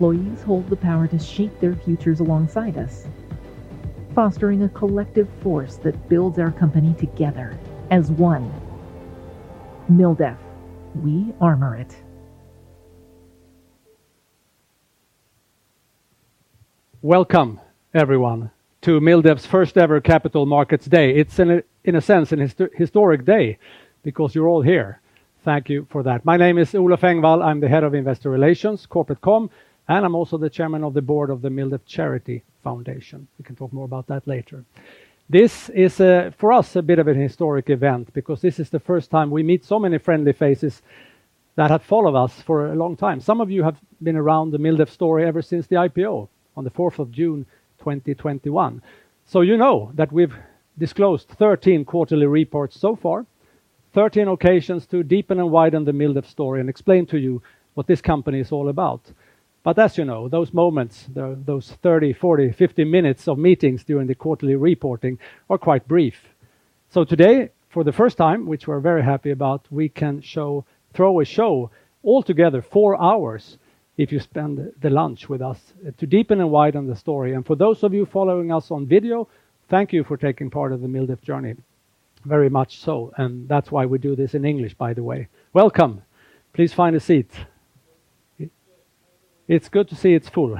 Employees hold the power to shape their futures alongside us, fostering a collective force that builds our company together as one. MilDef, we armor it. Welcome, everyone, to MilDef's first-ever Capital Markets Day. It's in a sense an historic day because you're all here. Thank you for that. My name is Olof Engvall. I'm the Head of Investor Relations and Corporate Communications, and I'm also the Chairman of the Board of the MilDef Charity Foundation. We can talk more about that later. This is for us a bit of a historic event because this is the first time we meet so many friendly faces that have followed us for a long time. Some of you have been around the MilDef story ever since the IPO on the 4 June 2021. So, you know that we've disclosed 13 quarterly reports so far, 13 occasions to deepen and widen the MilDef story and explain to you what this company is all about. But as you know, those moments, those 30, 40, 50 minutes of meetings during the quarterly reporting are quite brief. So today, for the first time, which we're very happy about, we can throw a show all together, four hours, if you spend the lunch with us, to deepen and widen the story. For those of you following us on video, thank you for taking part of the MilDef journey, very much so, and that's why we do this in English, by the way. Welcome. Please find a seat. It's good to see it's full.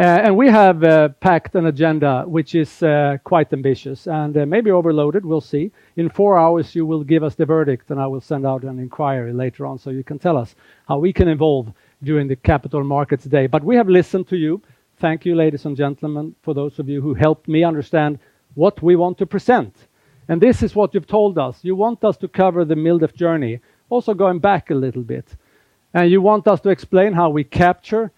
And we have packed an agenda, which is quite ambitious and maybe overloaded. We'll see. In four hours, you will give us the verdict, and I will send out an inquiry later on so you can tell us how we can evolve during the Capital Markets Day. But we have listened to you. Thank you, ladies and gentlemen, for those of you who helped me understand what we want to present, and this is what you've told us. You want us to cover the MilDef journey, also going back a little bit, and you want us to explain how we capture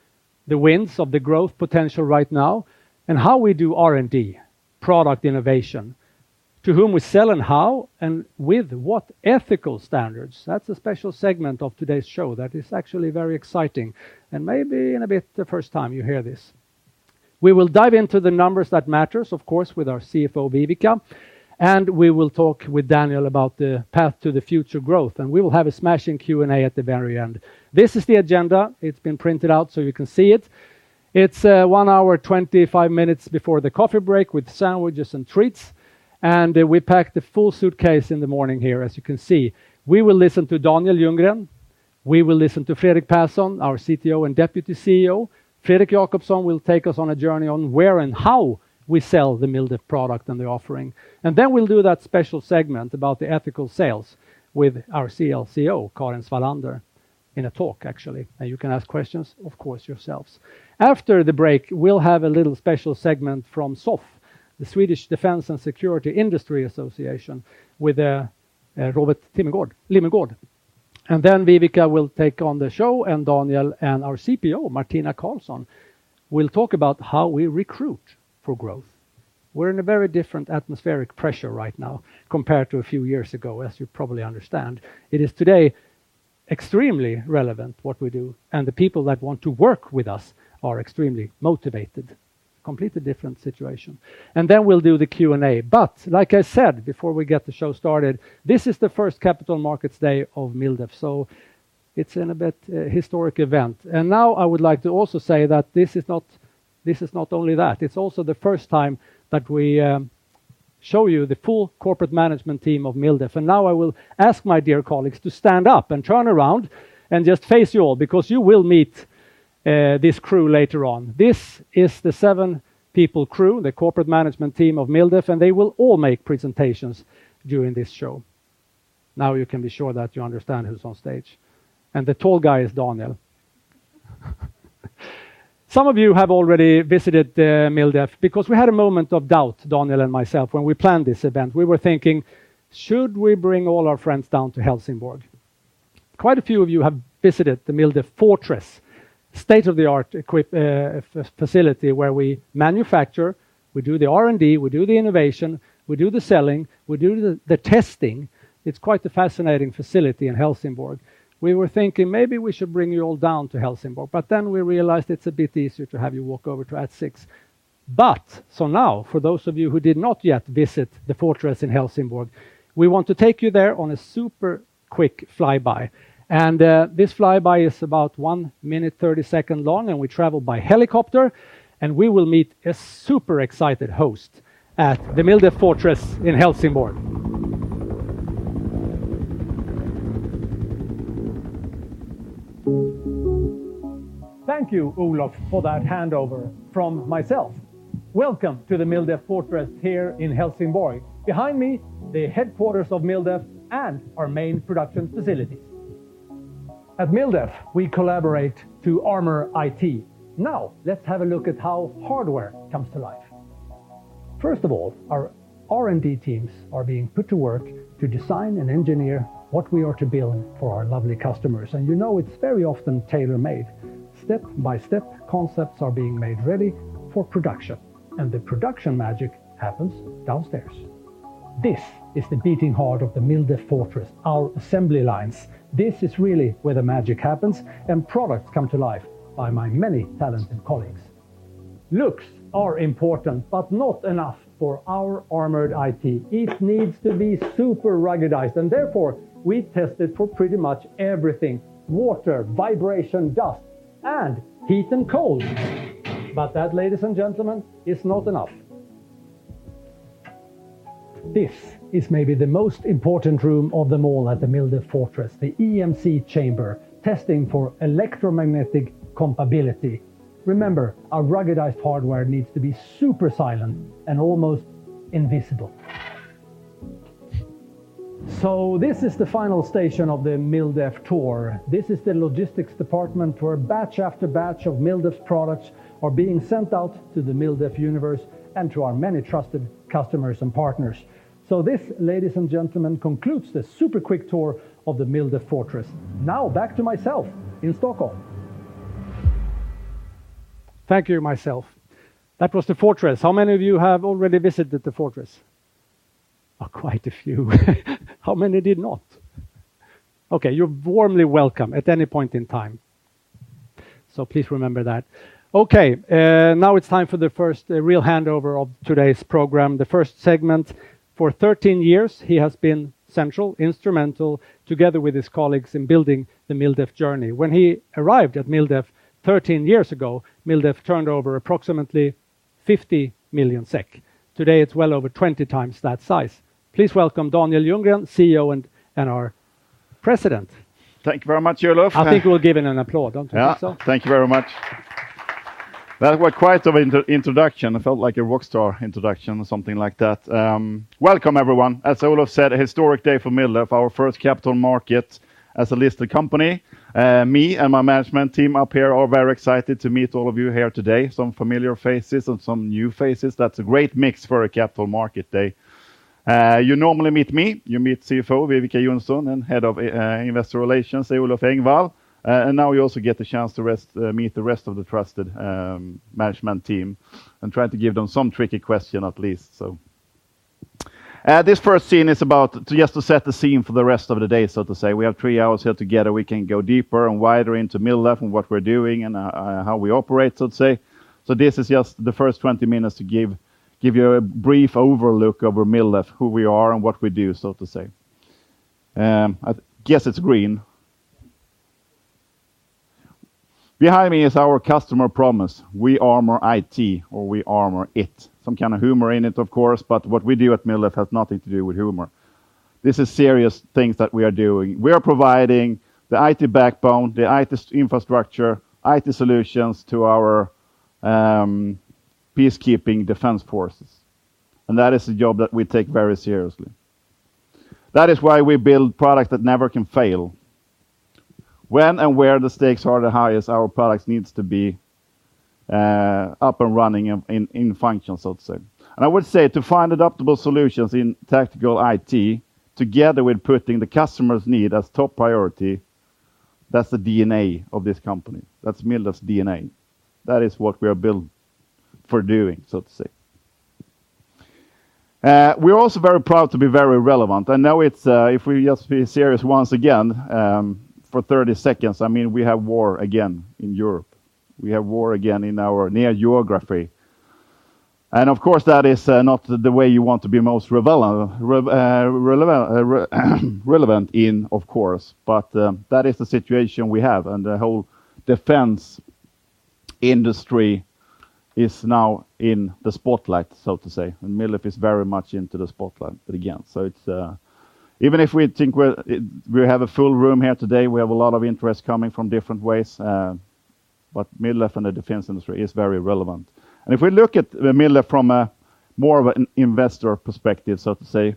the winds of the growth potential right now, and how we do R&D, product innovation, to whom we sell and how, and with what ethical standards. That's a special segment of today's show that is actually very exciting, and maybe in a bit, the first time you hear this. We will dive into the numbers that matters, of course, with our CFO, Viveca, and we will talk with Daniel about the path to the future growth, and we will have a smashing Q&A at the very end. This is the agenda. It's been printed out, so you can see it. It's one hour, 25 minutes before the coffee break with sandwiches and treats, and we packed a full suitcase in the morning here, as you can see. We will listen to Daniel Ljunggren. We will listen to Fredrik Persson, our CTO and Deputy CEO. Fredrik Jacobsson will take us on a journey on where and how we sell the MilDef product and the offering. And then we'll do that special segment about the ethical sales with our CLCO, Karin Svalander, in a talk, actually, and you can ask questions, of course, yourselves. After the break, we'll have a little special segment from SOFF, the Swedish Defense and Security Industry Association, with Robert Limmergård. And then Viveca will take on the show, and Daniel, and our CPO, Martina Karlsson, will talk about how we recruit for growth. We're in a very different atmospheric pressure right now compared to a few years ago, as you probably understand. It is today extremely relevant what we do, and the people that want to work with us are extremely motivated, completely different situation. And then we'll do the Q&A, but like I said, before we get the show started, this is the first Capital Markets Day of MilDef, so it's in a bit historic event, and now I would like to also say that this is not, this is not only that, it's also the first time that we show you the full corporate management team of MilDef, and now I will ask my dear colleagues to stand up and turn around and just face you all, because you will meet this crew later on. This is the seven-people crew, the corporate management team of MilDef, and they will all make presentations during this show. Now, you can be sure that you understand who's on stage, and the tall guy is Daniel. Some of you have already visited MilDef, because we had a moment of doubt, Daniel and myself, when we planned this event. We were thinking, "Should we bring all our friends down to Helsingborg?" Quite a few of you have visited the MilDef Fortress, state-of-the-art facility, where we manufacture, we do the R&D, we do the innovation, we do the selling, we do the testing. It's quite a fascinating facility in Helsingborg. We were thinking, "Maybe we should bring you all down to Helsingborg." But then we realized it's a bit easier to have you walk over to AD6. But, so now, for those of you who did not yet visit the fortress in Helsingborg, we want to take you there on a super quick flyby. And, this flyby is about one minute, 30 second long, and we travel by helicopter, and we will meet a super excited host at the MilDef Fortress in Helsingborg. Thank you, Olof, for that handover from myself. Welcome to the MilDef Fortress here in Helsingborg. Behind me, the headquarters of MilDef and our main production facility. At MilDef, we collaborate to armor IT. Now, let's have a look at how hardware comes to life. First of all, our R&D teams are being put to work to design and engineer what we are to build for our lovely customers, and you know, it's very often tailor-made. Step by step, concepts are being made ready for production, and the production magic happens downstairs. This is the beating heart of the MilDef Fortress, our assembly lines. This is really where the magic happens and products come to life by my many talented colleagues... Looks are important, but not enough for our armored IT. It needs to be super ruggedized, and therefore, we test it for pretty much everything, water, vibration, dust, and heat and cold. But that, ladies and gentlemen, is not enough. This is maybe the most important room of them all at the MilDef Fortress, the EMC chamber, testing for electromagnetic compatibility. Remember, our ruggedized hardware needs to be super silent and almost invisible. So this is the final station of the MilDef tour. This is the logistics department, where batch after batch of MilDef's products are being sent out to the MilDef Universe and to our many trusted customers and partners. So this, ladies and gentlemen, concludes this super quick tour of the MilDef Fortress. Now, back to myself in Stockholm. Thank you, myself. That was the fortress. How many of you have already visited the fortress? Oh, quite a few. How many did not? Okay, you're warmly welcome at any point in time, so please remember that. Okay, now it's time for the first, the real handover of today's program, the first segment. For 13 years, he has been central, instrumental, together with his colleagues, in building the MilDef journey. When he arrived at MilDef 13 years ago, MilDef turned over approximately 50 million SEK. Today, it's well over 20 times that size. Please welcome Daniel Ljunggren, CEO and our President. Thank you very much, Olof. I think we'll give him an applause, don't you think so? Yeah. Thank you very much. That was quite an introduction. It felt like a rockstar introduction or something like that. Welcome, everyone. As Olof said, a historic day for MilDef, our first capital market as a listed company. Me and my management team up here are very excited to meet all of you here today, some familiar faces and some new faces. That's a great mix for a capital market day. You normally meet me, you meet CFO Viveca Johnsson, and Head of Investor Relations Olof Engvall. And now you also get the chance to meet the rest of the trusted management team, and try to give them some tricky question, at least, so. This first scene is about just to set the scene for the rest of the day, so to say. We have three hours here together. We can go deeper and wider into MilDef and what we're doing and how we operate, so to say. So this is just the first 20 minutes to give you a brief overlook over MilDef, who we are and what we do, so to say. I guess it's green. Behind me is our customer promise, "We armor IT," or "We armor it." Some kind of humor in it, of course, but what we do at MilDef has nothing to do with humor. This is serious things that we are doing. We are providing the IT backbone, the IT infrastructure, IT solutions to our peacekeeping defense forces, and that is a job that we take very seriously. That is why we build products that never can fail. When and where the stakes are the highest, our products needs to be up and running and in function, so to say. I would say, to find adaptable solutions in tactical IT, together with putting the customer's need as top priority, that's the DNA of this company. That's MilDef's DNA. That is what we are built for doing, so to say. We're also very proud to be very relevant, and now it's if we just be serious once again for 30 seconds. I mean, we have war again in Europe. We have war again in our near geography, and of course, that is not the way you want to be most relevant in, of course, but that is the situation we have, and the whole defense industry is now in the spotlight, so to say, and MilDef is very much into the spotlight again. So it's even if we think we're, we have a full room here today, we have a lot of interest coming from different ways, but MilDef and the defense industry is very relevant. And if we look at MilDef from a more of an investor perspective, so to say,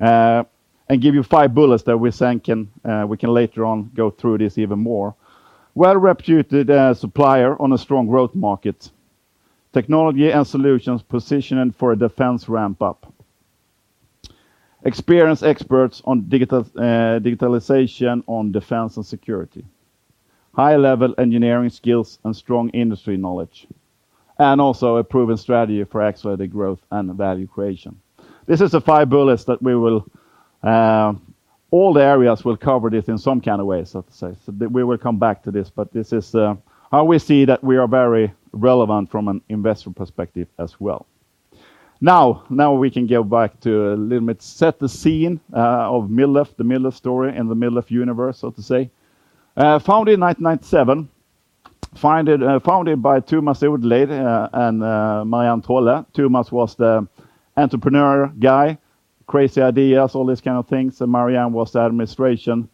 and give you five bullets that we think can, we can later on go through this even more. Well-reputed supplier on a strong growth market. Technology and solutions positioning for a defense ramp-up. Experienced experts on digitalization on defense and security. High-level engineering skills and strong industry knowledge, and also a proven strategy for accelerated growth and value creation. This is the five bullets that we will all the areas we'll cover this in some kind of way, so to say. We will come back to this, but this is how we see that we are very relevant from an investment perspective as well. Now we can go back to a little bit, set the scene of MilDef, the MilDef story, and the MilDef Universe, so to say. Founded in 1997 by Thomas Odelid and Marianne Trolle. Thomas was the entrepreneur guy, crazy ideas, all these kinds of things, and Marianne was the administration,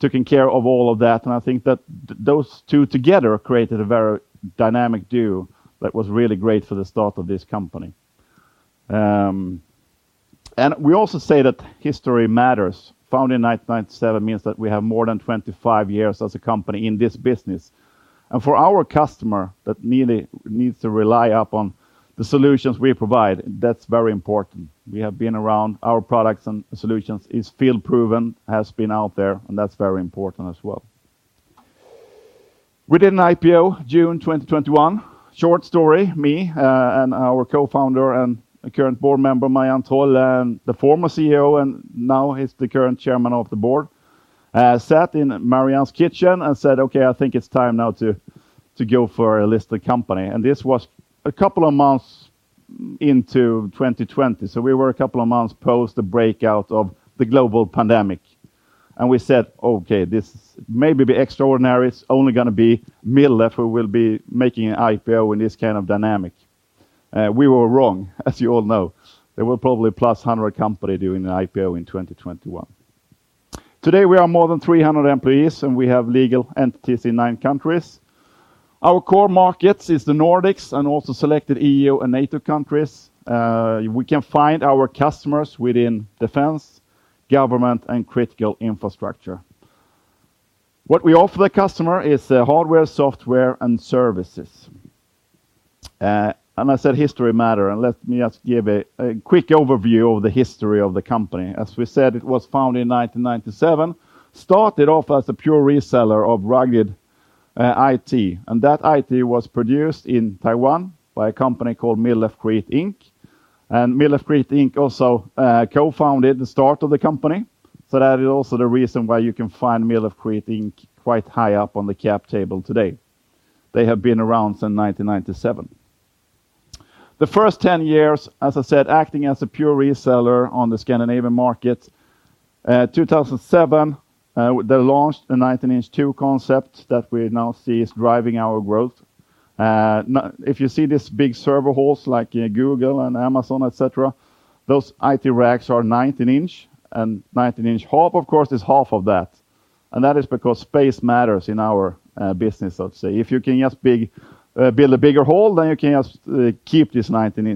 taking care of all of that, and I think that those two together created a very dynamic duo that was really great for the start of this company. And we also say that history matters. Founded in 1997 means that we have more than 25 years as a company in this business. And for our customer, that really needs to rely upon the solutions we provide, that's very important. We have been around. Our products and solutions is field-proven, has been out there, and that's very important as well. We did an IPO June 2021. Short story, me, and our Co-Founder and current Board Member, Marianne Trolle, and the former CEO, and now he's the current Chairman of the Board. I sat in Marianne's kitchen and said, "Okay, I think it's time now to go for a listed company." This was a couple of months into 2020, so we were a couple of months post the breakout of the global pandemic. We said, "Okay, this may be extraordinary. It's only gonna be MilDef who will be making an IPO in this kind of dynamic." We were wrong, as you all know. There were probably plus a hundred companies doing an IPO in 2021. Today, we are more than 300 employees, and we have legal entities in nine countries. Our core markets is the Nordics and also selected E.U. and NATO countries. We can find our customers within defense, government, and critical infrastructure. What we offer the customer is hardware, software, and services. And I said history matters, and let me just give a quick overview of the history of the company. As we said, it was founded in 1997, started off as a pure reseller of rugged IT, and that IT was produced in Taiwan by a company called MilDef Crete Inc. And MilDef Crete Inc. also co-founded the start of the company, so that is also the reason why you can find MilDef Crete Inc. quite high up on the cap table today. They have been around since 1997. The first 10 years, as I said, acting as a pure reseller on the Scandinavian market. 2007, they launched the 19"/2 concept that we now see is driving our growth. If you see these big server halls like Google and Amazon, et cetera, those IT racks are 19 inch, and 19 inch half, of course, is half of that. And that is because space matters in our business, let's say. If you can just build a bigger hall, then you can keep this 19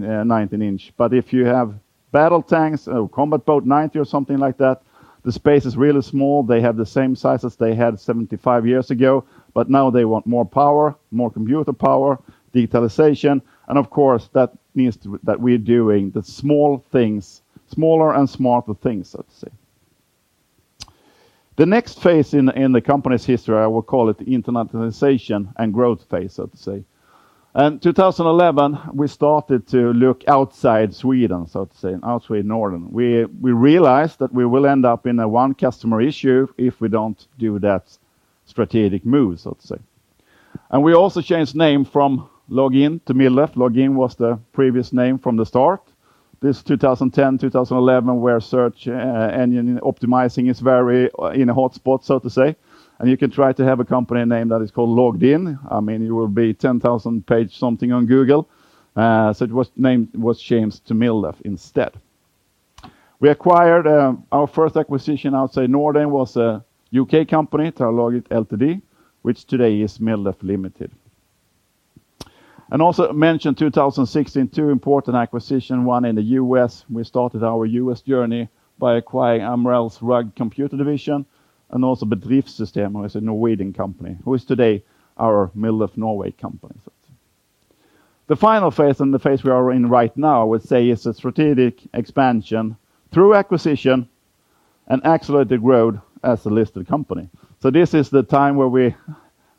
inch. But if you have battle tanks, or Combat Boat 90, or something like that, the space is really small. They have the same size as they had 75 years ago, but now they want more power, more computer power, digitalization, and of course, that means that we're doing the small things, smaller and smarter things, so to say. The next phase in the company's history, I will call it internationalization and growth phase, so to say. In 2011, we started to look outside Sweden, so to say, and outside Nordics. We realized that we will end up in a one-customer issue if we don't do that strategic move, so to say. We also changed name from LogIn to MilDef. LogIn was the previous name from the start. This 2010, 2011, where search engine optimizing is very in a hot spot, so to say, and you can try to have a company name that is called Log In. I mean, it will be 10,000 page something on Google. So it was named--was changed to MilDef instead. We acquired our first acquisition, I'll say, Nordics, was a U.K. company, Talogic Ltd., which today is MilDef Limited. We also mention 2016, two important acquisition, one in the U.S. We started our U.S. journey by acquiring AMREL's Rugged Computer division, and also Bedriftssystemer is a Norwegian company, who is today our MilDef Norway company, so to say. The final phase, and the phase we are in right now, I would say, is the strategic expansion through acquisition and accelerated growth as a listed company. So this is the time where we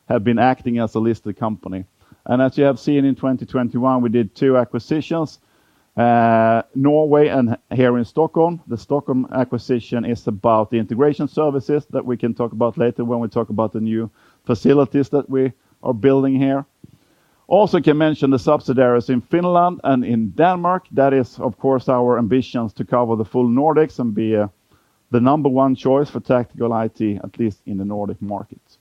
have been acting as a listed company. And as you have seen in 2021, we did two acquisitions, Norway and here in Stockholm. The Stockholm acquisition is about the integration services that we can talk about later when we talk about the new facilities that we are building here. Also can mention the subsidiaries in Finland and in Denmark. That is, of course, our ambitions to cover the full Nordics and be, the number one choice for tactical IT, at least in the Nordic markets.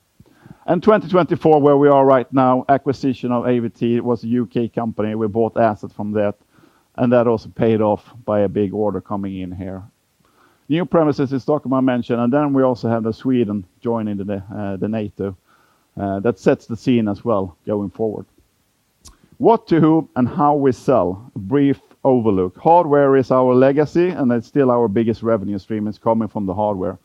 In 2024, where we are right now, acquisition of AVT was a U.K. company. We bought assets from that, and that also paid off by a big order coming in here. New premises in Stockholm, I mentioned, and then we also have the Sweden joining the, the NATO. That sets the scene as well going forward. What to whom and how we sell? A brief overlook. Hardware is our legacy, and it's still our biggest revenue stream is coming from the hardware.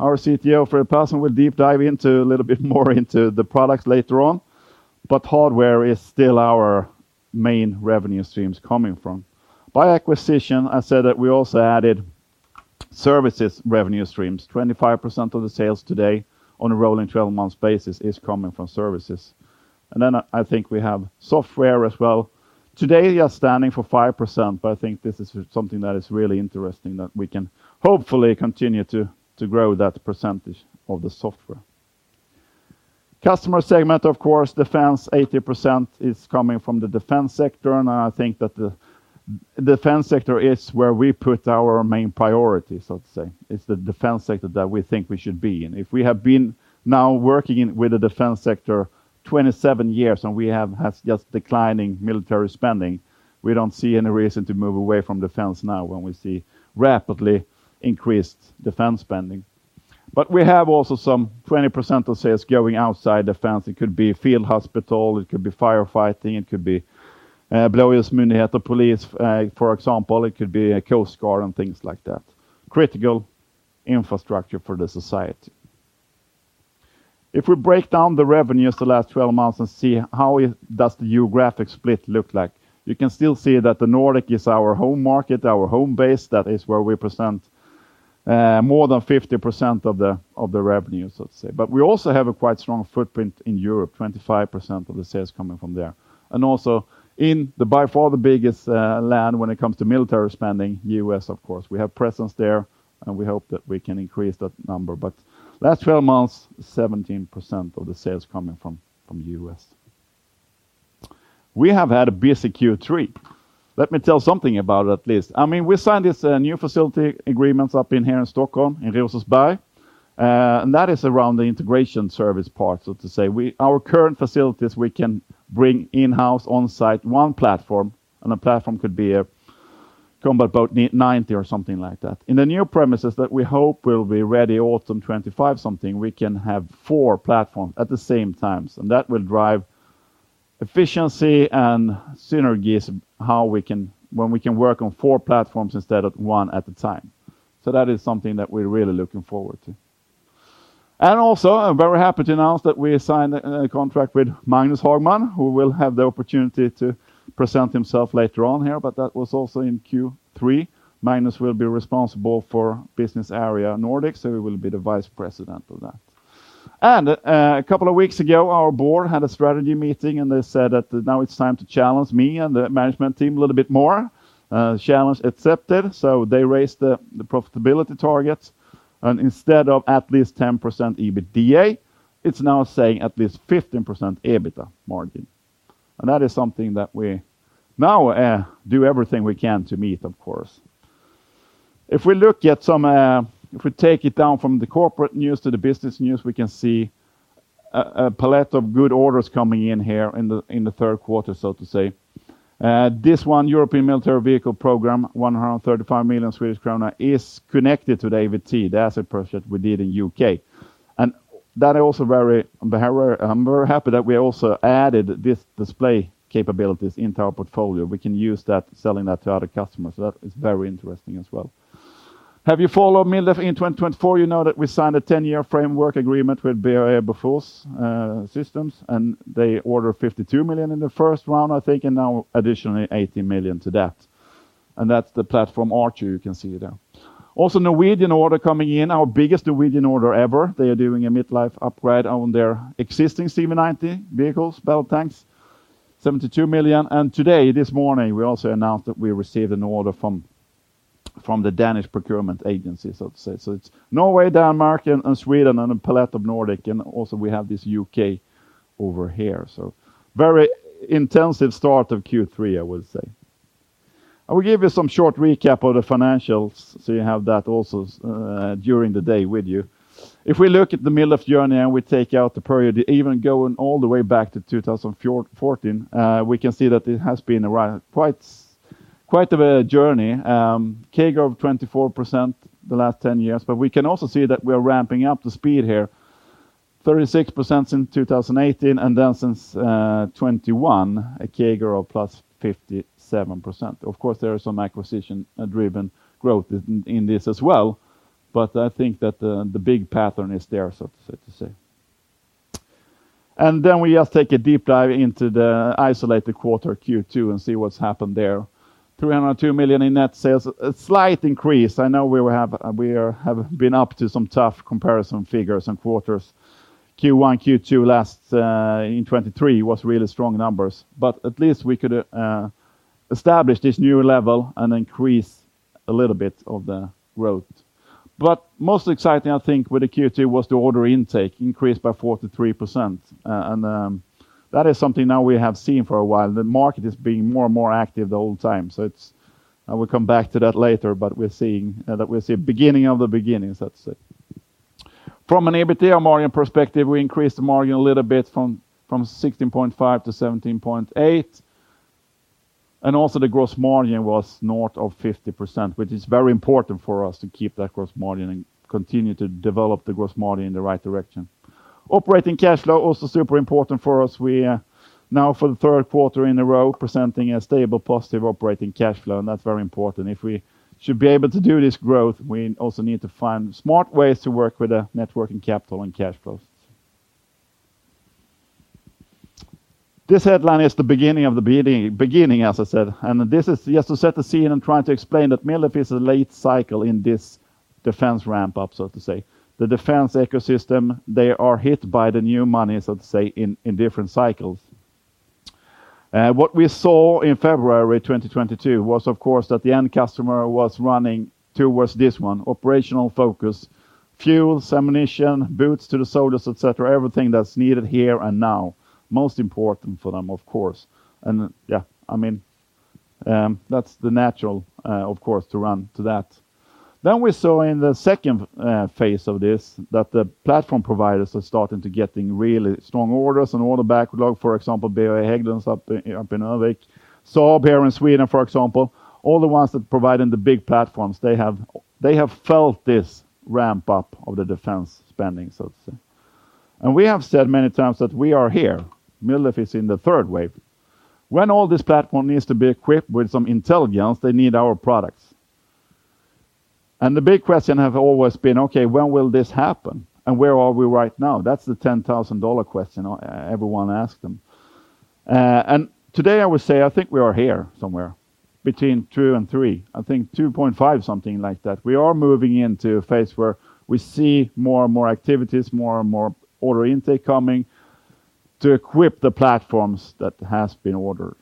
Our CTO, Fredrik Persson, will deep dive into a little bit more into the products later on, but hardware is still our main revenue streams coming from. By acquisition, I said that we also added services revenue streams. 25% of the sales today, on a rolling 12-month basis, is coming from services, and then I think we have software as well. Today, they are standing for 5%, but I think this is something that is really interesting, that we can hopefully continue to grow that percentage of the software. Customer segment, of course, defense, 80% is coming from the defense sector, and I think that the defense sector is where we put our main priorities, so to say. It's the defense sector that we think we should be in. If we have been now working with the defense sector 27 years, and we have had just declining military spending, we don't see any reason to move away from defense now, when we see rapidly increased defense spending, but we have also some 20% of sales going outside defense. It could be field hospital, it could be firefighting, it could be Polismyndigheten police, for example. It could be a coast guard and things like that, critical infrastructure for the society. If we break down the revenues the last twelve months and see does the geographic split look like, you can still see that the Nordics is our home market, our home base. That is where we generate more than 50% of the revenues, let's say. But we also have a quite strong footprint in Europe, 25% of the sales coming from there. And also in the by far the biggest land when it comes to military spending, U.S., of course. We have presence there, and we hope that we can increase that number. But last twelve months, 17% of the sales coming from the U.S. We have had a busy Q3. Let me tell something about it, at least. I mean, we signed this new facility agreements up here in Stockholm, in Rosersberg, and that is around the integration service part, so to say. Our current facilities, we can bring in-house, on-site, one platform, and a platform could be a combat boat ninety or something like that. In the new premises that we hope will be ready autumn 2025-something, we can have four platforms at the same time, so that will drive efficiency and synergies, how we can when we can work on four platforms instead of one at a time. So that is something that we're really looking forward to. I am very happy to announce that we signed a contract with Magnus Hagman, who will have the opportunity to present himself later on here, but that was also in Q3. Magnus will be responsible for business area Nordics, so he will be the vice president of that. A couple of weeks ago, our board had a strategy meeting, and they said that now it's time to challenge me and the management team a little bit more. Challenge accepted. They raised the profitability targets, and instead of at least 10% EBITDA, it's now saying at least 15% EBITDA margin. That is something that we now do everything we can to meet, of course. If we look at some—if we take it down from the corporate news to the business news, we can see a palette of good orders coming in here in the Q3, so to say. This one, European Military Vehicle program, 135 million Swedish krona, is connected to the AVT, the asset project we did in U.K. And that is also very, very, I'm very happy that we also added this display capabilities into our portfolio. We can use that, selling that to other customers, so that is very interesting as well. Have you followed MilDef in 2024, you know that we signed a 10-year framework agreement with BAE Systems Bofors, and they ordered 52 million in the first round, I think, and now additionally, 80 million to that. And that's the platform Archer you can see there. Also, Norwegian order coming in, our biggest Norwegian order ever. They are doing a midlife upgrade on their existing CV90 vehicles, battle tanks, 72 million. And today, this morning, we also announced that we received an order from the Danish Procurement Agency, so to say. So it's Norway, Denmark, and Sweden, and a palette of Nordic, and also we have this U.K. over here. So very intensive start of Q3, I would say. I will give you some short recap of the financials, so you have that also during the day with you. If we look at the MilDef journey, and we take out the period, even going all the way back to 2014, we can see that it has been quite a journey, CAGR of 24% the last 10 years. But we can also see that we are ramping up the speed here, 36% since 2018, and then since 2021, a CAGR of plus 57%. Of course, there is some acquisition driven growth in this as well, but I think that the big pattern is there, so to say. And then we just take a deep dive into the isolated quarter, Q2, and see what has happened there. 302 million in net sales, a slight increase. I know we will have, we have been up to some tough comparison figures and quarters. Q1, Q2, last in 2023, was really strong numbers, but at least we could establish this new level and increase a little bit of the growth. But most exciting, I think, with the Q2, was the order intake increased by 43%. That is something now we have seen for a while. The market is being more and more active the whole time, so it's. I will come back to that later, but we're seeing that we're seeing beginning of the beginnings, let's say. From an EBITDA margin perspective, we increased the margin a little bit from 16.5 to 17.8. And also, the gross margin was north of 50%, which is very important for us to keep that gross margin and continue to develop the gross margin in the right direction. Operating cash flow, also super important for us. We are now, for the Q3 in a row, presenting a stable, positive operating cash flow, and that's very important. If we should be able to do this growth, we also need to find smart ways to work with the net working capital and cash flows. This headline is the beginning of the beginning, as I said, and this is just to set the scene and trying to explain that MilDef is a late cycle in this defense ramp up, so to say. The defense ecosystem, they are hit by the new money, so to say, in different cycles. What we saw in February 2022 was, of course, that the end customer was running towards this one, operational focus, fuels, ammunition, boots to the soldiers, et cetera, everything that's needed here and now, most important for them, of course. And yeah, I mean, that's the natural, of course, to run to that. Then we saw in the second phase of this, that the platform providers are starting to getting really strong orders and order backlog. For example, BAE Hägglunds up in Örnsköldsvik. Saab, here in Sweden, for example, all the ones that providing the big platforms, they have felt this ramp up of the defense spending, so to say. And we have said many times that we are here. MilDef is in the third wave. When all this platform needs to be equipped with some intelligence, they need our products. And the big question have always been, "Okay, when will this happen, and where are we right now?" That's the ten-thousand-dollar question everyone asks them. And today, I would say, I think we are here somewhere between two and three, I think two point five, something like that. We are moving into a phase where we see more and more activities, more and more order intake coming, to equip the platforms that has been ordered.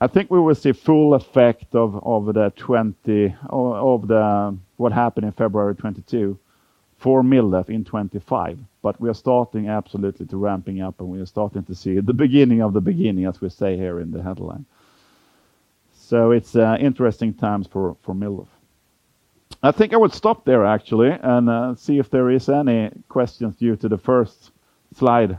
I think we will see full effect of what happened in February 2022 for MilDef in 2025. But we are starting absolutely to ramping up, and we are starting to see the beginning of the beginning, as we say here in the headline. So it's interesting times for MilDef. I think I would stop there, actually, and see if there is any questions due to the first slide,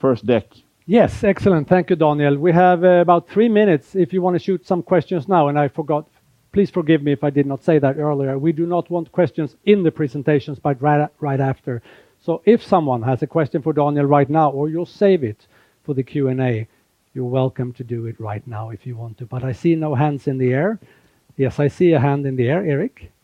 first deck. Yes, excellent. Thank you, Daniel. We have about three minutes if you want to shoot some questions now, and I forgot. Please forgive me if I did not say that earlier. We do not want questions in the presentations, but right, right after. So, if someone has a question for Daniel right now, or you'll save it for the Q&A, you're welcome to do it right now if you want to. But I see no hands in the air. Yes, I see a hand in the air. Erik? Thank you. I'm just curious, you know,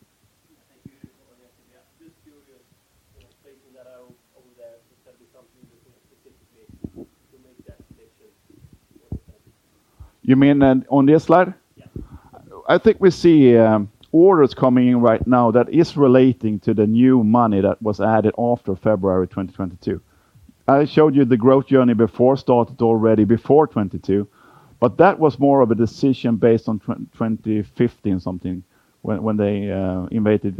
placing that out over there, there's gonna be something that, you know, specifically to make that decision. You mean on this slide? Yes. I think we see orders coming in right now that is relating to the new money that was added after February 2022. I showed you the growth journey before started already before 2022, but that was more of a decision based on 2015 something, when they invaded,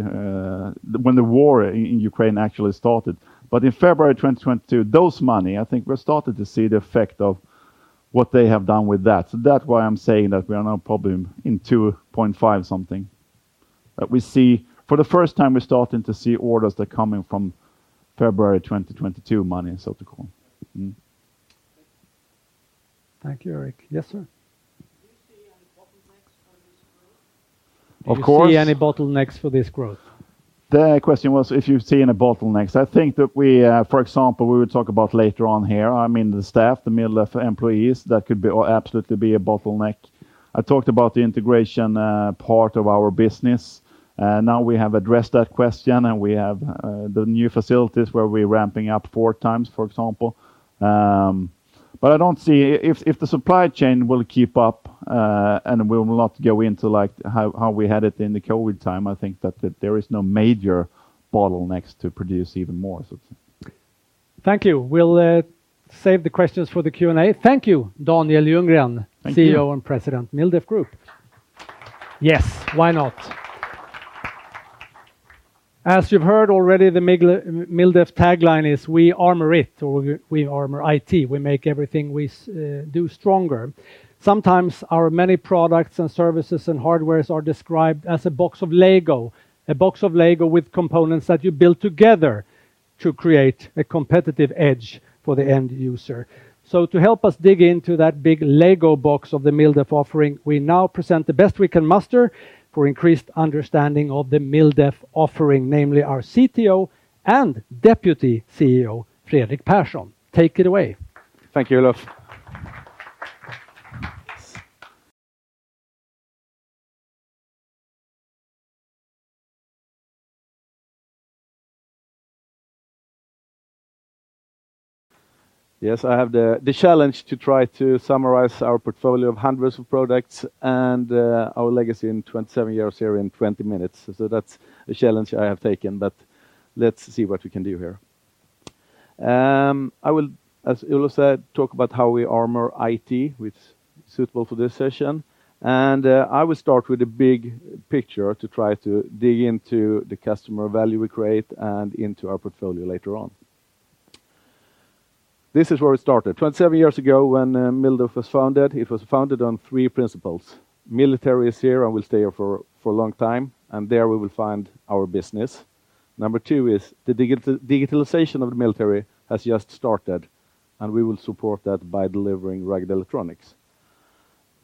when the war in Ukraine actually started. But in February 2022, those money, I think we're starting to see the effect of what they have done with that. So that's why I'm saying that we are now probably in 2.5 something. That we see. For the first time, we're starting to see orders that are coming from February 2022 money, so to call. Thank you, Erik. Yes, sir? Do you see any bottlenecks for this growth? Of course. The question was, if you see any bottlenecks. I think that we, for example, we will talk about later on here. I mean, the staff, the middle of employees, that could be, absolutely be a bottleneck. I talked about the integration part of our business. Now we have addressed that question, and we have the new facilities where we're ramping up four times, for example. But I don't see—if the supply chain will keep up, and will not go into like how we had it in the COVID time, I think that there is no major bottlenecks to produce even more, so to say. Thank you. We'll save the questions for the Q&A. Thank you, Daniel Ljunggren— Thank you —CEO and President, MilDef Group. Yes, why not? As you've heard already, the MilDef tagline is, "We armor it," or "We armor IT." We make everything we do stronger. Sometimes our many products, and services, and hardwares are described as a box of Lego, a box of Lego with components that you build together to create a competitive edge for the end user. So to help us dig into that big Lego box of the MilDef offering, we now present the best we can master for increased understanding of the MilDef offering, namely our CTO and Deputy CEO, Fredrik Persson. Take it away. Thank you, Olof. Yes, I have the challenge to try to summarize our portfolio of hundreds of products and our legacy in 27 years here in twenty minutes, so that's a challenge I have taken, but let's see what we can do here. I will, as Olof said, talk about how we armor IT, which suitable for this session, and I will start with the big picture to try to dig into the customer value we create and into our portfolio later on. This is where we started. 27 years ago, when MilDef was founded, it was founded on three principles. Military is here and will stay here for a long time, and there we will find our business. Number two is the digitalization of the military has just started, and we will support that by delivering rugged electronics.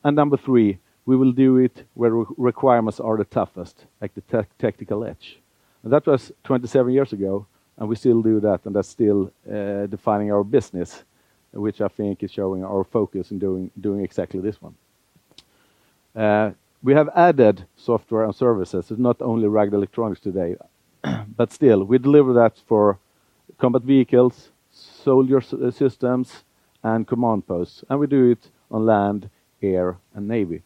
And number three, we will do it where requirements are the toughest, like the tactical edge. And that was 27 years ago, and we still do that, and that's still defining our business, which I think is showing our focus in doing exactly this one. We have added software and services. It's not only rugged electronics today, but still, we deliver that for combat vehicles, soldier systems, and command posts, and we do it on land, air, and navy.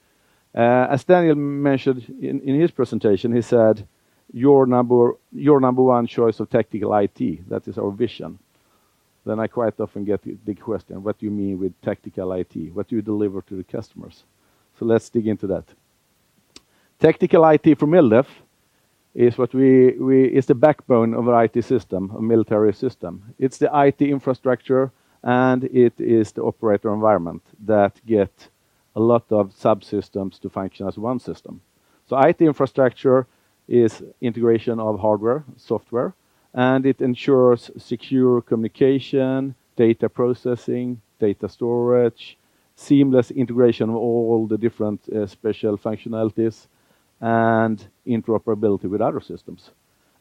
As Daniel mentioned in his presentation, he said, "Your number one choice of tactical IT," that is our vision. Then I quite often get the big question, "What do you mean with tactical IT? What do you deliver to the customers?" So let's dig into that. Tactical IT for MilDef is what we... It's the backbone of our IT system, a military system. It's the IT infrastructure, and it is the operator environment that get a lot of subsystems to function as one system, so IT infrastructure is integration of hardware, software, and it ensures secure communication, data processing, data storage, seamless integration of all the different special functionalities, and interoperability with other systems,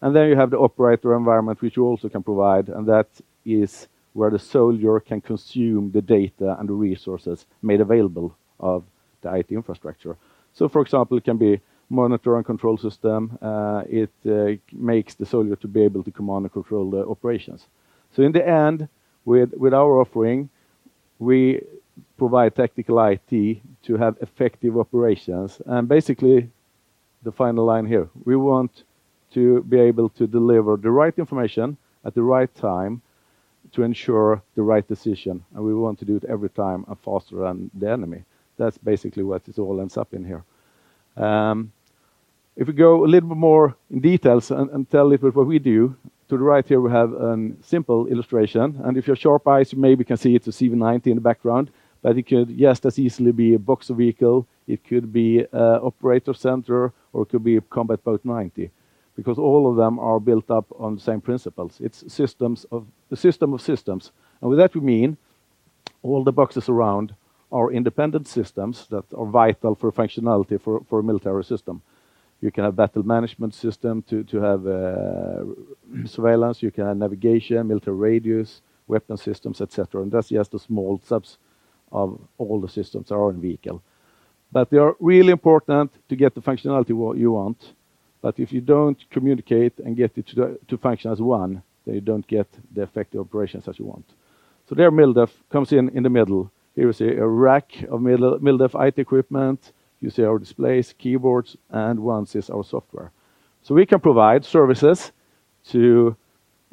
and then you have the operator environment, which you also can provide, and that is where the soldier can consume the data and the resources made available of the IT infrastructure, so for example, it can be monitor and control system, makes the soldier to be able to command and control the operations. So in the end, with our offering, we provide tactical IT to have effective operations, and basically, the final line here, we want to be able to deliver the right information at the right time... to ensure the right decision, and we want to do it every time and faster than the enemy. That's basically what it all ends up in here. If we go a little bit more in details and tell a bit what we do, to the right here, we have a simple illustration, and if you have sharp eyes, you maybe can see it's a CV90 in the background. But it could just as easily be a Boxer vehicle, it could be a operator center, or it could be a Combat Boat 90, because all of them are built up on the same principles. It's the system of systems, and with that, we mean all the boxes around are independent systems that are vital for functionality for a military system. You can have battle management system to have surveillance, you can have navigation, military radios, weapon systems, et cetera, and that's just the small subset of all the systems that are in vehicle. But they are really important to get the functionality what you want. But if you don't communicate and get it to function as one, then you don't get the effective operations as you want. So there MilDef comes in, in the middle. Here you see a rack of MilDef IT equipment. You see our displays, keyboards, and ones it's our software. We can provide services to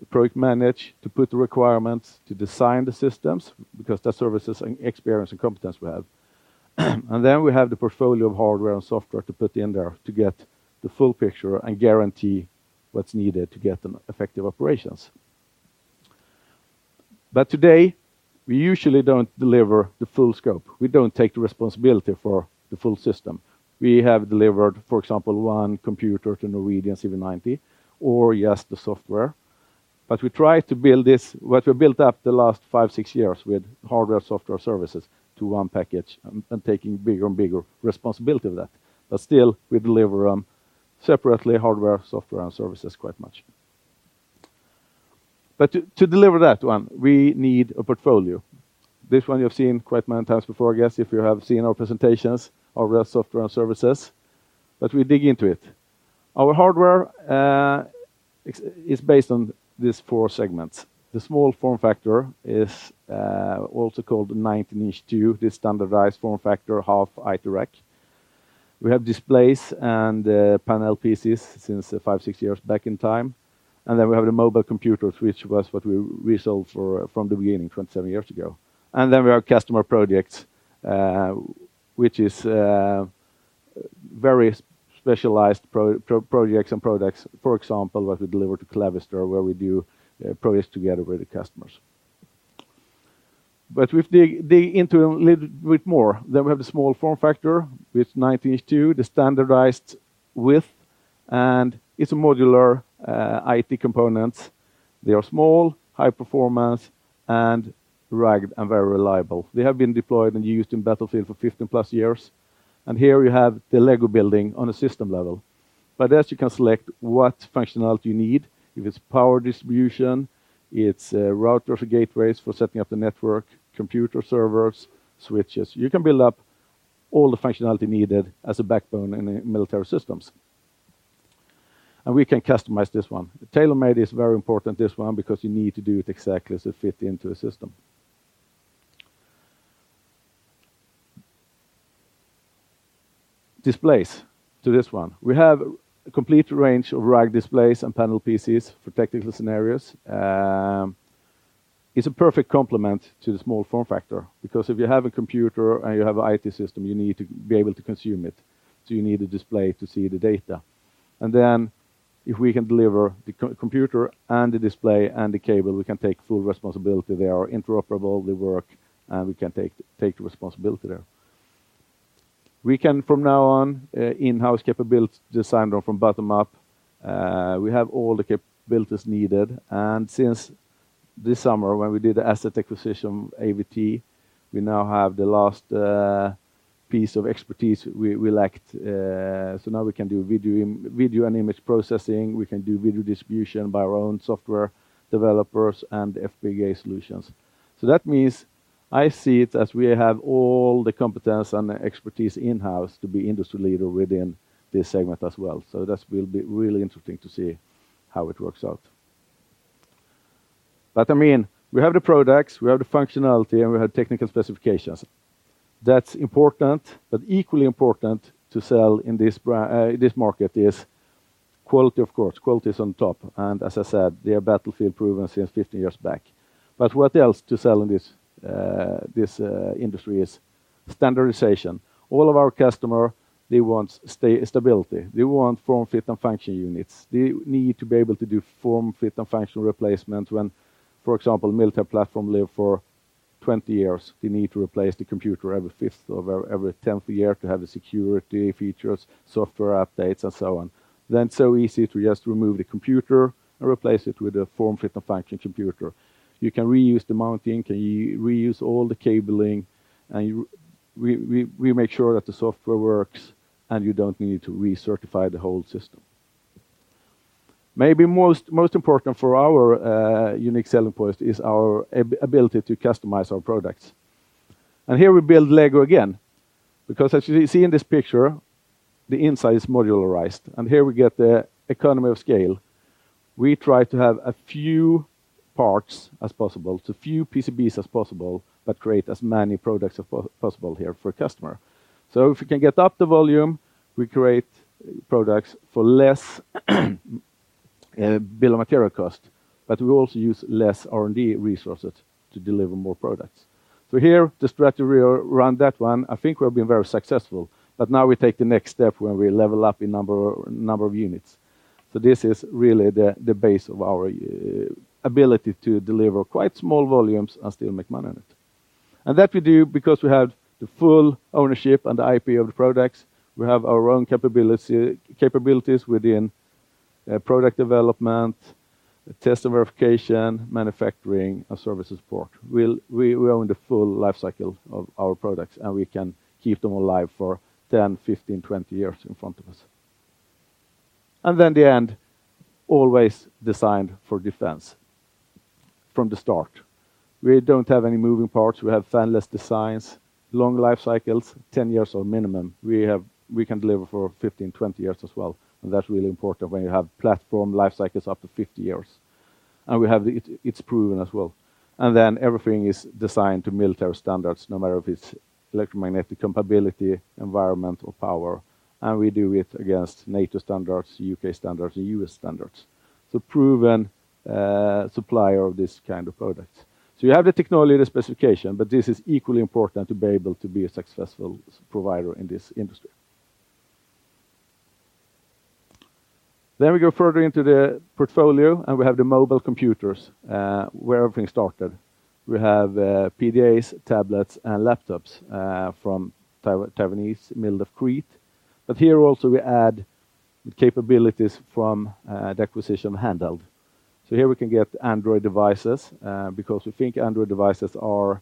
project manage, to put the requirements, to design the systems, because that service is an experience and competence we have. Then we have the portfolio of hardware and software to put in there to get the full picture and guarantee what's needed to get an effective operations. But today, we usually don't deliver the full scope. We don't take the responsibility for the full system. We have delivered, for example, one computer to Norwegian CV90, or just the software. But we try to build this, what we built up the last five, six years with hardware, software, services to one package and taking bigger and bigger responsibility of that. But still, we deliver separately, hardware, software, and services quite much. But to deliver that one, we need a portfolio. This one you've seen quite many times before, I guess, if you have seen our presentations, our software and services, but we dig into it. Our hardware is based on these four segments. The Small Form Factor is also called 19”/2, this standardized form factor, half IT rack. We have displays and panel PCs since five, six years back in time. And then we have the mobile computers, which was what we sold for from the beginning, from seven years ago. And then we have customer projects, which is very specialized projects and products, for example, what we deliver to Clavister, where we do projects together with the customers. But we dig into a little bit more. Then we have a Small Form Factor with 19”/2, the standardized width, and it's a modular IT components. They are small, high performance, and rugged and very reliable. They have been deployed and used in battlefield for 15-plus years, and here we have the Lego building on a system level. By this, you can select what functionality you need, if it's power distribution, it's routers or gateways for setting up the network, computer servers, switches. You can build up all the functionality needed as a backbone in a military systems. And we can customize this one. Tailor-made is very important, this one, because you need to do it exactly as it fit into a system. Displays, to this one. We have a complete range of rugged displays and panel PCs for technical scenarios. It's a perfect complement to the Small Form Factor, because if you have a computer and you have an IT system, you need to be able to consume it, so you need a display to see the data. And then if we can deliver the computer and the display and the cable, we can take full responsibility. They are interoperable, they work, and we can take the responsibility there. We can, from now on, in-house capability design from bottom up. We have all the capabilities needed, and since this summer, when we did the asset acquisition, AVT, we now have the last piece of expertise we lacked. So now we can do video and image processing, we can do video distribution by our own software developers and FPGA solutions. That means I see it as we have all the competence and the expertise in-house to be industry leader within this segment as well. That will be really interesting to see how it works out. But, I mean, we have the products, we have the functionality, and we have technical specifications. That's important, but equally important to sell in this market is quality, of course. Quality is on top, and as I said, they are battlefield-proven since 15 years back. But what else to sell in this industry is standardization. All of our customer, they want stability. They want form, fit, and function units. They need to be able to do form, fit, and functional replacement when, for example, military platforms live for twenty years. They need to replace the computer every 5th or every 10th year to have the security features, software updates, and so on. Then so easy to just remove the computer and replace it with a form, fit, and function computer. You can reuse the mounting, can reuse all the cabling, and you... We make sure that the software works, and you don't need to recertify the whole system. Maybe most important for our unique selling point is our ability to customize our products. Here we build Lego again, because as you see in this picture, the inside is modularized, and here we get the economy of scale. We try to have as few parts as possible, as few PCBs as possible, but create as many products as possible here for a customer. So if we can get up the volume, we create products for less bill of material cost, but we also use less R&D resources to deliver more products. So here, the strategy around that one, I think we've been very successful, but now we take the next step where we level up in number of units. So this is really the base of our ability to deliver quite small volumes and still make money on it. And that we do because we have the full ownership and the IP of the products. We have our own capability, capabilities within product development, test and verification, manufacturing, and service support. We own the full life cycle of our products, and we can keep them alive for 10, 15, 20 years in front of us. Always designed for defense from the start. We don't have any moving parts. We have fanless designs, long life cycles, 10 years minimum. We can deliver for 15, 20 years as well, and that's really important when you have platform life cycles up to 50 years, and we have it, it's proven as well, and then everything is designed to military standards, no matter if it's electromagnetic compatibility, environmental power, and we do it against NATO standards, U.K. standards, and U.S. standards, so proven supplier of this kind of products. You have the technology, the specification, but this is equally important to be able to be a successful supplier in this industry. Then we go further into the portfolio, and we have the mobile computers, where everything started. We have PDAs, tablets, and laptops from Taiwanese MilDef Crete. But here also we add capabilities from the acquisition Handheld. So here we can get Android devices, because we think Android devices are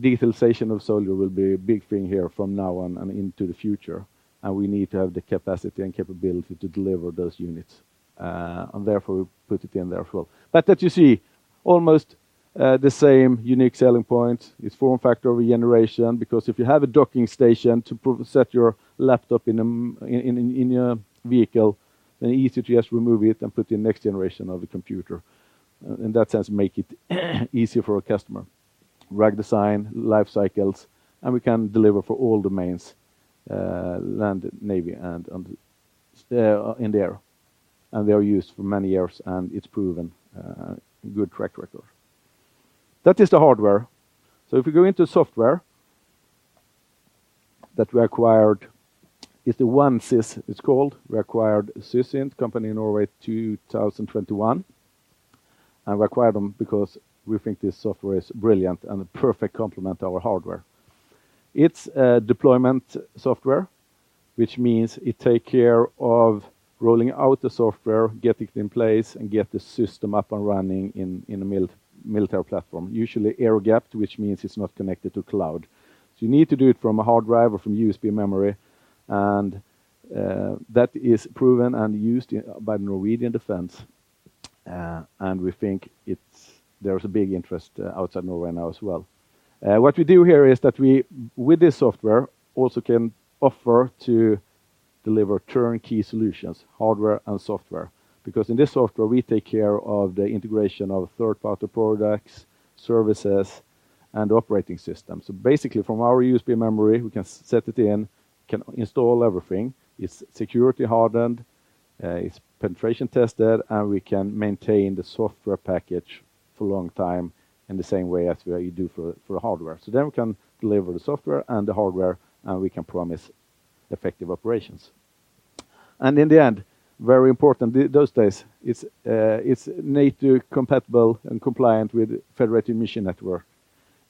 digitalization of the soldier will be a big thing here from now on and into the future, and we need to have the capacity and capability to deliver those units. And therefore, we put it in there as well. But that you see, almost the same unique selling point. It's form factor ruggedization, because if you have a docking station to properly set your laptop in a mount in a vehicle, then easy to just remove it and put the next generation of the computer. In that sense, make it easier for a customer. Rack design, life cycles, and we can deliver for all domains, land, navy, and in the air. And they are used for many years, and it's proven a good track record. That is the hardware. So if we go into software that we acquired, it's the OneCIS it's called. We acquired Sysint, company in Norway, 2021, and we acquired them because we think this software is brilliant and a perfect complement to our hardware. It's a deployment software, which means it take care of rolling out the software, get it in place, and get the system up and running in a military platform. Usually, air-gapped, which means it's not connected to cloud. So you need to do it from a hard drive or from USB memory, and that is proven and used by Norwegian Defense, and we think there's a big interest outside Norway now as well. What we do here is that we, with this software, also can offer to deliver turnkey solutions, hardware and software, because in this software, we take care of the integration of third-party products, services, and operating systems. So basically, from our USB memory, we can set it in, can install everything. It's security hardened, it's penetration tested, and we can maintain the software package for a long time in the same way as we do for hardware. So then we can deliver the software and the hardware, and we can promise effective operations. And in the end, very important, these days, it's NATO compatible and compliant with Federated Mission Networking.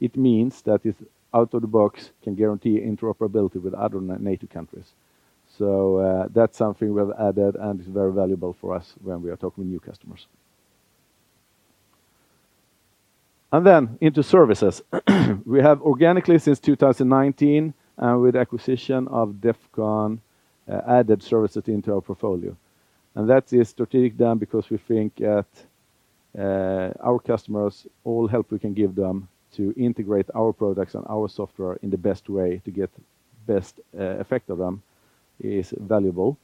It means that it, out of the box, can guarantee interoperability with other NATO countries. So, that's something we've added, and it's very valuable for us when we are talking with new customers. And then into services. We have organically, since 2019, with acquisition of Defcon, added services into our portfolio. And that is strategically done because we think that, our customers, all help we can give them to integrate our products and our software in the best way to get best effect of them is valuable.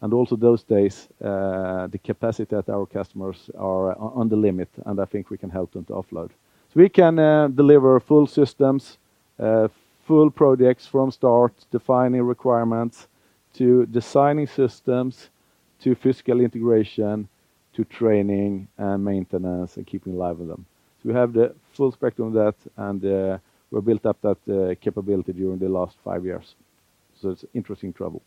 And also, these days, the capacity that our customers are at the limit, and I think we can help them to offload. We can deliver full systems, full products from start, defining requirements, to designing systems, to physical integration, to training and maintenance, and keeping live with them. We have the full spectrum of that, and we built up that capability during the last five years. It's interesting travel.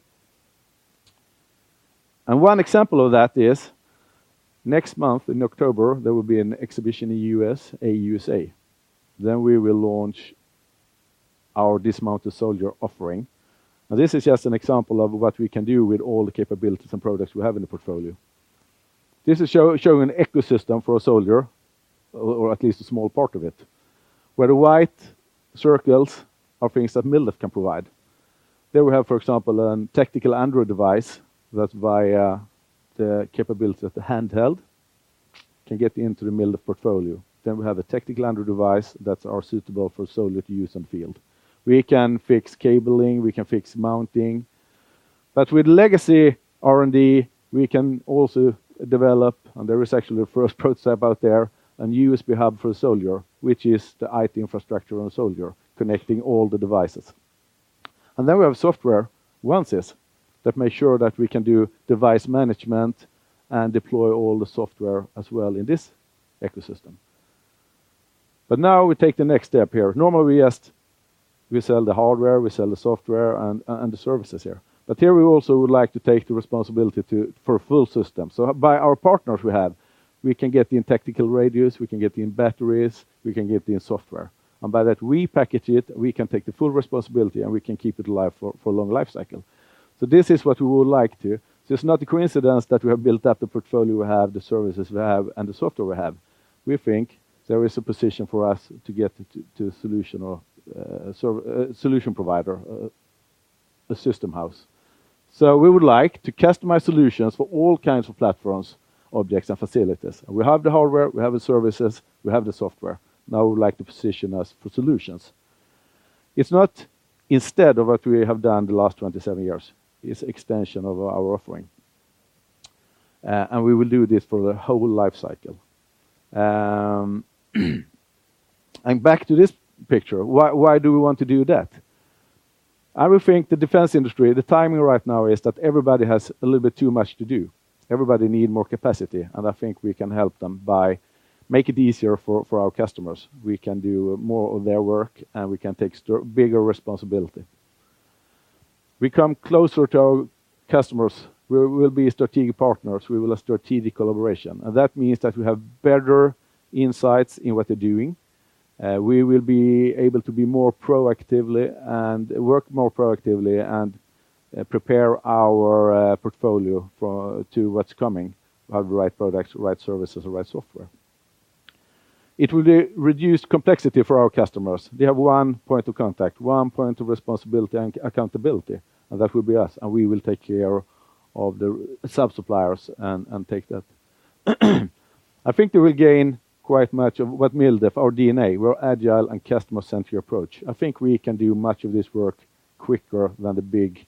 One example of that is, next month, in October, there will be an exhibition in U.S., AUSA. Then we will launch our dismounted soldier offering. Now, this is just an example of what we can do with all the capabilities and products we have in the portfolio. This is showing an ecosystem for a soldier, or at least a small part of it, where the white circles are things that MilDef can provide. There we have, for example, a tactical Android device that, via the capability of the Handheld, can get into the middle of portfolio, then we have a tactical Android device that are suitable for soldier to use on field. We can fix cabling, we can fix mounting, but with legacy R&D, we can also develop, and there is actually the first prototype out there, a USB hub for soldier, which is the IT infrastructure on soldier, connecting all the devices, and then we have software, OneCIS, that make sure that we can do device management and deploy all the software as well in this ecosystem, but now we take the next step here. Normally, we just, we sell the hardware, we sell the software, and, and the services here, but here, we also would like to take the responsibility to for a full system. So by our partners we have, we can get in tactical radios, we can get in batteries, we can get in software. And by that, we package it, we can take the full responsibility, and we can keep it alive for a long life cycle. So this is what we would like to. So it's not a coincidence that we have built up the portfolio we have, the services we have, and the software we have. We think there is a position for us to get to, to solution provider, a system house. So we would like to customize solutions for all kinds of platforms, objects, and facilities. And we have the hardware, we have the services, we have the software. Now, we would like to position us for solutions. It's not instead of what we have done the last 27 years. It's extension of our offering, and we will do this for the whole life cycle, and back to this picture, why do we want to do that? I would think the defense industry. The timing right now is that everybody has a little bit too much to do. Everybody need more capacity, and I think we can help them by make it easier for our customers. We can do more of their work, and we can take bigger responsibility. We come closer to our customers. We'll be strategic partners. We will have strategic collaboration, and that means that we have better insights in what they're doing. We will be able to be more proactively and work more proactively and prepare our portfolio to what's coming. Have the right products, the right services, the right software. It will reduce complexity for our customers. They have one point of contact, one point of responsibility and accountability, and that will be us, and we will take care of the sub-suppliers and take that. I think they will gain quite much of what MilDef, our DNA, we're agile and customer-centric approach. I think we can do much of this work quicker than the big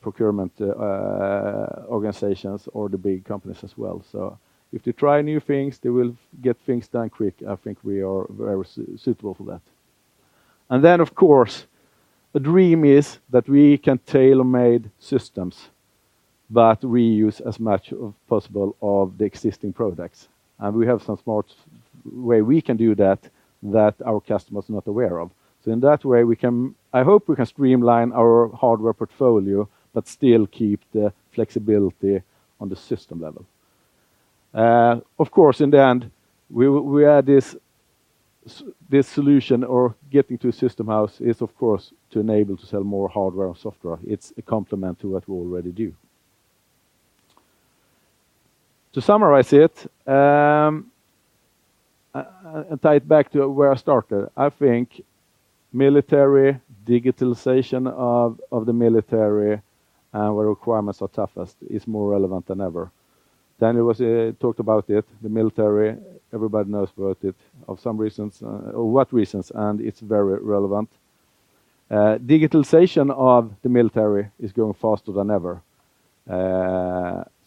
procurement organizations or the big companies as well. So if they try new things, they will get things done quick. I think we are very suitable for that. And then, of course, the dream is that we can tailor-made systems, but we use as much of possible of the existing products, and we have some smart way we can do that, that our customer is not aware of. So in that way, we can. I hope we can streamline our hardware portfolio, but still keep the flexibility on the system level. Of course, in the end, we add this solution or getting to a system house is, of course, to enable to sell more hardware and software. It's a complement to what we already do. To summarize it, and tie it back to where I started, I think military digitalization of the military, and where requirements are toughest, is more relevant than ever. Daniel talked about it, the military. Everybody knows about it for some reasons or what reasons, and it's very relevant. Digitalization of the military is growing faster than ever.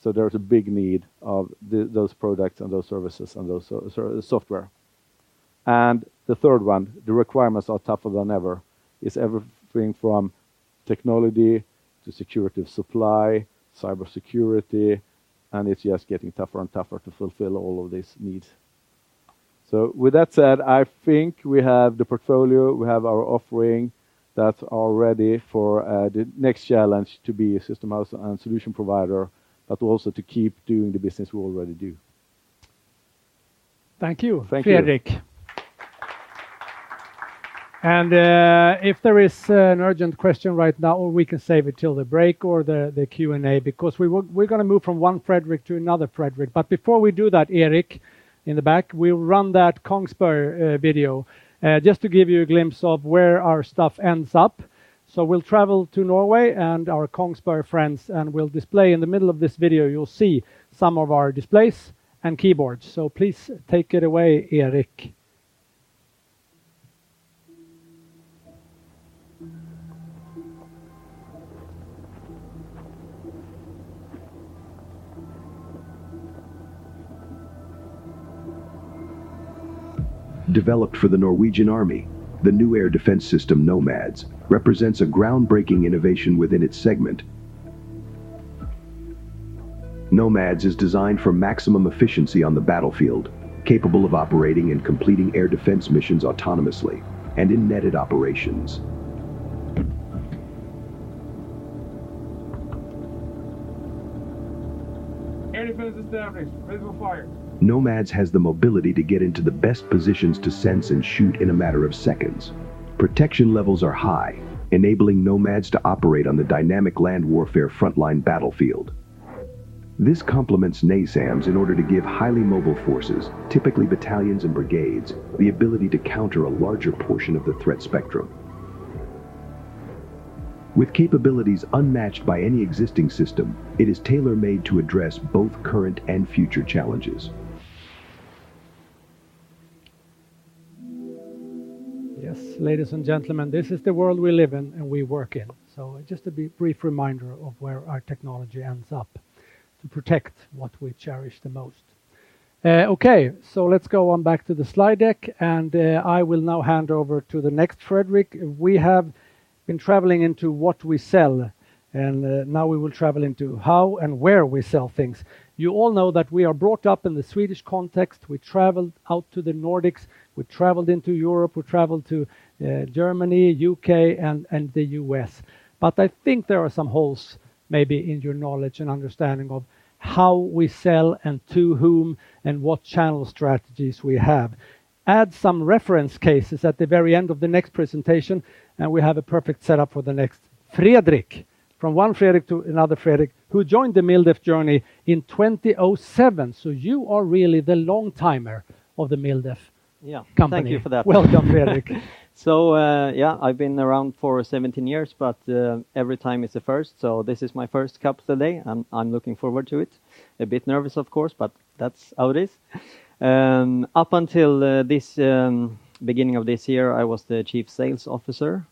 So there's a big need of those products and those services and software. And the third one, the requirements are tougher than ever. It's everything from technology to security of supply, cybersecurity, and it's just getting tougher and tougher to fulfill all of these needs. So with that said, I think we have the portfolio, we have our offering that's all ready for the next challenge to be a system house and solution provider, but also to keep doing the business we already do. Thank you, Fredrik. Thank you. If there is an urgent question right now, or we can save it till the break or the Q&A, because we're gonna move from one Fredrik to another Fredrik. But before we do that, Erik, in the back, we'll run that Kongsberg video just to give you a glimpse of where our stuff ends up. So we'll travel to Norway and our Kongsberg friends, and we'll display. In the middle of this video, you'll see some of our displays and keyboards. So please take it away, Erik. Developed for the Norwegian army, the new air defense system, NOMADS, represents a groundbreaking innovation within its segment. NOMADS is designed for maximum efficiency on the battlefield, capable of operating and completing air defense missions autonomously and in netted operations. Air defense established. Ready for fire. NOMADS has the mobility to get into the best positions to sense and shoot in a matter of seconds. Protection levels are high, enabling NOMADS to operate on the dynamic land warfare frontline battlefield. This complements NASAMS in order to give highly mobile forces, typically battalions and brigades, the ability to counter a larger portion of the threat spectrum. With capabilities unmatched by any existing system, it is tailor-made to address both current and future challenges. ... Yes, ladies and gentlemen, this is the world we live in, and we work in. So just a brief reminder of where our technology ends up, to protect what we cherish the most. Okay, so let's go on back to the slide deck, and I will now hand over to the next Fredrik. We have been traveling into what we sell, and now we will travel into how and where we sell things. You all know that we are brought up in the Swedish context. We traveled out to the Nordics, we traveled into Europe, we traveled to Germany, U.K., and the U.S. But I think there are some holes maybe in your knowledge and understanding of how we sell, and to whom, and what channel strategies we have. Add some reference cases at the very end of the next presentation, and we have a perfect setup for the next, Fredrik. From one Fredrik to another Fredrik, who joined the MilDef journey in 2007. So you are really the long-timer of the MilDef company. Yeah.Thank you for that. Welcome, Fredrik. So, yeah, I've been around for 17 years, but every time is a first, so this is my first cup today, and I'm looking forward to it. A bit nervous, of course, but that's how it is. Up until beginning of this year, I was the Chief Sales Officer.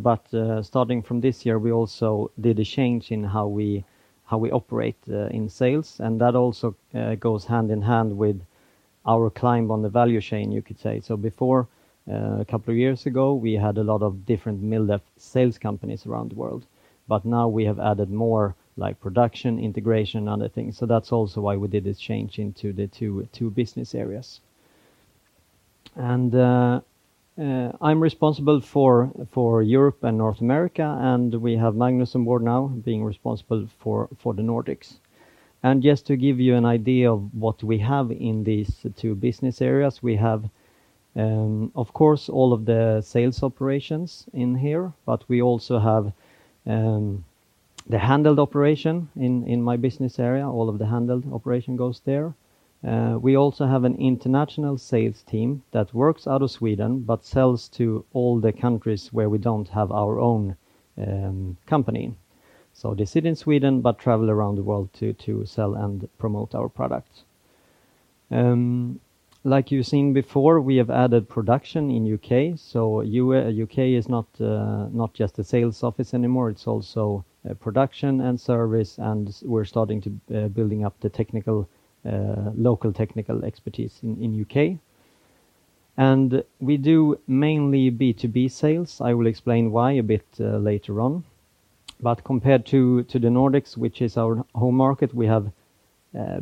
But starting from this year, we also did a change in how we operate in sales, and that also goes hand in hand with our climb on the value chain, you could say. So before, a couple of years ago, we had a lot of different MilDef sales companies around the world. But now we have added more, like, production, integration, and other things. So that's also why we did this change into the two business areas. I'm responsible for Europe and North America, and we have Magnus on board now, being responsible for the Nordics. Just to give you an idea of what we have in these two business areas, we have, of course, all of the sales operations in here, but we also have the Handheld operation in my business area. All of the Handheld operation goes there. We also have an international sales team that works out of Sweden, but sells to all the countries where we don't have our own company. They sit in Sweden, but travel around the world to sell and promote our products. Like you've seen before, we have added production in U.K., so U.K. is not just a sales office anymore. It's also a production and service, and we're starting to build up the local technical expertise in U.K. And we do mainly B2B sales. I will explain why a bit later on. But compared to the Nordics, which is our home market, we have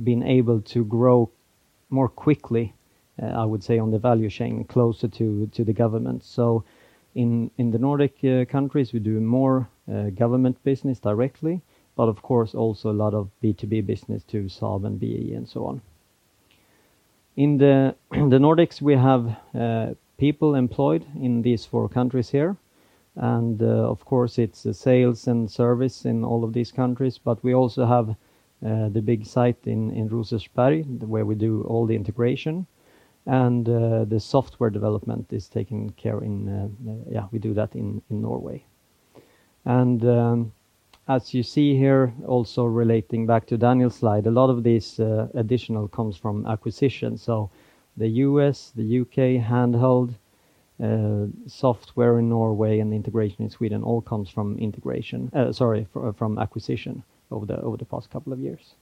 been able to grow more quickly, I would say, on the value chain, closer to the government. So in the Nordic countries, we do more government business directly, but of course, also a lot of B2B business to Saab and BAE, and so on. In the Nordics, we have people employed in these four countries here. Of course, it's the sales and service in all of these countries, but we also have the big site in Rosersberg, where we do all the integration. The software development is taken care in, yeah, we do that in Norway. As you see here, also relating back to Daniel's slide, a lot of these additional comes from acquisition. So the U.S., the U.K., Handheld, software in Norway, and integration in Sweden all comes from acquisition over the past couple of years.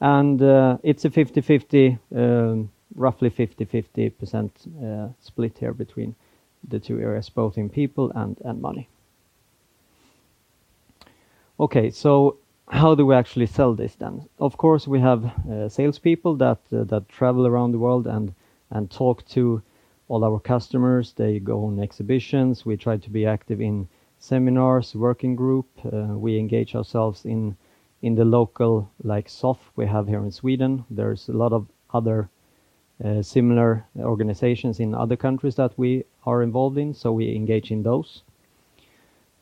It's a 50%-50%, roughly 50%-50% split here between the two areas, both in people and money. Okay, so how do we actually sell this, then? Of course, we have salespeople that travel around the world and talk to all our customers. They go on exhibitions. We try to be active in seminars, working group, we engage ourselves in the local, like SOFF, we have here in Sweden. There's a lot of other similar organizations in other countries that we are involved in, so we engage in those.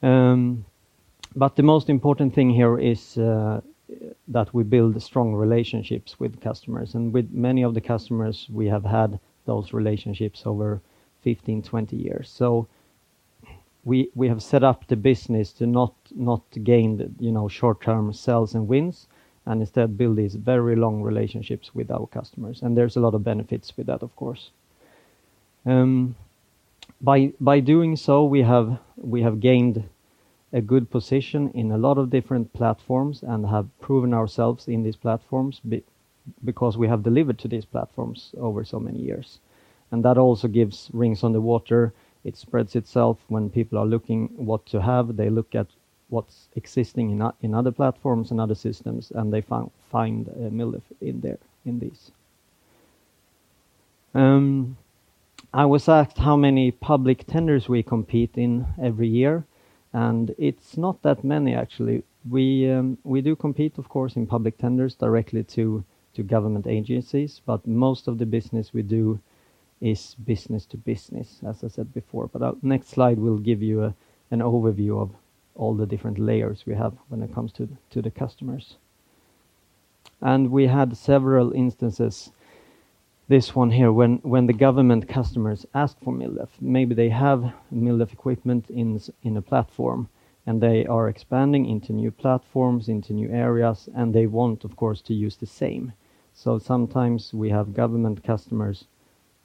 But the most important thing here is that we build strong relationships with customers, and with many of the customers, we have had those relationships over 15, 20 years. So we have set up the business to not gain, you know, short-term sales and wins, and instead build these very long relationships with our customers, and there's a lot of benefits with that, of course. By doing so, we have gained a good position in a lot of different platforms and have proven ourselves in these platforms because we have delivered to these platforms over so many years. And that also gives rings on the water. It spreads itself. When people are looking what to have, they look at what's existing in other platforms and other systems, and they find MilDef in there, in these. I was asked how many public tenders we compete in every year, and it's not that many, actually. We do compete, of course, in public tenders directly to government agencies, but most of the business we do is business to business, as I said before. But our next slide will give you an overview of all the different layers we have when it comes to the customers. And we had several instances, this one here, when the government customers ask for MilDef, maybe they have MilDef equipment in a platform, and they are expanding into new platforms, into new areas, and they want, of course, to use the same. So sometimes we have government customers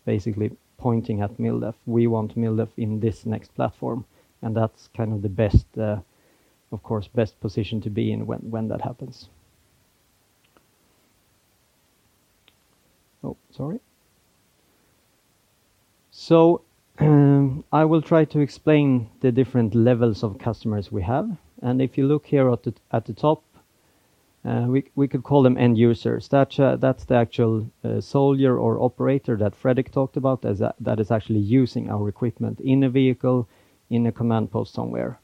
basically pointing at MilDef. We want MilDef in this next platform, and that's kind of the best, of course, best position to be in when that happens. Oh, sorry. So, I will try to explain the different levels of customers we have, and if you look here at the top, we could call them end users. That's the actual soldier or operator that Fredrik talked about, that is actually using our equipment in a vehicle, in a command post somewhere.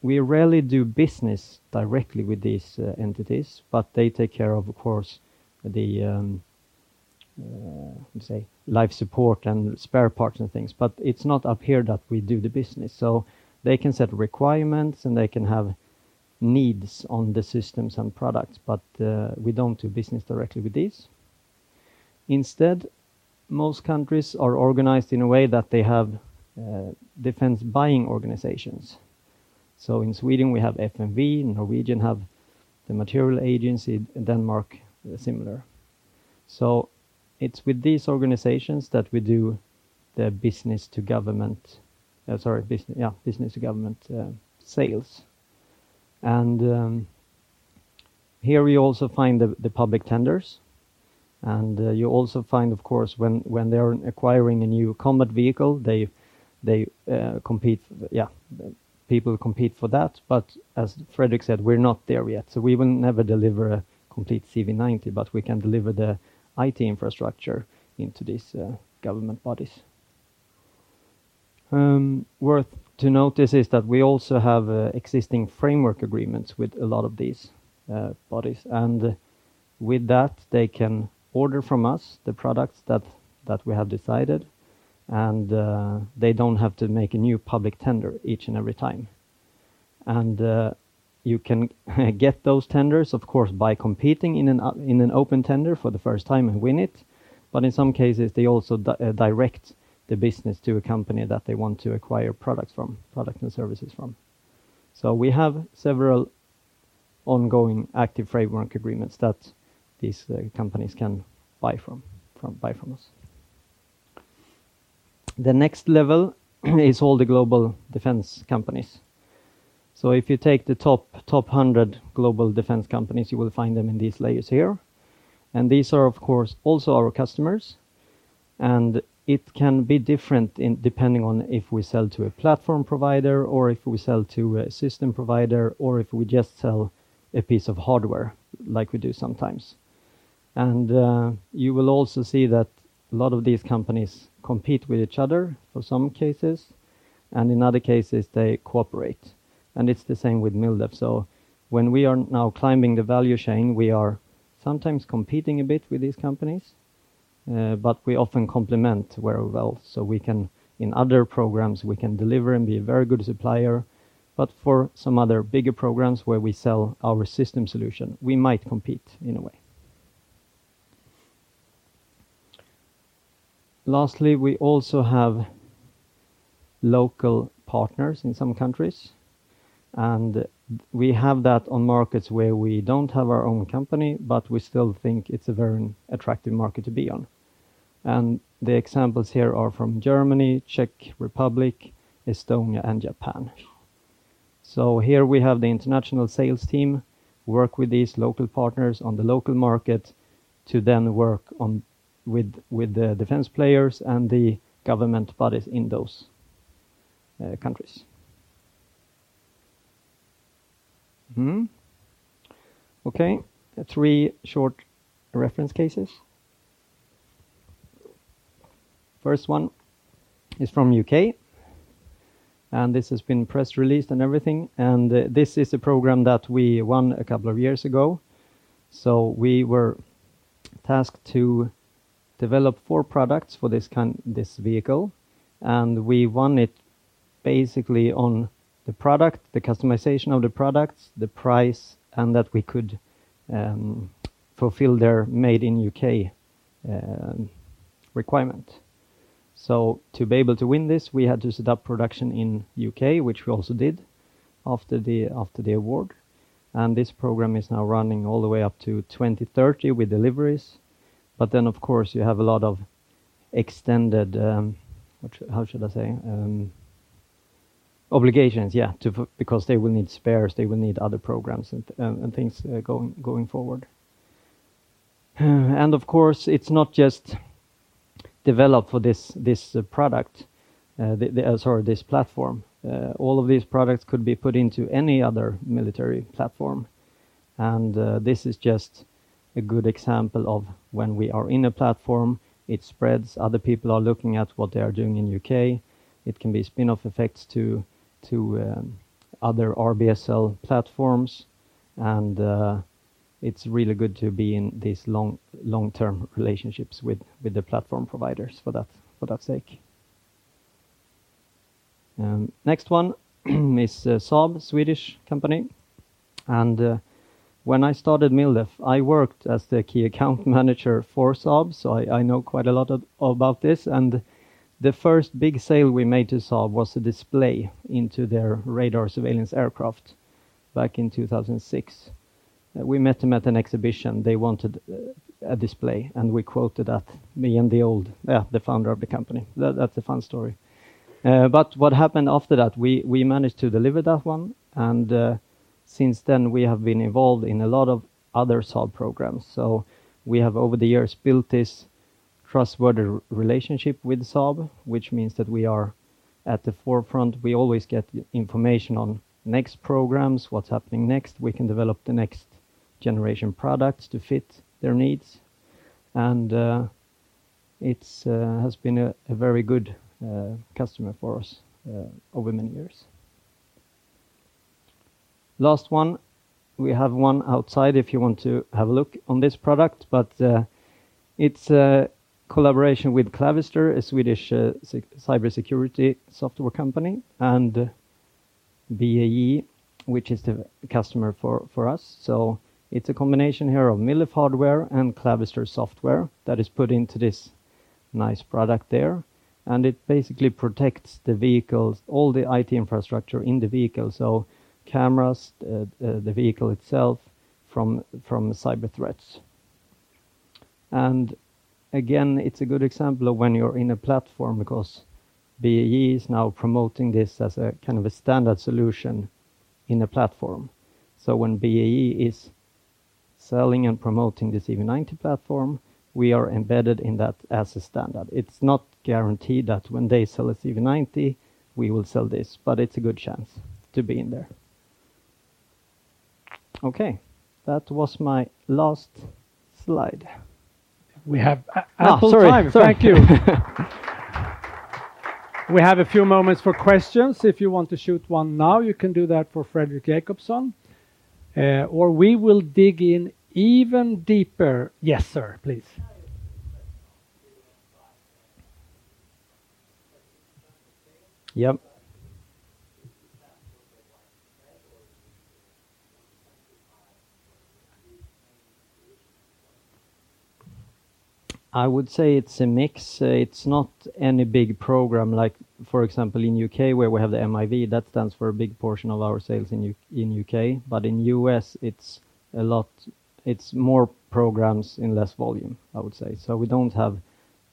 We rarely do business directly with these entities, but they take care of, of course, the, let's say, life support and spare parts and things, but it's not up here that we do the business. So they can set requirements, and they can have needs on the systems and products, but we don't do business directly with these. Instead, most countries are organized in a way that they have defense buying organizations. So in Sweden, we have FMV. In Norway, we have the material agency. In Denmark, similar. So it's with these organizations that we do the business to government. Sorry, business, yeah, business to government sales. And here we also find the public tenders, and you also find, of course, when they're acquiring a new combat vehicle, they compete. Yeah, people compete for that, but as Fredrik said, we're not there yet. So we will never deliver a complete CV90, but we can deliver the IT infrastructure into these government bodies. Worth to notice is that we also have existing framework agreements with a lot of these bodies, and with that, they can order from us the products that we have decided, and they don't have to make a new public tender each and every time. And, you can get those tenders, of course, by competing in an in an open tender for the first time and win it, but in some cases, they also direct the business to a company that they want to acquire products from, products and services from. So we have several ongoing active framework agreements that these companies can buy from us. The next level is all the global defense companies. So if you take the top hundred global defense companies, you will find them in these layers here, and these are, of course, also our customers. And it can be different depending on if we sell to a platform provider, or if we sell to a system provider, or if we just sell a piece of hardware, like we do sometimes. You will also see that a lot of these companies compete with each other for some cases, and in other cases, they cooperate, and it's the same with MilDef. So when we are now climbing the value chain, we are sometimes competing a bit with these companies, but we often complement very well. So we can, in other programs, we can deliver and be a very good supplier, but for some other bigger programs where we sell our system solution, we might compete in a way. Lastly, we also have local partners in some countries, and we have that on markets where we don't have our own company, but we still think it's a very attractive market to be on. The examples here are from Germany, Czech Republic, Estonia, and Japan. So here we have the international sales team, work with these local partners on the local market to then work on with, with the defense players and the government bodies in those countries. Okay, three short reference cases. First one is from U.K., and this has been press released and everything, and this is a program that we won a couple of years ago. So we were tasked to develop four products for this kind, this vehicle, and we won it basically on the product, the customization of the products, the price, and that we could fulfill their Made in U.K. requirement. So to be able to win this, we had to set up production in U.K., which we also did after the award. And this program is now running all the way up to 2030 with deliveries. But then, of course, you have a lot of extended, how should I say, obligations to because they will need spares, they will need other programs and things going forward. And of course, it's not just developed for this, this product, this platform. All of these products could be put into any other military platform, and this is just a good example of when we are in a platform, it spreads. Other people are looking at what they are doing in UK. It can be spin-off effects to other RBSL platforms, and it's really good to be in these long-term relationships with the platform providers for that sake. Next one is Saab, Swedish company, and when I started MilDef, I worked as the key account manager for Saab, so I know quite a lot about this. The first big sale we made to Saab was a display into their radar surveillance aircraft back in 2006. We met them at an exhibition. They wanted a display, and we quoted that, me and the old founder of the company. That's a fun story, but what happened after that, we managed to deliver that one, and since then, we have been involved in a lot of other Saab programs. We have, over the years, built this trustworthy relationship with Saab, which means that we are at the forefront. We always get the information on next programs, what's happening next. We can develop the next generation products to fit their needs, and it has been a very good customer for us over many years. Last one, we have one outside if you want to have a look on this product, but it's a collaboration with Clavister, a Swedish cybersecurity software company, and BAE, which is the customer for us. So it's a combination here of MilDef hardware and Clavister software that is put into this nice product there, and it basically protects the vehicles, all the IT infrastructure in the vehicle, so cameras, the vehicle itself, from cyber threats. And again, it's a good example of when you're in a platform, because BAE is now promoting this as a kind of a standard solution in a platform. When BAE is selling and promoting this CV90 platform, we are embedded in that as a standard. It's not guaranteed that when they sell a CV90, we will sell this, but it's a good chance to be in there. Okay, that was my last slide. We have ample time. Sorry. Sorry. Thank you. We have a few moments for questions. If you want to shoot one now, you can do that for Fredrik Jacobsson, or we will dig in even deeper. Yes, sir. Please. Yep. I would say it's a mix. It's not any big program, like for example, in U.K., where we have the MIV, that stands for a big portion of our sales in U.K., but in U.S., it's a lot... It's more programs in less volume, I would say. So we don't have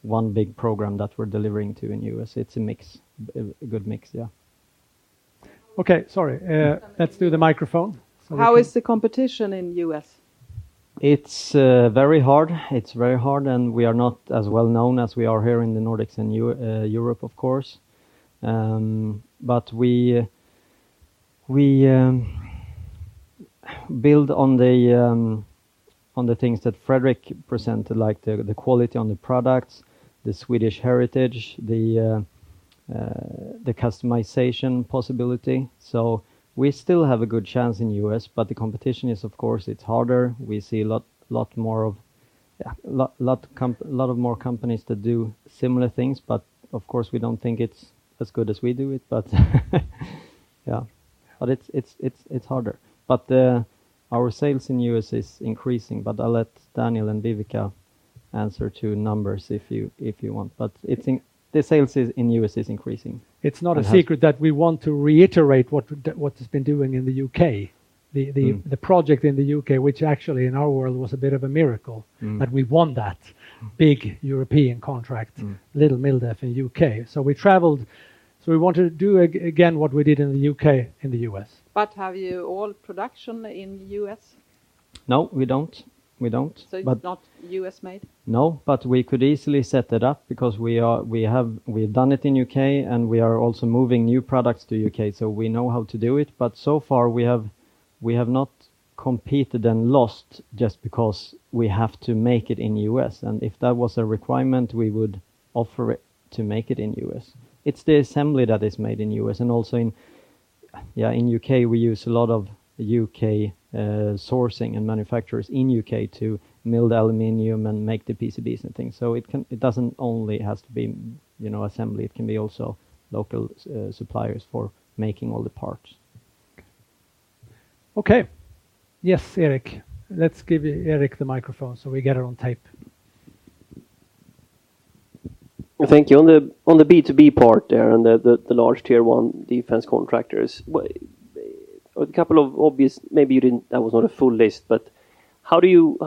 one big program that we're delivering to in U.S. It's a mix, a, a good mix. Yeah. Okay. Sorry. Let's do the microphone, so we can- How is the competition in U.S.? It's very hard. It's very hard, and we are not as well known as we are here in the Nordics and Europe, of course. But we build on the things that Fredrik presented, like the quality on the products, the Swedish heritage, the customization possibility. So we still have a good chance in U.S., but the competition is, of course, it's harder. We see a lot more companies that do similar things, but of course, we don't think it's as good as we do it. But yeah, but it's harder. But our sales in U.S. is increasing, but I'll let Daniel and Viveca answer to numbers if you want, but it's in... The sales in U.S. is increasing, and has- It's not a secret that we want to reiterate what has been doing in the U.K., the project in the U.K., which actually, in our world, was a bit of a miracle. That we won that big European contract... little MilDef in U.K. So we traveled, so we want to do again what we did in the UK, in the U.S. But have you all production in the U.S.? No, we don't. We don't. But- So it's not U.S. made? No, but we could easily set it up because we have done it in U.K., and we are also moving new products to U.K., so we know how to do it. But so far, we have not competed and lost just because we have to make it in U.S., and if that was a requirement, we would offer it to make it in U.S. It's the assembly that is made in U.S. and also in U.K., we use a lot of U.K. sourcing and manufacturers in U.K. to mill the aluminum and make the PCBs and things. So it can. It doesn't only has to be, you know, assembly, it can be also local suppliers for making all the parts. Okay. Yes, Erik. Let's give Erik the microphone, so we get it on tape. Thank you. On the B2B part there, and the large tier one defense contractors, a couple of obvious, maybe you didn't, that was not a full list, but how do you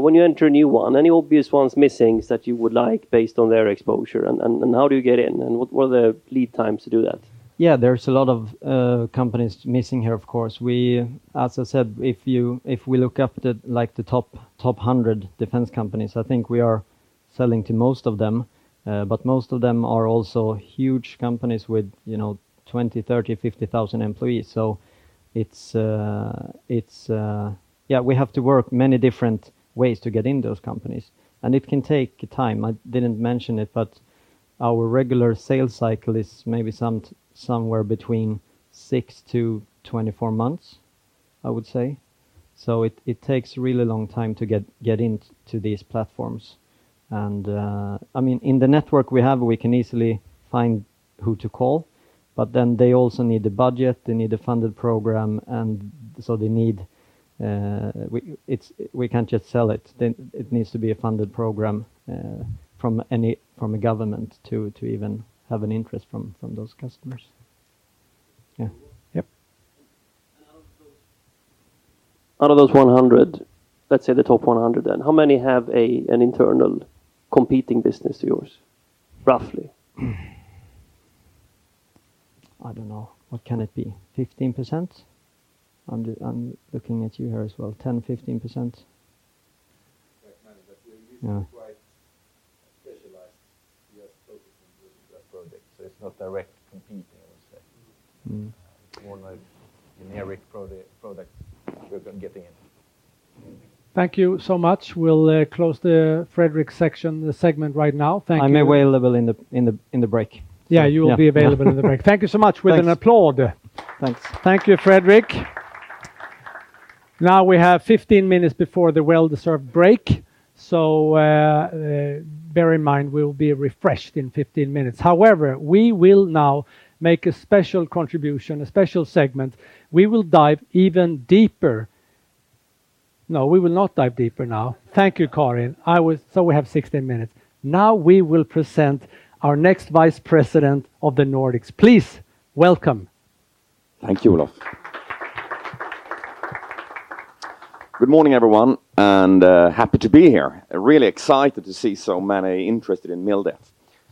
when you enter a new one, any obvious ones missing that you would like based on their exposure? And how do you get in, and what are the lead times to do that? Yeah, there's a lot of companies missing here, of course. We, as I said, if you, if we look up at, like, the top hundred defense companies, I think we are selling to most of them. But most of them are also huge companies with, you know, 20, 30, 50,000 employees. So it's... Yeah, we have to work many different ways to get into those companies, and it can take time. I didn't mention it, but our regular sales cycle is maybe somewhere between six to twenty-four months, I would say. So it takes a really long time to get into these platforms. And, I mean, in the network we have, we can easily find who to call, but then they also need the budget. They need a funded program, and so they need—we can't just sell it. Then it needs to be a funded program from a government to even have an interest from those customers. Yeah. Yep. Out of those 100, let's say the top 100 then, how many have an internal competing business to yours, roughly? I don't know. What can it be? 15%. I'm looking at you here as well, 10%, 15%. Quite many, but we're usually- Quite specialized. We are focusing on projects, so it's not direct competing, I would say. More like generic product, products we're getting in. Thank you so much. We'll close the Fredrik section, the segment right now. Thank you. I'm available in the break. Yeah, you will be available in the break. Yeah. Thank you so much. Thanks... with an applause. Thanks. Thank you, Fredrik. Now, we have 15 minutes before the well-deserved break, so bear in mind we will be refreshed in 15 minutes. However, we will now make a special contribution, a special segment. We will dive even deeper. No, we will not dive deeper now. Thank you, Karin. So we have 16 minutes. Now, we will present our next Vice President of the Nordics. Please, welcome. Thank you, Olof. Good morning, everyone, and happy to be here. Really excited to see so many interested in MilDef.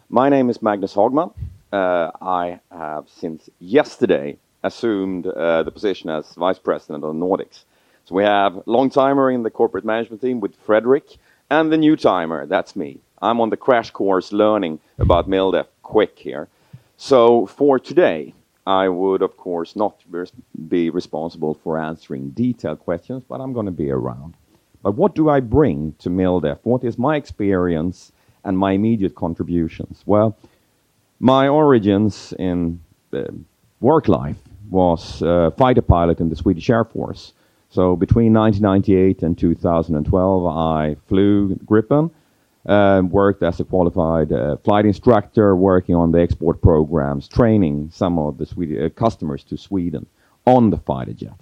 My name is Magnus Hagman. I have, since yesterday, assumed the position as Vice President of Nordics. So we have long timer in the corporate management team with Fredrik, and the new timer, that's me. I'm on the crash course learning about MilDef quick here. So for today, I would, of course, not be responsible for answering detailed questions, but I'm gonna be around. But what do I bring to MilDef? What is my experience and my immediate contributions? Well, my origins in the work life was a fighter pilot in the Swedish Air Force. So between 1998 and 2012, I flew Gripen, worked as a qualified flight instructor, working on the export programs, training some of the Swedish customers to Sweden on the fighter jet.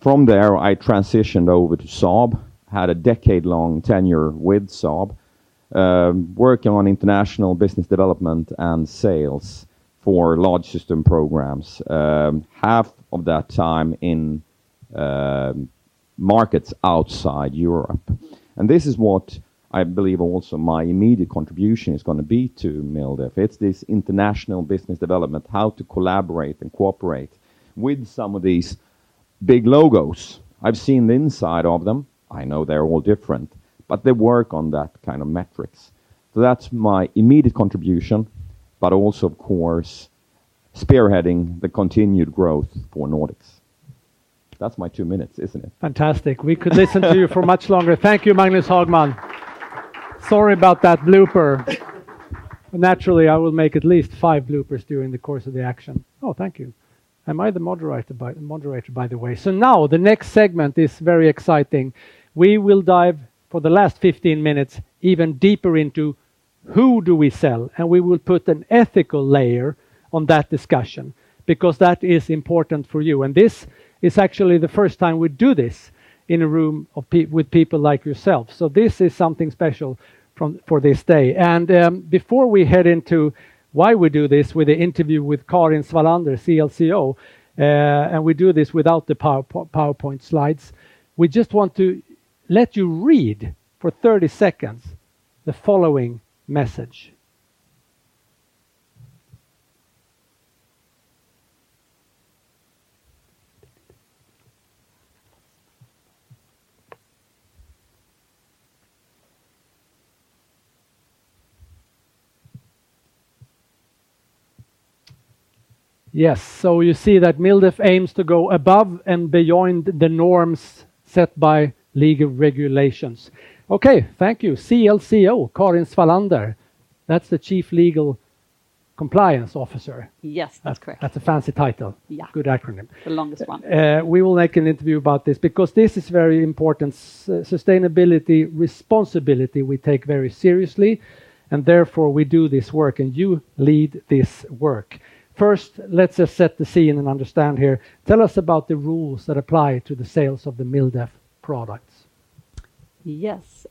From there, I transitioned over to Saab, had a decade-long tenure with Saab, working on international business development and sales for large system programs, half of that time in markets outside Europe. And this is what I believe also my immediate contribution is gonna be to MilDef. It's this international business development, how to collaborate and cooperate with some of these big logos. I've seen the inside of them. I know they're all different, but they work on that kind of metrics. So that's my immediate contribution, but also, of course, spearheading the continued growth for Nordics. That's my two minutes, isn't it? Fantastic. We could listen to you for much longer. Thank you, Magnus Hagman. Sorry about that blooper. Naturally, I will make at least five bloopers during the course of the action. Oh, thank you. Am I the moderator by the way? So now, the next segment is very exciting. We will dive for the last 15 minutes, even deeper into who do we sell, and we will put an ethical layer on that discussion because that is important for you. This is actually the first time we do this in a room with people like yourself. This is something special for this day. Before we head into why we do this with an interview with Karin Svalander, CLCO, and we do this without the PowerPoint slides, we just want to let you read for 30 seconds the following message. Yes, so you see that MilDef aims to go above and beyond the norms set by legal regulations. Okay, thank you. CLCO, Karin Svalander. That's the chief legal compliance officer. Yes, that's correct. That's a fancy title. Yeah. Good acronym. The longest one. We will make an interview about this because this is very important. Sustainability, responsibility, we take very seriously, and therefore we do this work, and you lead this work. First, let's just set the scene and understand here. Tell us about the rules that apply to the sales of the MilDef products. Yes,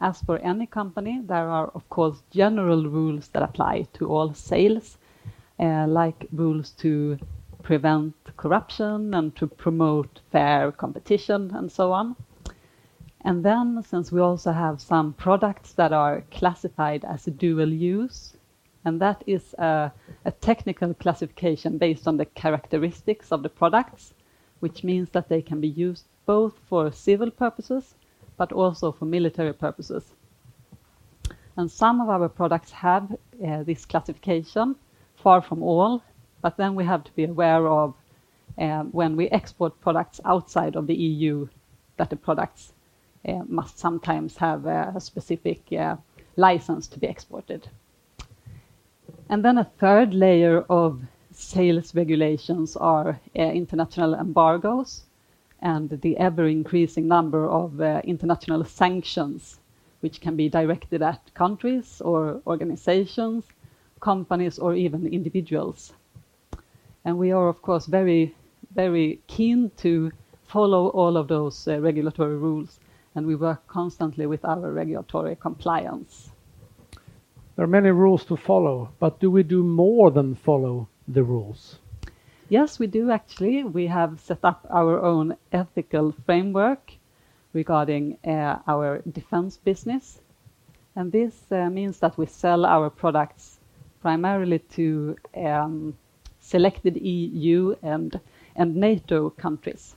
as for any company, there are, of course, general rules that apply to all sales, like rules to prevent corruption and to promote fair competition and so on. And then, since we also have some products that are classified as dual-use, and that is, a technical classification based on the characteristics of the products, which means that they can be used both for civil purposes, but also for military purposes. And some of our products have, this classification, far from all, but then we have to be aware of, when we export products outside of the E.U., that the products, must sometimes have a, a specific, license to be exported. And then a third layer of sales regulations are, international embargoes and the ever-increasing number of, international sanctions, which can be directed at countries or organizations... Companies or even individuals. And we are, of course, very, very keen to follow all of those regulatory rules, and we work constantly with our regulatory compliance. There are many rules to follow, but do we do more than follow the rules? Yes, we do, actually. We have set up our own ethical framework regarding our defense business, and this means that we sell our products primarily to selected E.U. and NATO countries,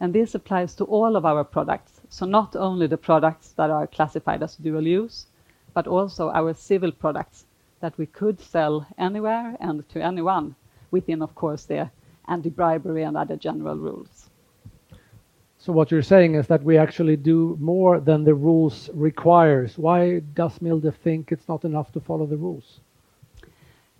and this applies to all of our products. So not only the products that are classified as dual-use, but also our civil products that we could sell anywhere and to anyone within, of course, the anti-bribery and other general rules. What you're saying is that we actually do more than the rules require. Why does MilDef think it's not enough to follow the rules?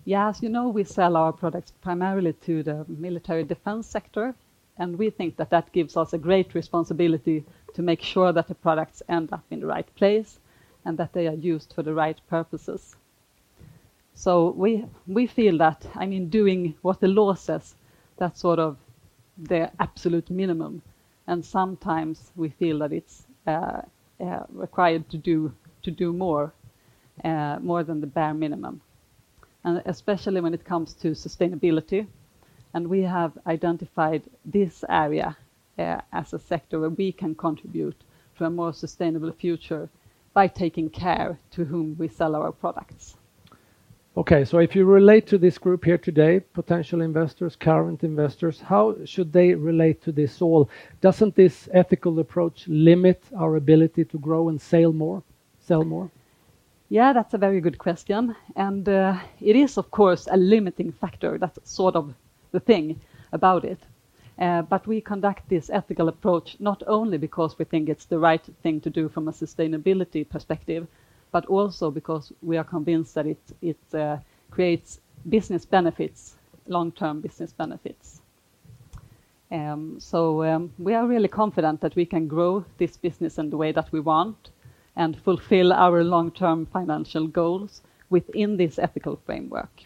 Yeah, as you know, we sell our products primarily to the military defense sector, and we think that that gives us a great responsibility to make sure that the products end up in the right place and that they are used for the right purposes. So we feel that, I mean, doing what the law says, that's sort of the absolute minimum, and sometimes we feel that it's required to do more than the bare minimum, and especially when it comes to sustainability, and we have identified this area as a sector where we can contribute to a more sustainable future by taking care to whom we sell our products. Okay, so if you relate to this group here today, potential investors, current investors, how should they relate to this all? Doesn't this ethical approach limit our ability to grow and sell more, sell more? Yeah, that's a very good question, and it is, of course, a limiting factor. That's sort of the thing about it. But we conduct this ethical approach not only because we think it's the right thing to do from a sustainability perspective, but also because we are convinced that it creates business benefits, long-term business benefits. So, we are really confident that we can grow this business in the way that we want and fulfill our long-term financial goals within this ethical framework.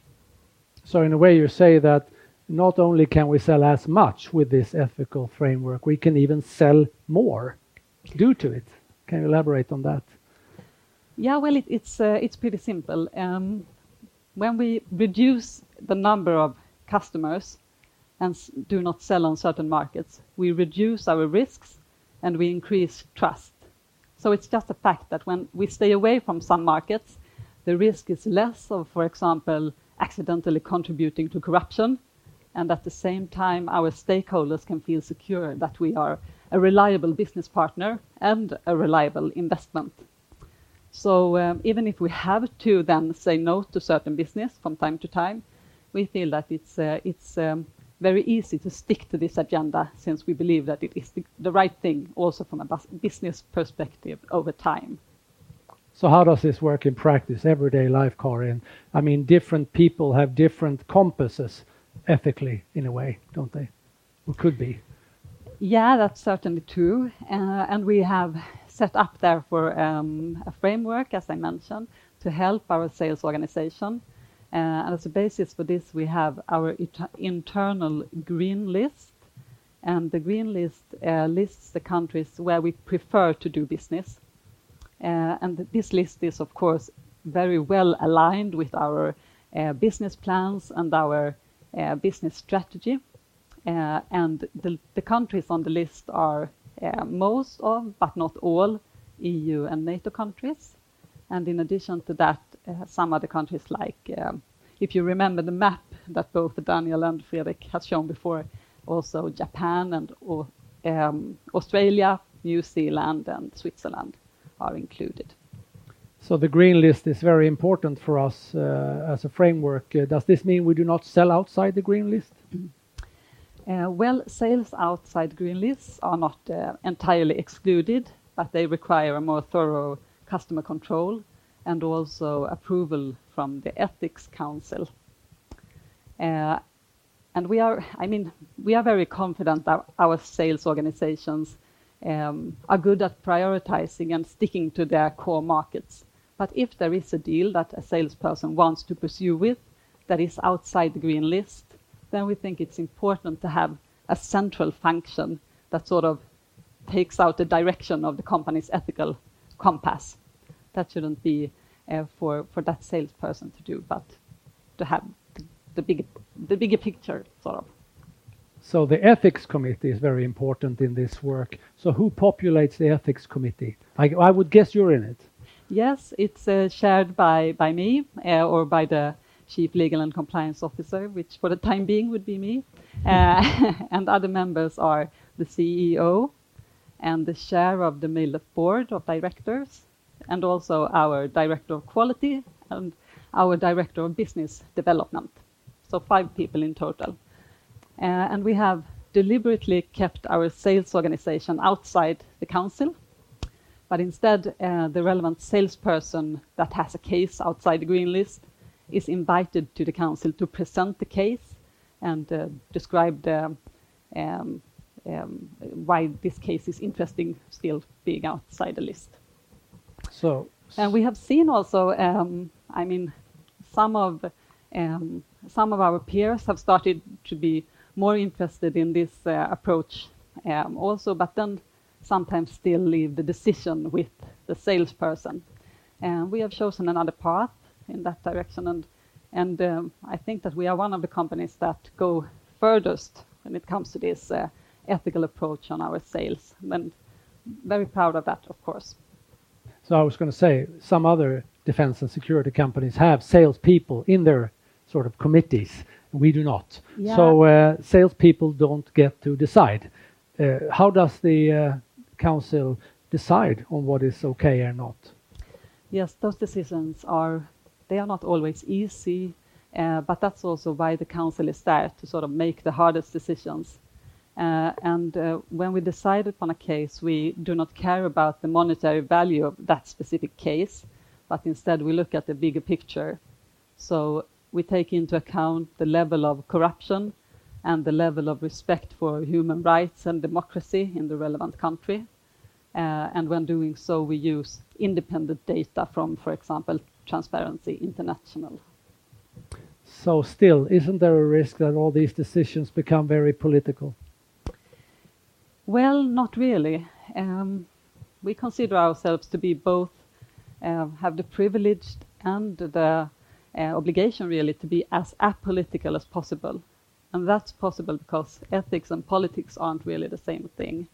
In a way, you say that not only can we sell as much with this ethical framework, we can even sell more due to it. Can you elaborate on that? Yeah, well, it's pretty simple. When we reduce the number of customers and do not sell on certain markets, we reduce our risks, and we increase trust. So it's just a fact that when we stay away from some markets, the risk is less of, for example, accidentally contributing to corruption, and at the same time, our stakeholders can feel secure that we are a reliable business partner and a reliable investment. So, even if we have to then say no to certain business from time to time, we feel that it's very easy to stick to this agenda since we believe that it is the right thing also from a business perspective over time. So how does this work in practice, everyday life, Karin? I mean, different people have different ethical compasses, in a way, don't they? Or could be. Yeah, that's certainly true. And we have set up there for a framework, as I mentioned, to help our sales organization. And as a basis for this, we have our internal green list, and the green list lists the countries where we prefer to do business. And this list is, of course, very well aligned with our business plans and our business strategy. And the countries on the list are most of, but not all E.U. and NATO countries, and in addition to that, some other countries like, if you remember the map that both Daniel and Fredrik had shown before, also Japan and Australia, New Zealand, and Switzerland are included. So the green list is very important for us, as a framework. Does this mean we do not sell outside the green list? Well, sales outside green lists are not entirely excluded, but they require a more thorough customer control and also approval from the ethics council. And I mean, we are very confident that our sales organizations are good at prioritizing and sticking to their core markets. But if there is a deal that a salesperson wants to pursue with, that is outside the green list, then we think it's important to have a central function that sort of takes out the direction of the company's ethical compass. That shouldn't be for that salesperson to do, but to have the bigger picture, sort of. The ethics committee is very important in this work. Who populates the ethics committee? I would guess you're in it. Yes, it's chaired by me or by the Chief Legal and Compliance Officer, which, for the time being, would be me. Other members are the CEO and the chair of the MilDef board of directors, and also our director of quality and our director of business development, so five people in total. We have deliberately kept our sales organization outside the council, but instead, the relevant salesperson that has a case outside the green list is invited to the council to present the case and describe why this case is interesting, still being outside the list. So- And we have seen also, I mean, some of our peers have started to be more interested in this approach, also, but then sometimes still leave the decision with the salesperson. And we have chosen another path in that direction, and I think that we are one of the companies that go furthest when it comes to this ethical approach on our sales, and very proud of that, of course. I was going to say, some other defense and security companies have sales people in their sort of committees. We do not. Yeah. Sales people don't get to decide. How does the council decide on what is okay or not? Yes, those decisions are not always easy, but that's also why the council is there, to sort of make the hardest decisions. When we decide on a case, we do not care about the monetary value of that specific case, but instead we look at the bigger picture. So we take into account the level of corruption and the level of respect for human rights and democracy in the relevant country. When doing so, we use independent data from, for example, Transparency International. So still, isn't there a risk that all these decisions become very political? Not really. We consider ourselves to be both the privilege and the obligation really to be as apolitical as possible, and that's possible because ethics and politics aren't really the same thing.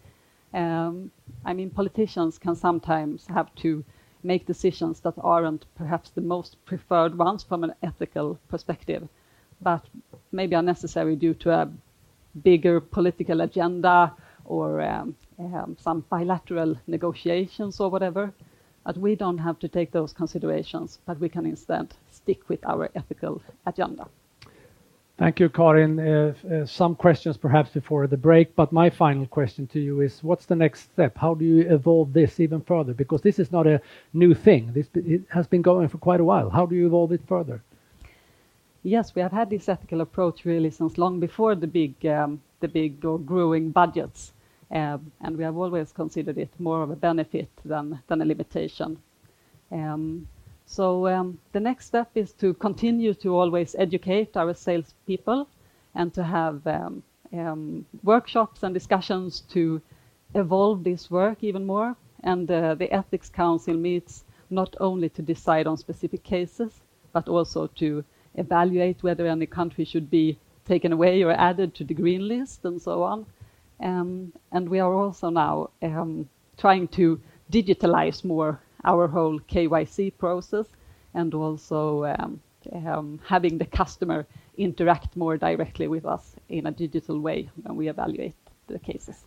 I mean, politicians can sometimes have to make decisions that aren't perhaps the most preferred ones from an ethical perspective, but maybe are necessary due to a bigger political agenda or some bilateral negotiations or whatever. But we don't have to take those considerations, but we can instead stick with our ethical agenda. Thank you, Karin. Some questions perhaps before the break, but my final question to you is, what's the next step? How do you evolve this even further? Because this is not a new thing. This, it has been going for quite a while. How do you evolve it further? Yes, we have had this ethical approach really since long before the big growing budgets. We have always considered it more of a benefit than a limitation. The next step is to continue to always educate our sales people and to have workshops and discussions to evolve this work even more. The ethics council meets not only to decide on specific cases, but also to evaluate whether any country should be taken away or added to the green list and so on. We are also now trying to digitalize more our whole KYC process, and also having the customer interact more directly with us in a digital way when we evaluate the cases.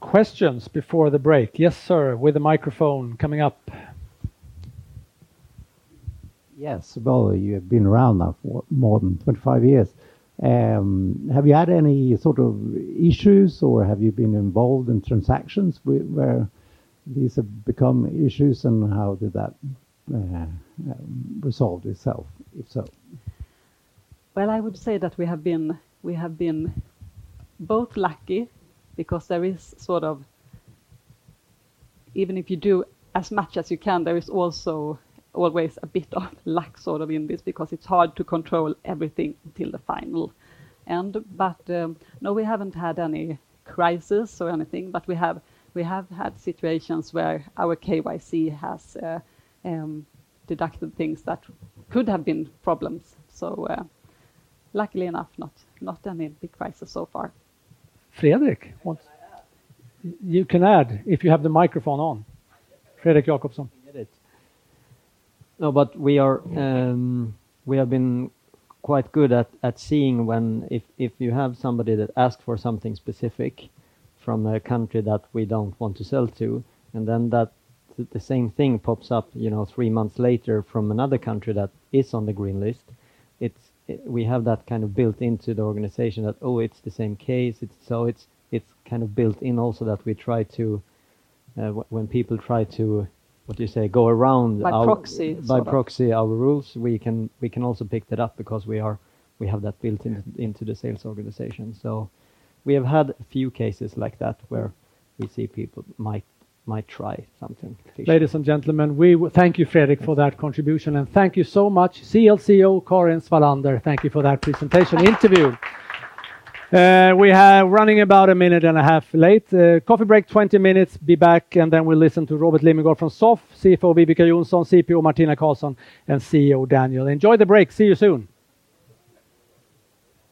Questions before the break? Yes, sir, with the microphone coming up. Yes, well, you have been around now for more than 25 years. Have you had any sort of issues, or have you been involved in transactions where these have become issues, and how did that resolve itself, if so? I would say that we have been both lucky because there is sort of even if you do as much as you can, there is also always a bit of luck, sort of, in this, because it's hard to control everything until the final end. But no, we haven't had any crisis or anything, but we have had situations where our KYC has deducted things that could have been problems. Luckily enough, not any big crisis so far. Fredrik, what- Can I add? You can add, if you have the microphone on. Fredrik Jacobsson. No, but we are. We have been quite good at seeing when, if you have somebody that asks for something specific from a country that we don't want to sell to, and then the same thing pops up, you know, three months later from another country that is on the green list. It's built into the organization that, "Oh, it's the same case." So it's kind of built in also that we try to, when people try to, what do you say, go around our- By proxy, sort of. By proxy our rules, we can also pick that up because we have that built in into the sales organization. So we have had a few cases like that where we see people might try something fishy. Ladies and gentlemen, we thank you, Fredrik, for that contribution, and thank you so much, CLCO Karin Svalander. Thank you for that presentation interview. We are running about a minute and a half late. Coffee break, 20 minutes. Be back, and then we'll listen to Robert Limmergård from SOFF, CFO Viveca Johnsson, CPO Martina Karlsson, and CEO Daniel. Enjoy the break. See you soon.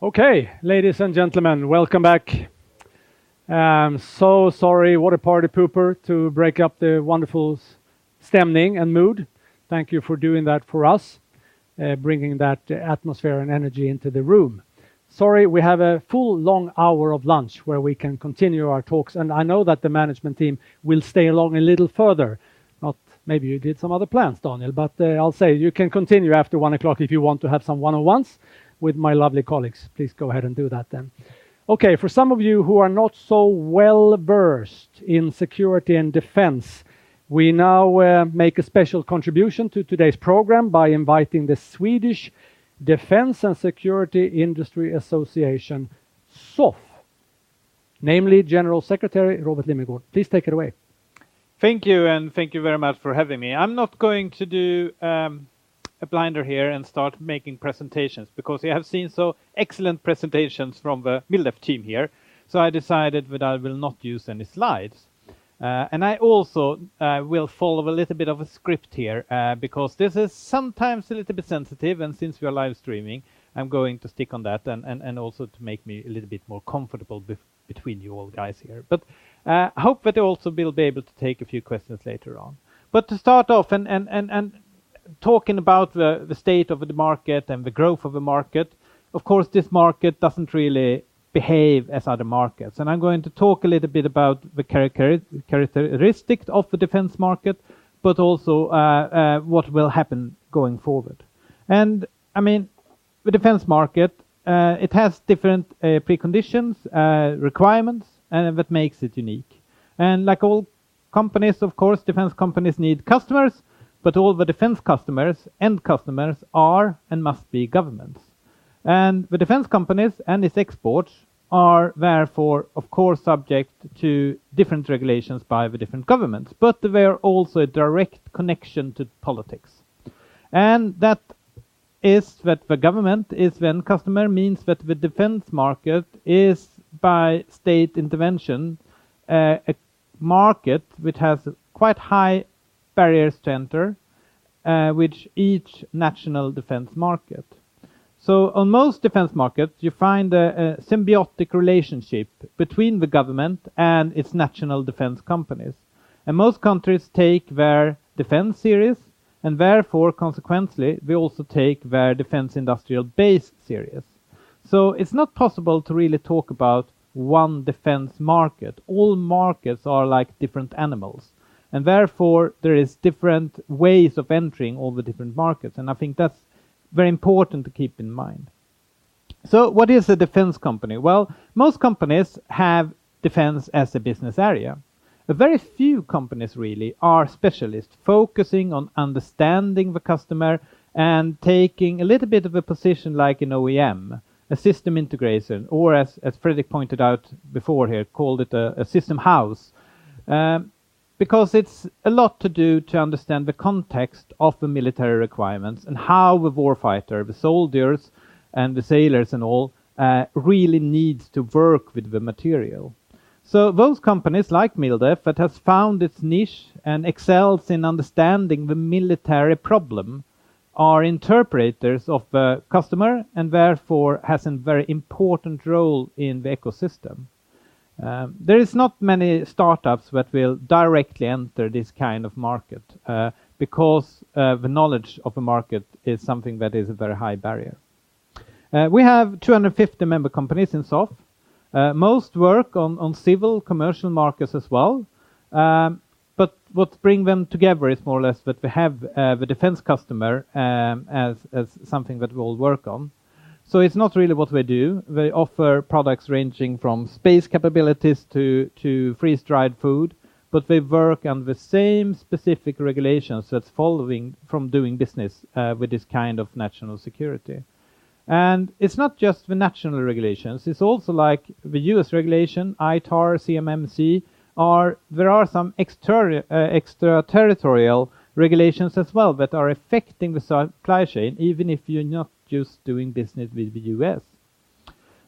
Okay, ladies and gentlemen, welcome back. I'm so sorry. What a party pooper to break up the wonderful stemming and mood. Thank you for doing that for us, bringing that atmosphere and energy into the room. Sorry, we have a full long hour of lunch where we can continue our talks, and I know that the management team will stay along a little further. Not maybe you did some other plans, Daniel, but, I'll say you can continue after one o'clock if you want to have some one-on-ones with my lovely colleagues. Please go ahead and do that then. Okay, for some of you who are not so well-versed in security and defense, we now make a special contribution to today's program by inviting the Swedish Security and Defense Industry Association, SOFF, namely General Secretary Robert Limmergård. Please take it away. Thank you, and thank you very much for having me. I'm not going to do a blinder here and start making presentations because we have seen so excellent presentations from the MilDef team here. So I decided that I will not use any slides. And I also will follow a little bit of a script here because this is sometimes a little bit sensitive, and since we are live streaming, I'm going to stick on that, and also to make me a little bit more comfortable between you all guys here. But I hope that I also will be able to take a few questions later on. But to start off and talking about the state of the market and the growth of the market, of course, this market doesn't really behave as other markets. I'm going to talk a little bit about the characteristics of the defense market, but also, what will happen going forward. I mean, the defense market, it has different, preconditions, requirements, that makes it unique. Like all companies, of course, defense companies need customers, but all the defense customers, end customers, are and must be governments. The defense companies and its exports are therefore, of course, subject to different regulations by the different governments, but they're also a direct connection to politics. That is that the government is when customer means that the defense market is, by state intervention, a market which has quite high barriers to enter, which each national defense market. So on most defense markets, you find a symbiotic relationship between the government and its national defense companies. Most countries take their defense serious, and therefore, consequently, they also take their defense industrial base serious. It's not possible to really talk about one defense market. All markets are like different animals, and therefore, there is different ways of entering all the different markets, and I think that's very important to keep in mind. What is a defense company? Most companies have defense as a business area. But very few companies really are specialists, focusing on understanding the customer and taking a little bit of a position like an OEM, a system integrator, or as Fredrik pointed out before here, called it a system house. Because it's a lot to do to understand the context of the military requirements and how the warfighter, the soldiers, and the sailors and all really needs to work with the material. So those companies, like MilDef, that has found its niche and excels in understanding the military problem, are interpreters of the customer and therefore has a very important role in the ecosystem. There is not many startups that will directly enter this kind of market, because the knowledge of the market is something that is a very high barrier. We have 250 member companies in SOFF. Most work on civil commercial markets as well, but what bring them together is more or less that they have the defense customer, as something that we all work on. So it's not really what they do. They offer products ranging from space capabilities to freeze-dried food, but they work on the same specific regulations that's following from doing business, with this kind of national security. It's not just the national regulations. It's also like the U.S. regulation, ITAR, CMMC, or there are some extraterritorial regulations as well that are affecting the supply chain, even if you're not just doing business with the U.S.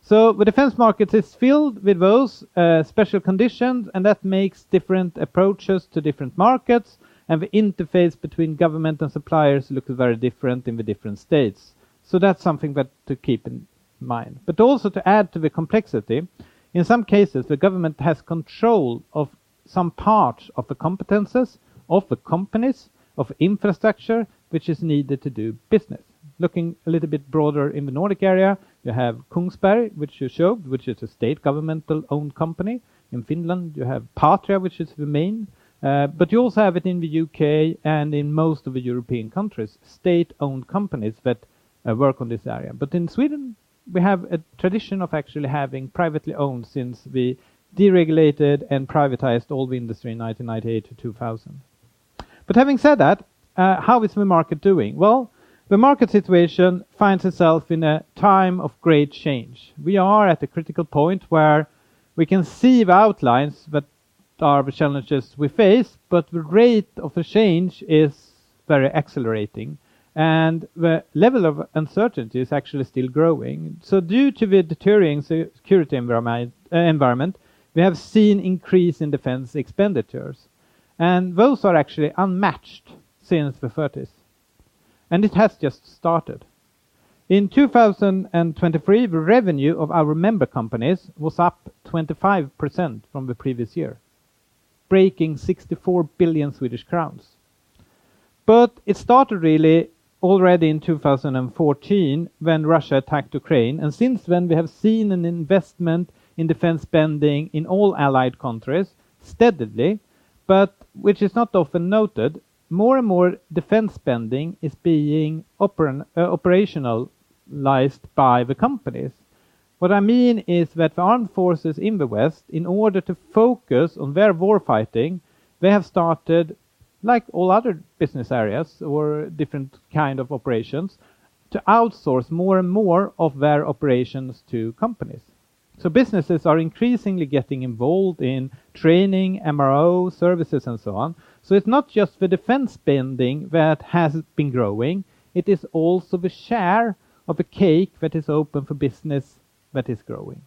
The defense market is filled with those special conditions, and that makes different approaches to different markets, and the interface between government and suppliers looks very different in the different states. That's something that to keep in mind. But also to add to the complexity, in some cases, the government has control of some parts of the competencies of the companies, of infrastructure, which is needed to do business. Looking a little bit broader in the Nordic area, you have Kongsberg, which you showed, which is a state governmental-owned company. In Finland, you have Patria, which is the main, but you also have it in the U.K. and in most of the European countries, state-owned companies that work on this area. But in Sweden, we have a tradition of actually having privately owned since we deregulated and privatized all the industry in 1998 to 2000. But having said that, how is the market doing? Well, the market situation finds itself in a time of great change. We are at a critical point where we can see the outlines, but there are challenges we face, but the rate of the change is very accelerating, and the level of uncertainty is actually still growing. So due to the deteriorating security environment, we have seen increase in defense expenditures, and those are actually unmatched since the thirties, and it has just started. In 2023, the revenue of our member companies was up 25% from the previous year, breaking 64 billion Swedish crowns. It started really already in 2014 when Russia attacked Ukraine, and since then, we have seen an investment in defense spending in all allied countries steadily, but which is not often noted, more and more defense spending is being operationalized by the companies. What I mean is that the armed forces in the West, in order to focus on their war fighting, they have started like all other business areas or different kind of operations, to outsource more and more of their operations to companies. So businesses are increasingly getting involved in training, MRO, services, and so on. So it's not just the defense spending that has been growing, it is also the share of the cake that is open for business that is growing.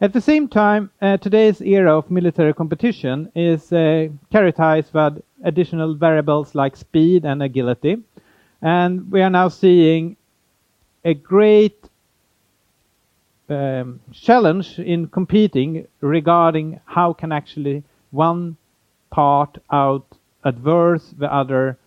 At the same time, today's era of military competition is characterized by additional variables like speed and agility, and we are now seeing a great challenge in competing regarding how can actually one party outpace the other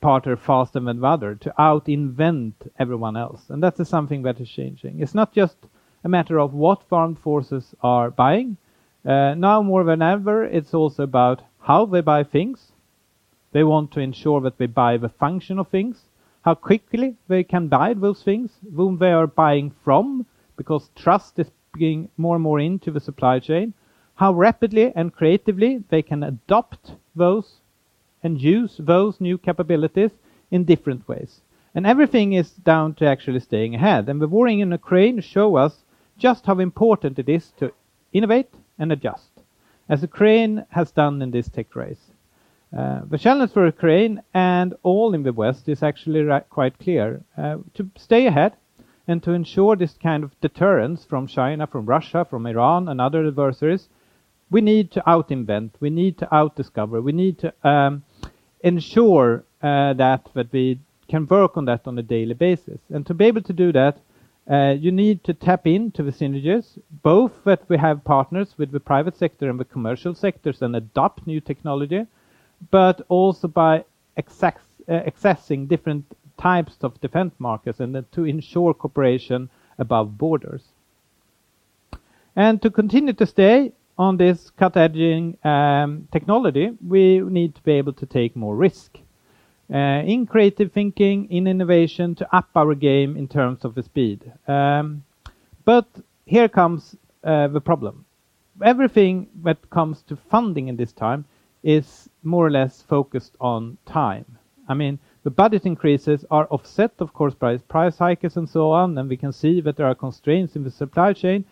party faster than the other, to out-invent everyone else, and that is something that is changing. It's not just a matter of what armed forces are buying. Now, more than ever, it's also about how they buy things. They want to ensure that they buy the function of things, how quickly they can buy those things, whom they are buying from, because trust is being more and more into the supply chain. How rapidly and creatively they can adopt those and use those new capabilities in different ways. And everything is down to actually staying ahead. And the warring in Ukraine show us just how important it is to innovate and adjust, as Ukraine has done in this tech race. The challenge for Ukraine and all in the West is actually quite clear. To stay ahead and to ensure this kind of deterrence from China, from Russia, from Iran, and other adversaries, we need to out-invent, we need to out-discover, we need to ensure that we can work on that on a daily basis. To be able to do that, you need to tap into the synergies, both that we have partners with the private sector and the commercial sectors and adopt new technology, but also accessing different types of defense markets and then to ensure cooperation above borders. To continue to stay on this cutting-edge technology, we need to be able to take more risk in creative thinking, in innovation, to up our game in terms of the speed. Here comes the problem. Everything that comes to funding in this time is more or less focused on time. I mean, the budget increases are offset, of course, by price hikes and so on, and we can see that there are constraints in the supply chain.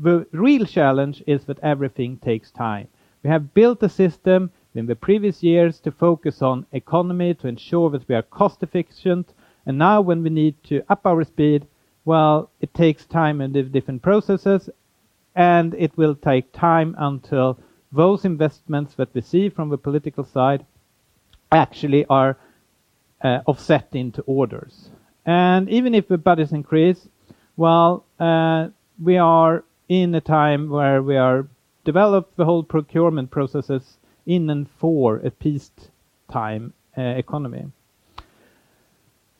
The real challenge is that everything takes time. We have built a system in the previous years to focus on economy, to ensure that we are cost efficient, and now when we need to up our speed, it takes time and the different processes, and it will take time until those investments that we see from the political side actually are offset into orders. Even if the budgets increase, we are in a time where we are develop the whole procurement processes in and for a peacetime economy.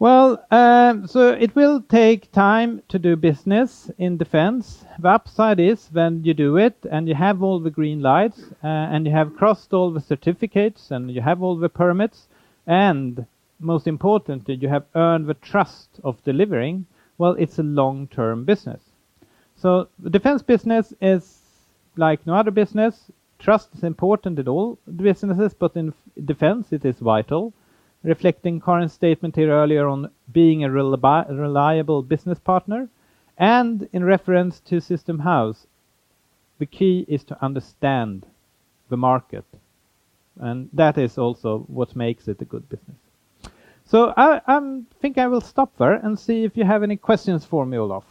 It will take time to do business in defense. The upside is when you do it, and you have all the green lights, and you have crossed all the certificates, and you have all the permits, and most importantly, you have earned the trust of delivering, it's a long-term business. The defense business is like no other business. Trust is important in all businesses, but in defense, it is vital, reflecting Karin's statement here earlier on being a reliable business partner, and in reference to system house, the key is to understand the market, and that is also what makes it a good business, so I think I will stop there and see if you have any questions for me, Olof.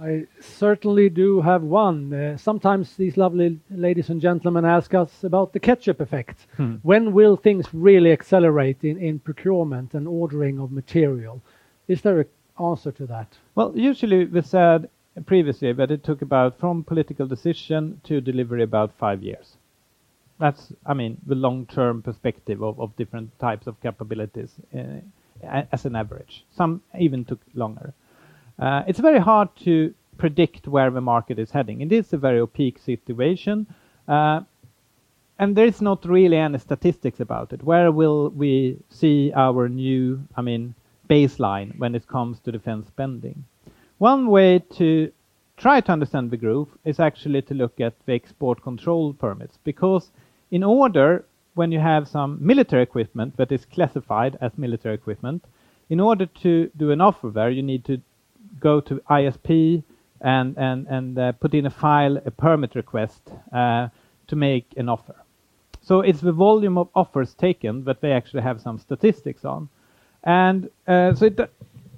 I certainly do have one. Sometimes these lovely ladies and gentlemen ask us about the ketchup effect. When will things really accelerate in procurement and ordering of material? Is there an answer to that? Usually, we said previously that it took about, from political decision to delivery, about five years. That's, I mean, the long-term perspective of different types of capabilities as an average. Some even took longer. It's very hard to predict where the market is heading. It is a very opaque situation, and there is not really any statistics about it. Where will we see our new, I mean, baseline when it comes to defense spending? One way to try to understand the growth is actually to look at the export control permits, because when you have some military equipment that is classified as military equipment, in order to do an offer there, you need to go to ISP and put in a file, a permit request to make an offer. It's the volume of offers taken that they actually have some statistics on. And, so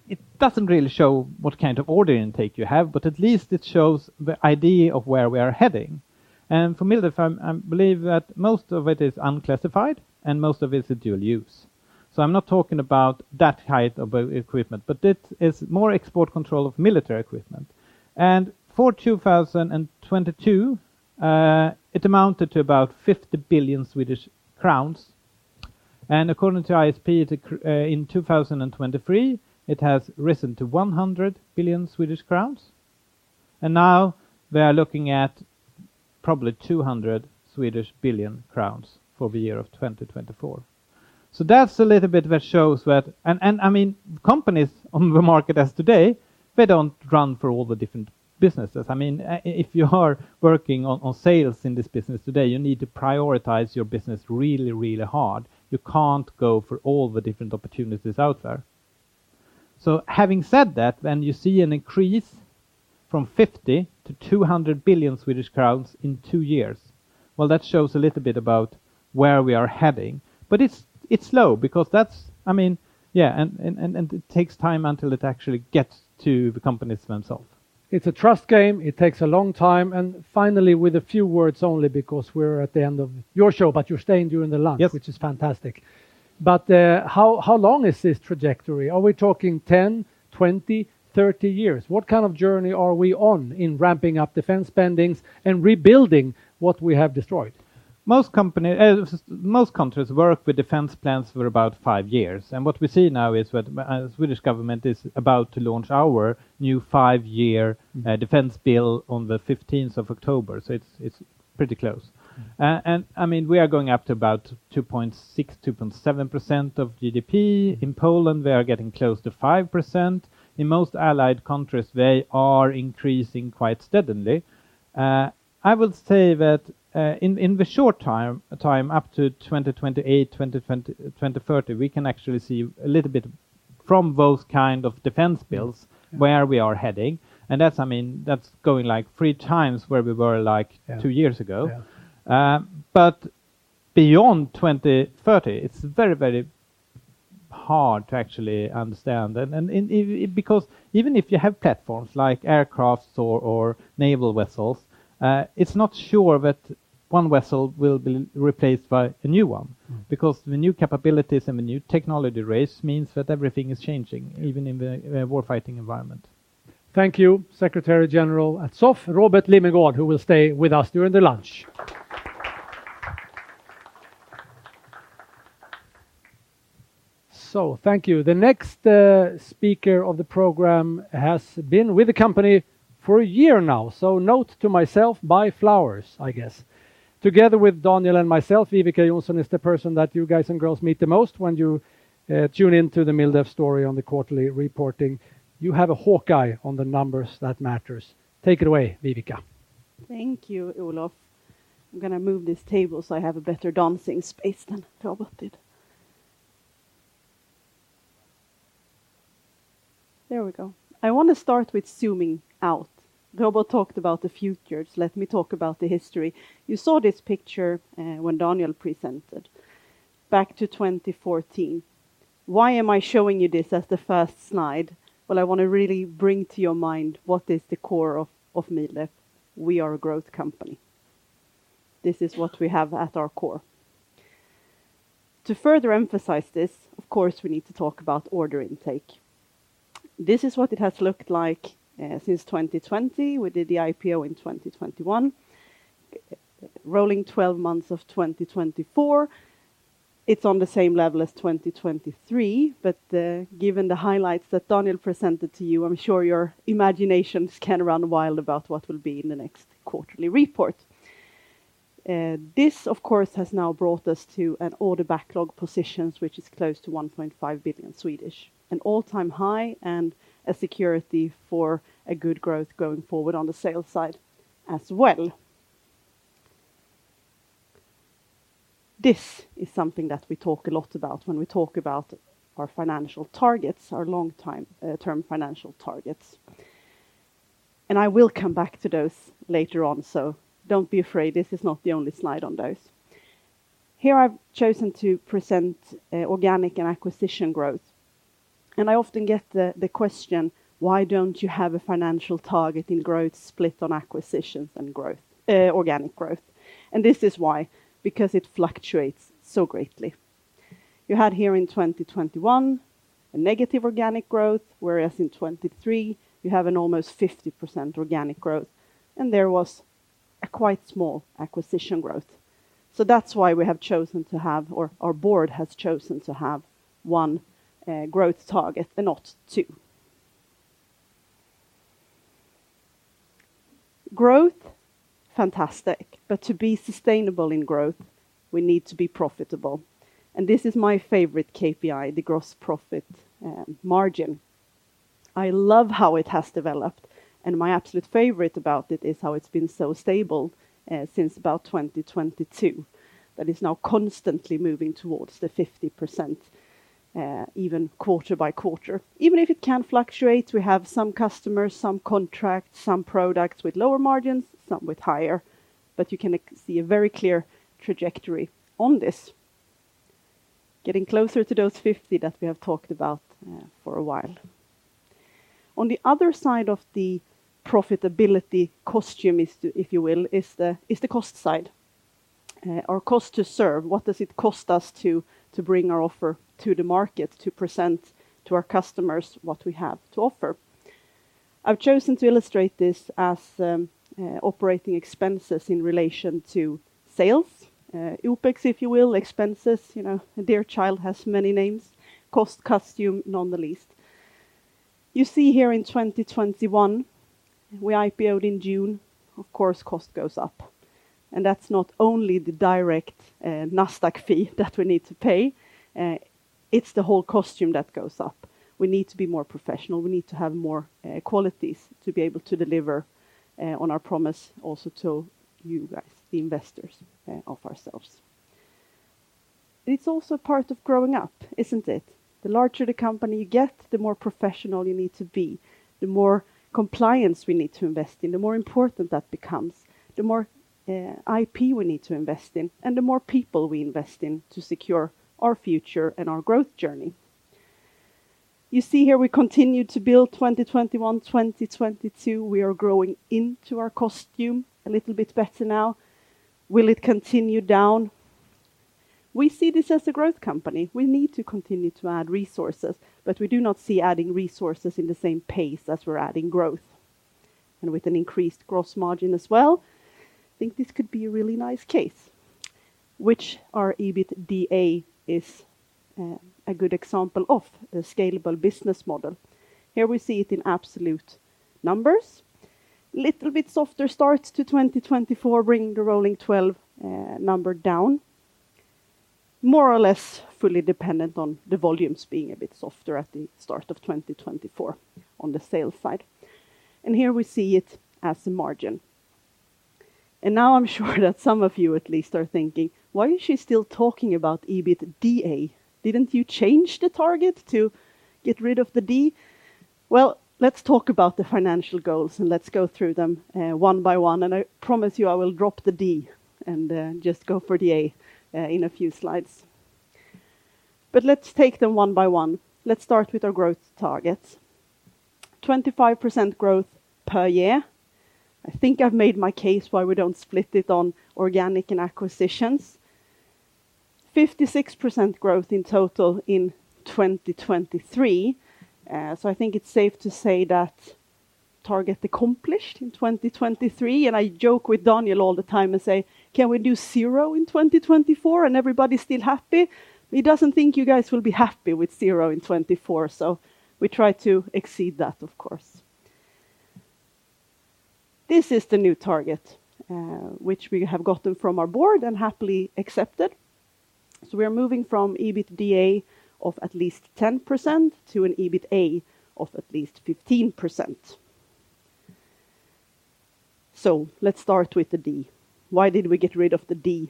it doesn't really show what kind of order intake you have, but at least it shows the idea of where we are heading. And for MilDef, I believe that most of it is unclassified, and most of it is dual use. So I'm not talking about that type of equipment, but it is more export control of military equipment. And for 2022, it amounted to about 50 billion Swedish crowns, and according to ISP, in 2023, it has risen to 100 billion Swedish crowns, and now they are looking at probably 200 billion crowns for the year 2024. So that's a little bit that shows that, and I mean, companies on the market today, they don't run for all the different businesses. I mean, if you are working on sales in this business today, you need to prioritize your business really, really hard. You can't go for all the different opportunities out there. So having said that, then you see an increase from 50 to 200 billion in two years. Well, that shows a little bit about where we are heading, but it's slow because that's. I mean, yeah, and it takes time until it actually gets to the companies themselves. It's a trust game. It takes a long time, and finally, with a few words only because we're at the end of your show, but you're staying during the lunch- Yes. which is fantastic. But, how long is this trajectory? Are we talking 10, 20, 30 years? What kind of journey are we on in ramping up defense spending and rebuilding what we have destroyed? Most countries work with defense plans for about five years, and what we see now is that the Swedish government is about to launch our new five-year defense bill on the 15th of October. So it's pretty close. And I mean, we are going up to about 2.6%-2.7% of GDP. In Poland, we are getting close to 5%. In most allied countries, they are increasing quite steadily. I would say that in the short time up to 2028, 2030, we can actually see a little bit from those kind of defense bills where we are heading, and that's, I mean, that's going like three times where we were like— Yeah —two years ago. Yeah. But beyond 2030, it's very, very hard to actually understand, and because even if you have platforms like aircrafts or naval vessels, it's not sure that one vessel will be replaced by a new one. Because the new capabilities and the new technology race means that everything is changing- even in the war fighting environment. Thank you, Secretary General at SOFF, Robert Limmergård, who will stay with us during the lunch. So thank you. The next speaker of the program has been with the company for a year now, so note to myself, buy flowers, I guess. Together with Daniel and myself, Viveca Johnsson is the person that you guys and girls meet the most when you tune in to the MilDef story on the quarterly reporting. You have a hawk eye on the numbers that matters. Take it away, Viveca. Thank you, Olof. I'm gonna move this table so I have a better dancing space than Robert did. There we go. I want to start with zooming out. Robert talked about the future. Let me talk about the history. You saw this picture when Daniel presented. Back to 2014, why am I showing you this as the first slide? Well, I want to really bring to your mind what is the core of MilDef. We are a growth company. This is what we have at our core. To further emphasize this, of course, we need to talk about order intake. This is what it has looked like since 2020. We did the IPO in 2021. Rolling 12 months of 2024, it's on the same level as 2023, but, given the highlights that Daniel presented to you, I'm sure your imaginations can run wild about what will be in the next quarterly report. This, of course, has now brought us to an order backlog positions, which is close to 1.5 billion, an all-time high and a security for a good growth going forward on the sales side as well. This is something that we talk a lot about when we talk about our financial targets, our long time, term financial targets, and I will come back to those later on, so don't be afraid. This is not the only slide on those. Here I've chosen to present organic and acquisition growth, and I often get the question, "Why don't you have a financial target in growth split on acquisitions and growth, organic growth?" and this is why, because it fluctuates so greatly. You had here in 2021, a negative organic growth, whereas in 2023, you have an almost 50% organic growth, and there was a quite small acquisition growth. So that's why we have chosen to have, or our board has chosen to have one growth target and not two. Growth, fantastic, but to be sustainable in growth, we need to be profitable, and this is my favorite KPI, the gross profit margin. I love how it has developed, and my absolute favorite about it is how it's been so stable since about 2022. That is now constantly moving towards the 50%, even quarter-by-quarter. Even if it can fluctuate, we have some customers, some contracts, some products with lower margins, some with higher, but you can see a very clear trajectory on this. Getting closer to those 50 that we have talked about, for a while. On the other side of the profitability coin is, if you will, the cost side, or cost to serve. What does it cost us to bring our offer to the market, to present to our customers what we have to offer? I've chosen to illustrate this as operating expenses in relation to sales, OpEx, if you will, expenses, you know, a dear child has many names, cost, coin, none the least. You see here in 2021, we IPO'd in June, of course. Cost goes up, and that's not only the direct Nasdaq fee that we need to pay. It's the whole cost base that goes up. We need to be more professional. We need to have more qualities to be able to deliver on our promise also to you guys, the investors, of ourselves. It's also part of growing up, isn't it? The larger the company you get, the more professional you need to be, the more compliance we need to invest in, the more important that becomes, the more IP we need to invest in, and the more people we invest in to secure our future and our growth journey. You see here we continue to build 2021, 2022, we are growing into our cost base a little bit better now. Will it continue down? We see this as a growth company. We need to continue to add resources, but we do not see adding resources in the same pace as we're adding growth. And with an increased gross margin as well, I think this could be a really nice case, which our EBITDA is, a good example of the scalable business model. Here we see it in absolute numbers. Little bit softer start to 2024, bringing the rolling twelve, number down, more or less fully dependent on the volumes being a bit softer at the start of 2024 on the sales side. And here we see it as a margin. And now I'm sure that some of you at least are thinking, "Why is she still talking about EBITDA? Didn't you change the target to get rid of the D?" Well, let's talk about the financial goals, and let's go through them one by one, and I promise you, I will drop the D and just go for the A in a few slides. But let's take them one by one. Let's start with our growth targets. 25% growth per year. I think I've made my case why we don't split it on organic and acquisitions. 56% growth in total in 2023. So I think it's safe to say that target accomplished in 2023, and I joke with Daniel all the time and say, "Can we do zero in 2024, and everybody's still happy?" He doesn't think you guys will be happy with zero in 2024, so we try to exceed that, of course. This is the new target, which we have gotten from our board and happily accepted, so we are moving from EBITDA of at least 10% to an EBITA of at least 15%. So let's start with the D. Why did we get rid of the D?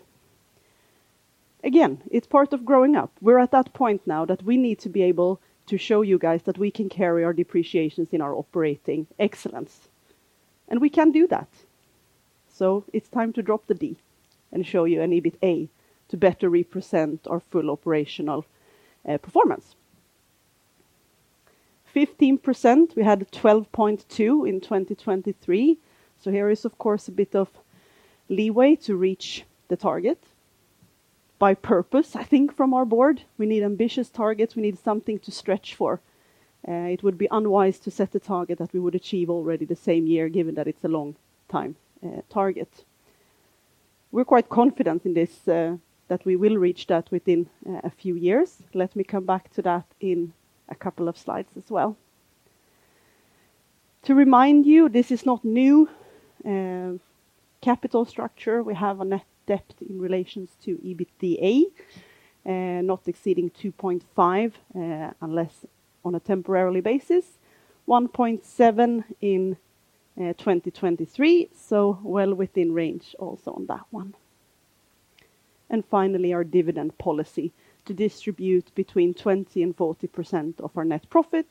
Again, it's part of growing up. We're at that point now that we need to be able to show you guys that we can carry our depreciations in our operating excellence, and we can do that, so it's time to drop the D and show you an EBITA to better represent our full operational performance. 15%, we had 12.2% in 2023, so here is, of course, a bit of leeway to reach the target. By purpose, I think from our board, we need ambitious targets. We need something to stretch for. It would be unwise to set a target that we would achieve already the same year, given that it's a long time target. We're quite confident in this, that we will reach that within a few years. Let me come back to that in a couple of slides as well. To remind you, this is not new capital structure. We have a net debt in relation to EBITDA, not exceeding 2.5 unless on a temporary basis, 1.7 in 2023, so well within range also on that one. And finally, our dividend policy to distribute between 20% and 40% of our net profit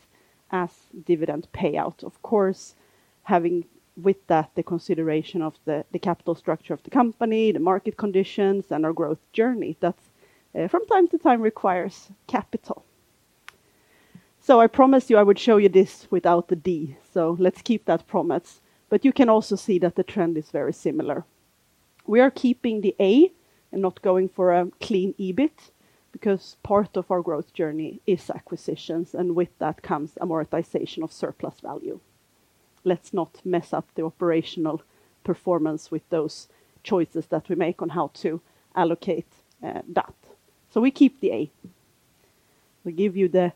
as dividend payout. Of course, having with that the consideration of the capital structure of the company, the market conditions, and our growth journey, that from time to time requires capital. So I promised you I would show you this without the D, so let's keep that promise. But you can also see that the trend is very similar. We are keeping the A and not going for a clean EBITA because part of our growth journey is acquisitions, and with that comes amortization of surplus value. Let's not mess up the operational performance with those choices that we make on how to allocate that. So we keep the A. We give you the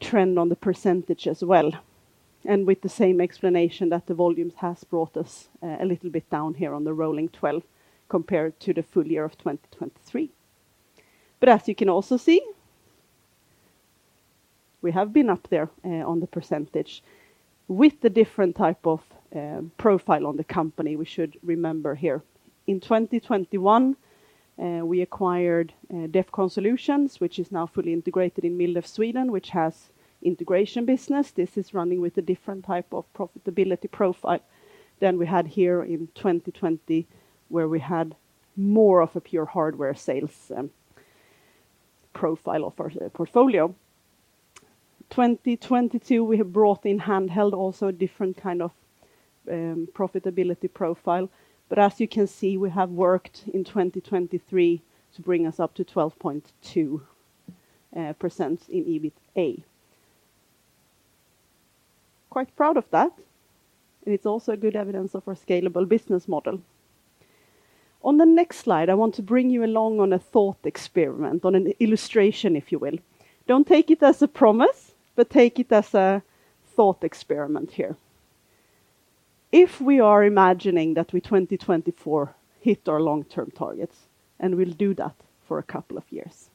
trend on the percentage as well, and with the same explanation that the volumes has brought us a little bit down here on the rolling 12 compared to the full year of 2023. But as you can also see, we have been up there on the percentage with the different type of profile on the company, we should remember here. In 2021, we acquired Defcon Solutions, which is now fully integrated in MilDef Sweden, which has integration business. This is running with a different type of profitability profile than we had here in 2020, where we had more of a pure hardware sales and profile of our portfolio. 2022, we have brought in Handheld, also a different kind of profitability profile. But as you can see, we have worked in 2023 to bring us up to 12.2% in EBITA. Quite proud of that, and it's also a good evidence of our scalable business model. On the next slide, I want to bring you along on a thought experiment, on an illustration, if you will. Don't take it as a promise, but take it as a thought experiment here. If we are imagining that we 2024 hit our long-term targets, and we'll do that for a couple of years,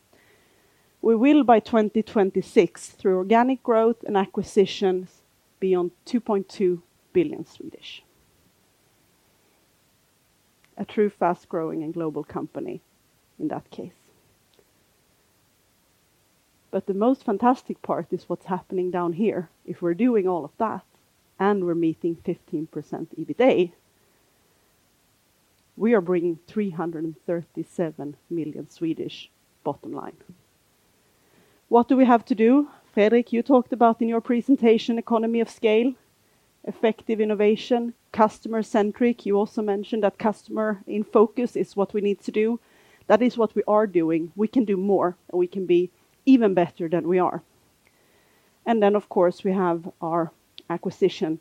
we will, by 2026, through organic growth and acquisitions, be on SEK 2.2 billion. A true, fast-growing, and global company in that case, but the most fantastic part is what's happening down here. If we're doing all of that, and we're meeting 15% EBITA, we are bringing 337 million bottom line. What do we have to do? Fredrik, you talked about in your presentation, economy of scale, effective innovation, customer-centric. You also mentioned that customer in focus is what we need to do. That is what we are doing. We can do more, and we can be even better than we are. And then, of course, we have our acquisition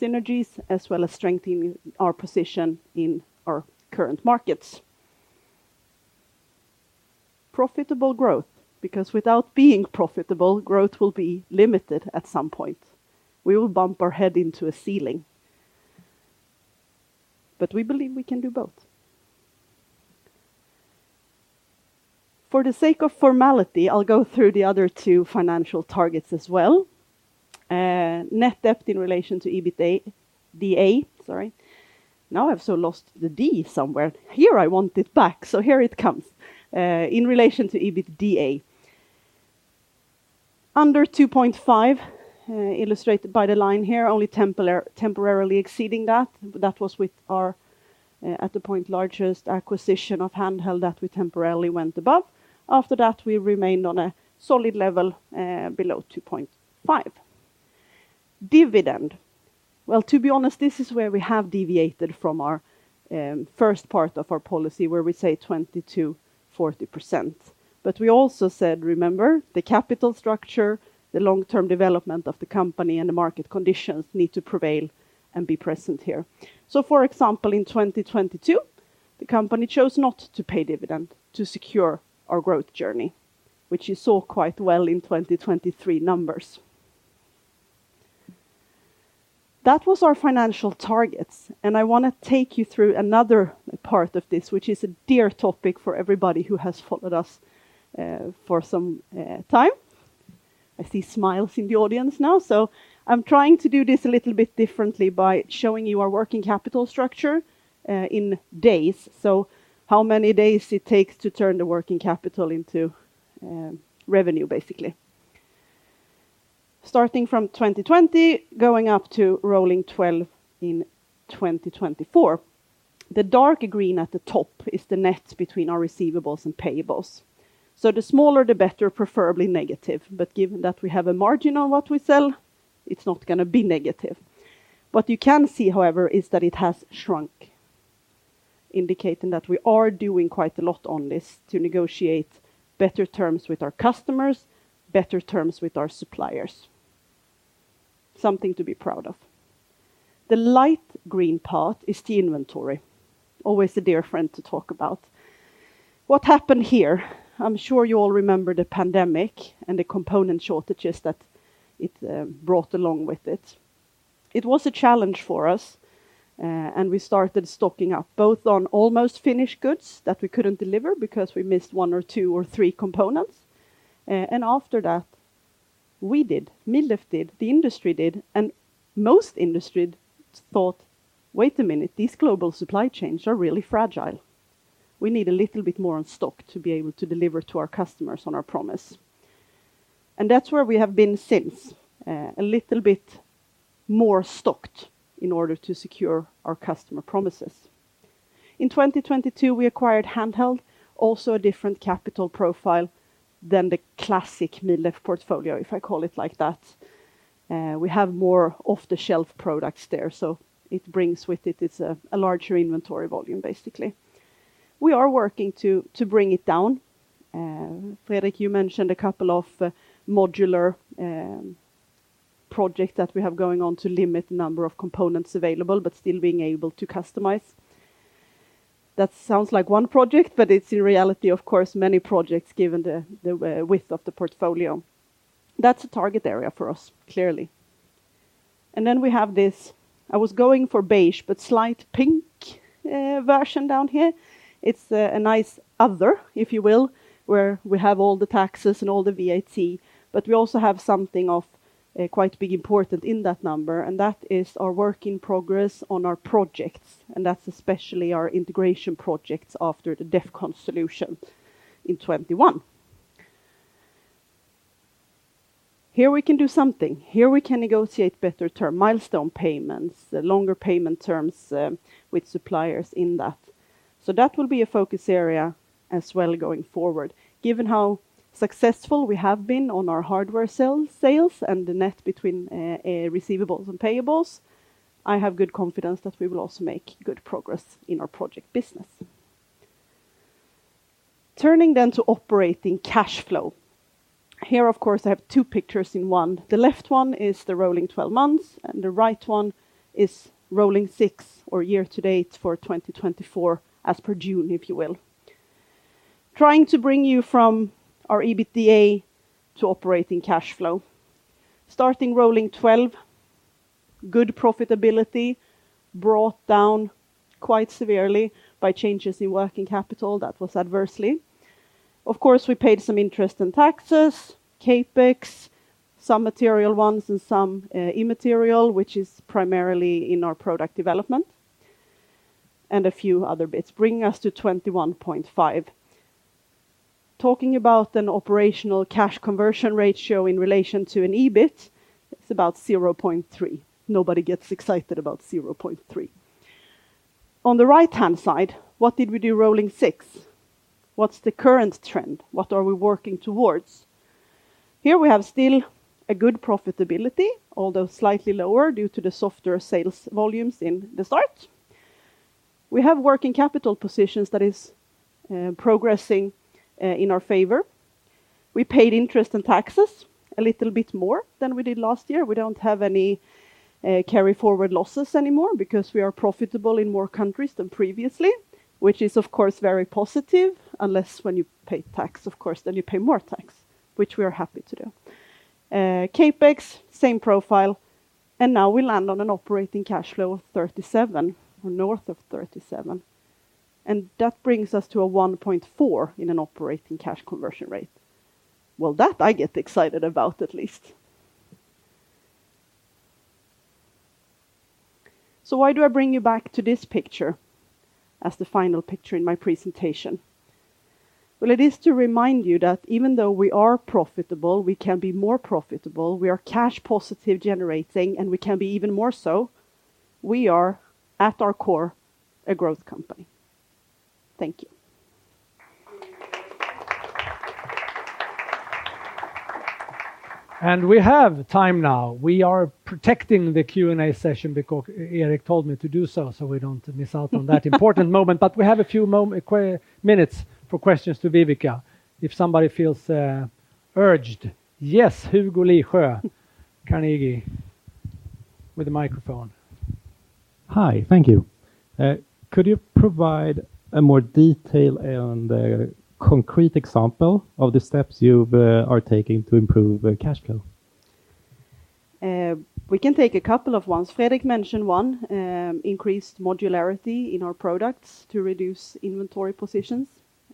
synergies, as well as strengthening our position in our current markets. Profitable growth, because without being profitable, growth will be limited at some point. We will bump our head into a ceiling, but we believe we can do both. For the sake of formality, I'll go through the other two financial targets as well. Net debt in relation to EBITA, DA, sorry. Now I've so lost the D somewhere. Here, I want it back, so here it comes, in relation to EBITDA. Under two point five, illustrated by the line here, only temporarily exceeding that. That was with our, at the point, largest acquisition of Handheld that we temporarily went above. After that, we remained on a solid level, below two point five. Dividend. Well, to be honest, this is where we have deviated from our, first part of our policy, where we say 20%-40%. But we also said, remember, the capital structure, the long-term development of the company, and the market conditions need to prevail and be present here. So for example, in 2022, the company chose not to pay dividend to secure our growth journey, which you saw quite well in 2023 numbers. That was our financial targets, and I want to take you through another part of this, which is a dear topic for everybody who has followed us for some time. I see smiles in the audience now. So I'm trying to do this a little bit differently by showing you our working capital structure in days. So how many days it takes to turn the working capital into revenue, basically. Starting from 2020, going up to rolling twelve in 2024, the dark green at the top is the net between our receivables and payables. So the smaller, the better, preferably negative. But given that we have a margin on what we sell, it's not gonna be negative. What you can see, however, is that it has shrunk, indicating that we are doing quite a lot on this to negotiate better terms with our customers, better terms with our suppliers. Something to be proud of. The light green part is the inventory, always a dear friend to talk about. What happened here? I'm sure you all remember the pandemic and the component shortages that it brought along with it. It was a challenge for us, and we started stocking up, both on almost finished goods that we couldn't deliver because we missed one or two or three components. And after that, we did, MilDef did, the industry did, and most industries thought, "Wait a minute, these global supply chains are really fragile. We need a little bit more on stock to be able to deliver to our customers on our promise." And that's where we have been since, a little bit more stocked in order to secure our customer promises. In 2022, we acquired Handheld, also a different capital profile than the classic MilDef portfolio, if I call it like that. We have more off-the-shelf products there, so it brings with it, it's a larger inventory volume, basically. We are working to bring it down. Fredrik, you mentioned a couple of modular projects that we have going on to limit the number of components available, but still being able to customize. That sounds like one project, but it's in reality, of course, many projects, given the width of the portfolio. That's a target area for us, clearly. And then we have this. I was going for beige, but slight pink version down here. It's a nice other, if you will, where we have all the taxes and all the VAT, but we also have something of quite big important in that number, and that is our work in progress on our projects, and that's especially our integration projects after the Defcon Solutions in 2021. Here, we can do something. Here, we can negotiate better term milestone payments, longer payment terms with suppliers in that. That will be a focus area as well going forward. Given how successful we have been on our hardware sell, sales and the net between receivables and payables, I have good confidence that we will also make good progress in our project business. Turning then to operating cash flow. Here, of course, I have two pictures in one. The left one is the rolling 12 months, and the right one is rolling six or year to date for 2024, as per June, if you will. Trying to bring you from our EBITDA to operating cash flow. Starting rolling 12, good profitability brought down quite severely by changes in working capital that was adversely. Of course, we paid some interest in taxes, CapEx, some material ones and some, immaterial, which is primarily in our product development, and a few other bits, bringing us to 21.5. Talking about an operational cash conversion ratio in relation to an EBIT, it's about 0.3. Nobody gets excited about 0.3. On the right-hand side, what did we do rolling six? What's the current trend? What are we working towards? Here we have still a good profitability, although slightly lower due to the softer sales volumes in the start. We have working capital positions that is, progressing, in our favor. We paid interest in taxes a little bit more than we did last year. We don't have any carry forward losses anymore because we are profitable in more countries than previously, which is, of course, very positive, unless when you pay tax, of course, then you pay more tax, which we are happy to do. CapEx, same profile, and now we land on an operating cash flow of 37, north of 37, and that brings us to a 1.4 in an operating cash conversion rate. That I get excited about at least. So why do I bring you back to this picture as the final picture in my presentation? It is to remind you that even though we are profitable, we can be more profitable. We are cash positive generating, and we can be even more so. We are, at our core, a growth company. Thank you. We have time now. We are protecting the Q&A session because Erik told me to do so, so we don't miss out on that important moment, but we have a few minutes for questions to Viveca, if somebody feels urged. Yes, Hugo Lisjö, Carnegie, with a microphone. Hi. Thank you. Could you provide a more detail on the concrete example of the steps you've are taking to improve the cash flow? We can take a couple of ones. Fredrik mentioned one, increased modularity in our products to reduce inventory positions,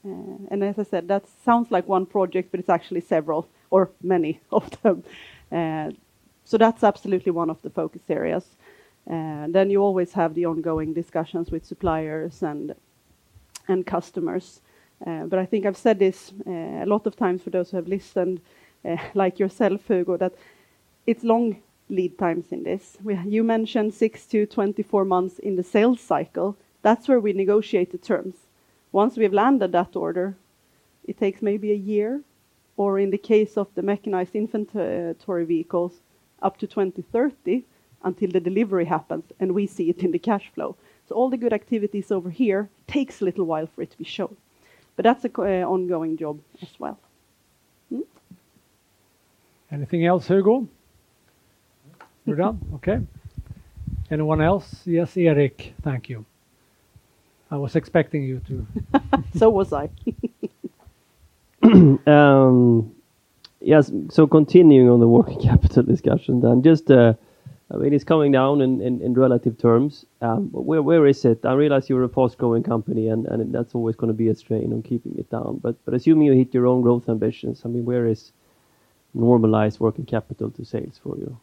and as I said, that sounds like one project, but it's actually several or many of them. So that's absolutely one of the focus areas. Then you always have the ongoing discussions with suppliers and, and customers. But I think I've said this a lot of times for those who have listened, like yourself, Hugo, that it's long lead times in this. You mentioned six to 24 months in the sales cycle. That's where we negotiate the terms. Once we've landed that order, it takes maybe a year, or in the case of the mechanized infantry vehicles, up to 2030 until the delivery happens, and we see it in the cash flow. So all the good activities over here takes a little while for it to be shown, but that's a ongoing job as well. Anything else, Hugo? We're done. Okay. Anyone else? Yes, Erik. Thank you. I was expecting you to- So was I. Yes, so continuing on the working capital discussion, then just, I mean, it's coming down in relative terms, but where is it? I realize you're a fast-growing company, and that's always gonna be a strain on keeping it down, but assuming you hit your own growth ambitions, I mean, where is normalized working capital to sales for you?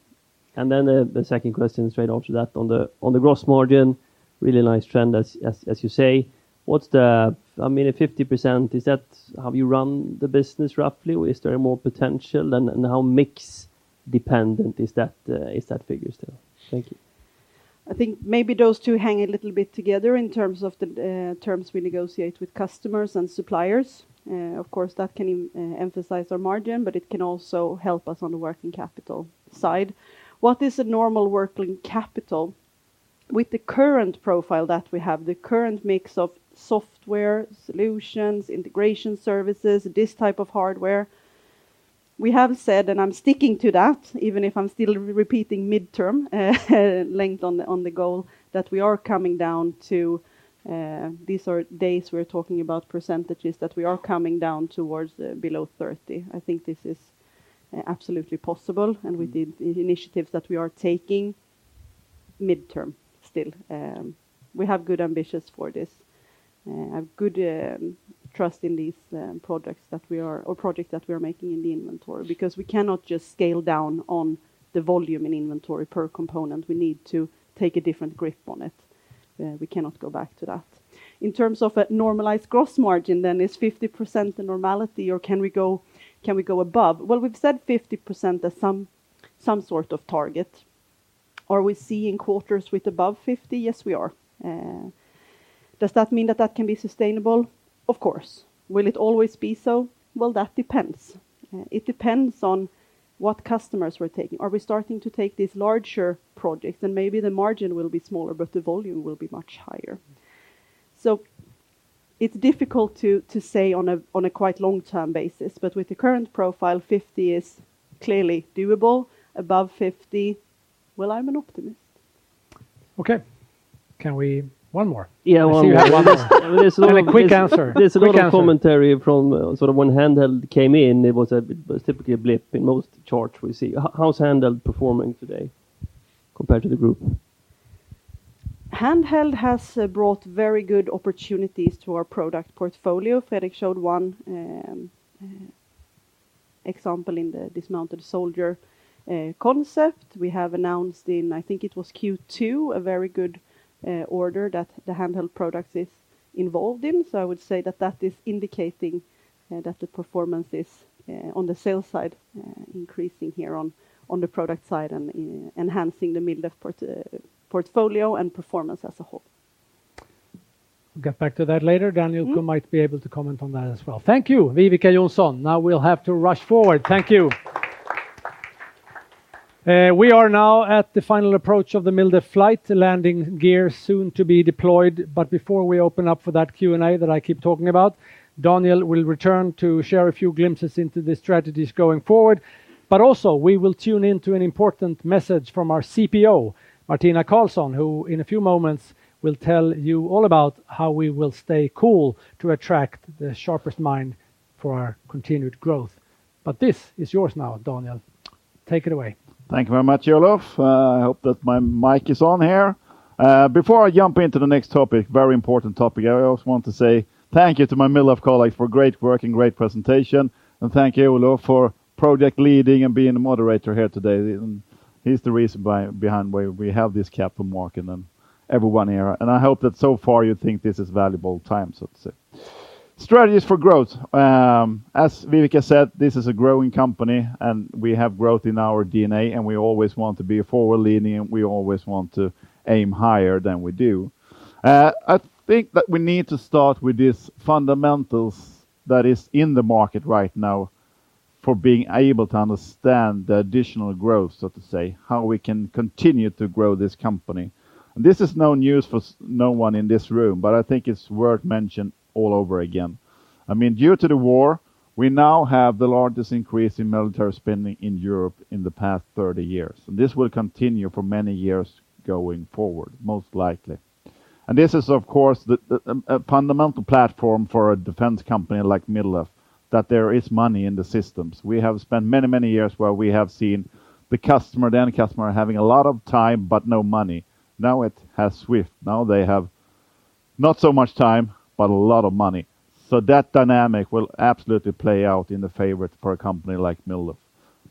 And then the second question straight after that, on the gross margin, really nice trend, as you say. What's the—I mean, 50%, is that how you run the business roughly, or is there more potential? And how mix dependent is that figure still? Thank you. I think maybe those two hang a little bit together in terms of the terms we negotiate with customers and suppliers. Of course, that can emphasize our margin, but it can also help us on the working capital side. What is a normal working capital? With the current profile that we have, the current mix of software, solutions, integration services, this type of hardware, we have said, and I'm sticking to that, even if I'm still repeating midterm, length on the, on the goal, that we are coming down to. These are days we're talking about percentages, that we are coming down towards below 30. I think this is absolutely possible, and with the initiatives that we are taking midterm, still, we have good ambitions for this. I have good trust in these projects that we are making in the inventory because we cannot just scale down on the volume in inventory per component. We need to take a different grip on it. We cannot go back to that. In terms of a normalized gross margin, then, is 50% the normality, or can we go above? We've said 50% is some sort of target. Are we seeing quarters with above 50%? Yes, we are. Does that mean that can be sustainable? Of course. Will it always be so? That depends. It depends on what customers we're taking. Are we starting to take these larger projects? Then maybe the margin will be smaller, but the volume will be much higher. So it's difficult to say on a quite long-term basis, but with the current profile, 50 is clearly doable. Above 50, well, I'm an optimist. Okay. Can we, one more? Yeah, one more. And a quick answer. A quick answer. There's a lot of commentary from, sort of, when Handheld came in, it was a, it was typically a blip in most charts we see. How's Handheld performing today compared to the group? Handheld has brought very good opportunities to our product portfolio. Fredrik showed one example in the dismounted soldier concept. We have announced in, I think it was Q2, a very good order that the Handheld product is involved in. So I would say that that is indicating that the performance is on the sales side increasing here on the product side and enhancing the MilDef portfolio and performance as a whole. We'll get back to that later. Daniel who might be able to comment on that as well. Thank you, Viveca Johnsson. Now we'll have to rush forward. Thank you. We are now at the final approach of the MilDef flight, the landing gear soon to be deployed. But before we open up for that Q&A that I keep talking about, Daniel will return to share a few glimpses into the strategies going forward. But also, we will tune into an important message from our CPO, Martina Karlsson, who, in a few moments, will tell you all about how we will stay cool to attract the sharpest mind for our continued growth. But this is yours now, Daniel. Take it away. Thank you very much, Olof. I hope that my mic is on here. Before I jump into the next topic, very important topic, I also want to say thank you to my MilDef colleagues for great work and great presentation, and thank you, Olof, for project leading and being the moderator here today. He's the reason behind why we have this Capital Markets Day and then everyone here, and I hope that so far you think this is valuable time, so to say. Strategies for growth. As Viveca said, this is a growing company, and we have growth in our DNA, and we always want to be forward-leaning, we always want to aim higher than we do. I think that we need to start with these fundamentals that is in the market right now for being able to understand the additional growth, so to say, how we can continue to grow this company. This is no news for no one in this room, but I think it's worth mentioning all over again. I mean, due to the war, we now have the largest increase in military spending in Europe in the past 30 years, and this will continue for many years going forward, most likely. This is, of course, a fundamental platform for a defense company like MilDef, that there is money in the systems. We have spent many, many years where we have seen the customer, the end customer, having a lot of time, but no money. Now, it has swift. Now they have not so much time, but a lot of money. So that dynamic will absolutely play out in the favorite for a company like MilDef.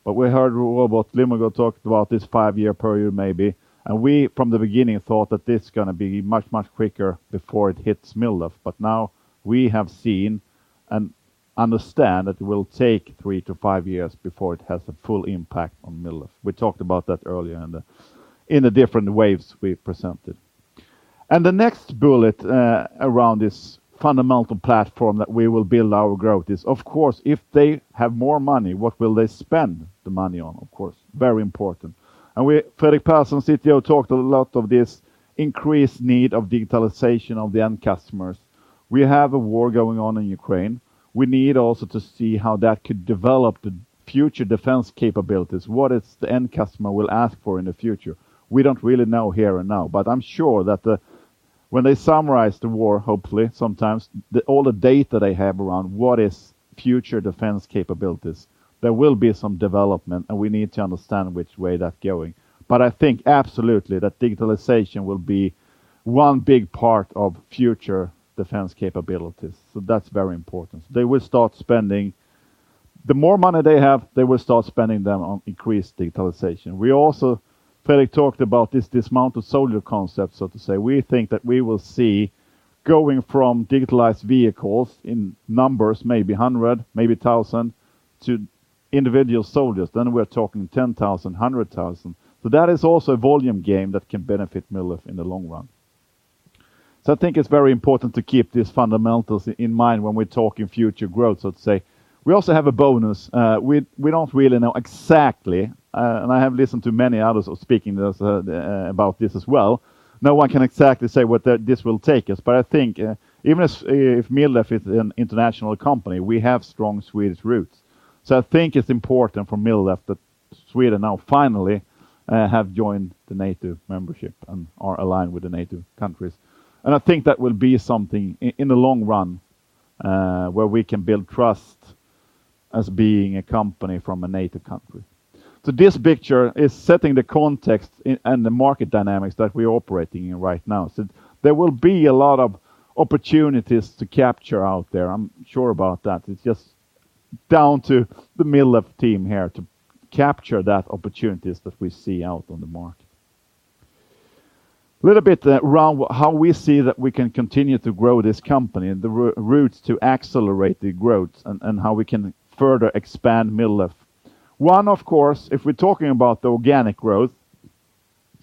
But we heard about Ljunggren talked about this five-year period, maybe, and we, from the beginning, thought that this is going to be much, much quicker before it hits MilDef. But now we have seen and understand that it will take three to five years before it has a full impact on MilDef. We talked about that earlier and in the different waves we presented. And the next bullet around this fundamental platform that we will build our growth is, of course, if they have more money, what will they spend the money on? Of course, very important. And we, Fredrik Persson, CTO, talked a lot about this increased need of digitalization of the end customers. We have a war going on in Ukraine. We need also to see how that could develop the future defense capabilities, what is the end customer will ask for in the future. We don't really know here and now, but I'm sure that when they summarize the war, all the data they have around what is future defense capabilities, there will be some development, and we need to understand which way that's going. But I think absolutely that digitalization will be one big part of future defense capabilities, so that's very important. They will start spending. The more money they have, they will start spending them on increased digitalization. We also, Fredrik talked about this dismounted soldier concept, so to say. We think that we will see going from digitalized vehicles in numbers, maybe hundred, maybe thousand, to individual soldiers, then we're talking 10,000; 100,000. So that is also a volume game that can benefit MilDef in the long run. So I think it's very important to keep these fundamentals in mind when we're talking future growth, so to say. We also have a bonus. We don't really know exactly, and I have listened to many others speaking this about this as well. No one can exactly say what this will take us, but I think even if MilDef is an international company, we have strong Swedish roots. So I think it's important for MilDef that Sweden now finally have joined the NATO membership and are aligned with the NATO countries. I think that will be something in the long run, where we can build trust as being a company from a native country. So this picture is setting the context and the market dynamics that we're operating in right now. So there will be a lot of opportunities to capture out there. I'm sure about that. It's just down to the MilDef team here to capture that opportunities that we see out on the market. A little bit around how we see that we can continue to grow this company and the routes to accelerate the growth and how we can further expand MilDef. One, of course, if we're talking about the organic growth.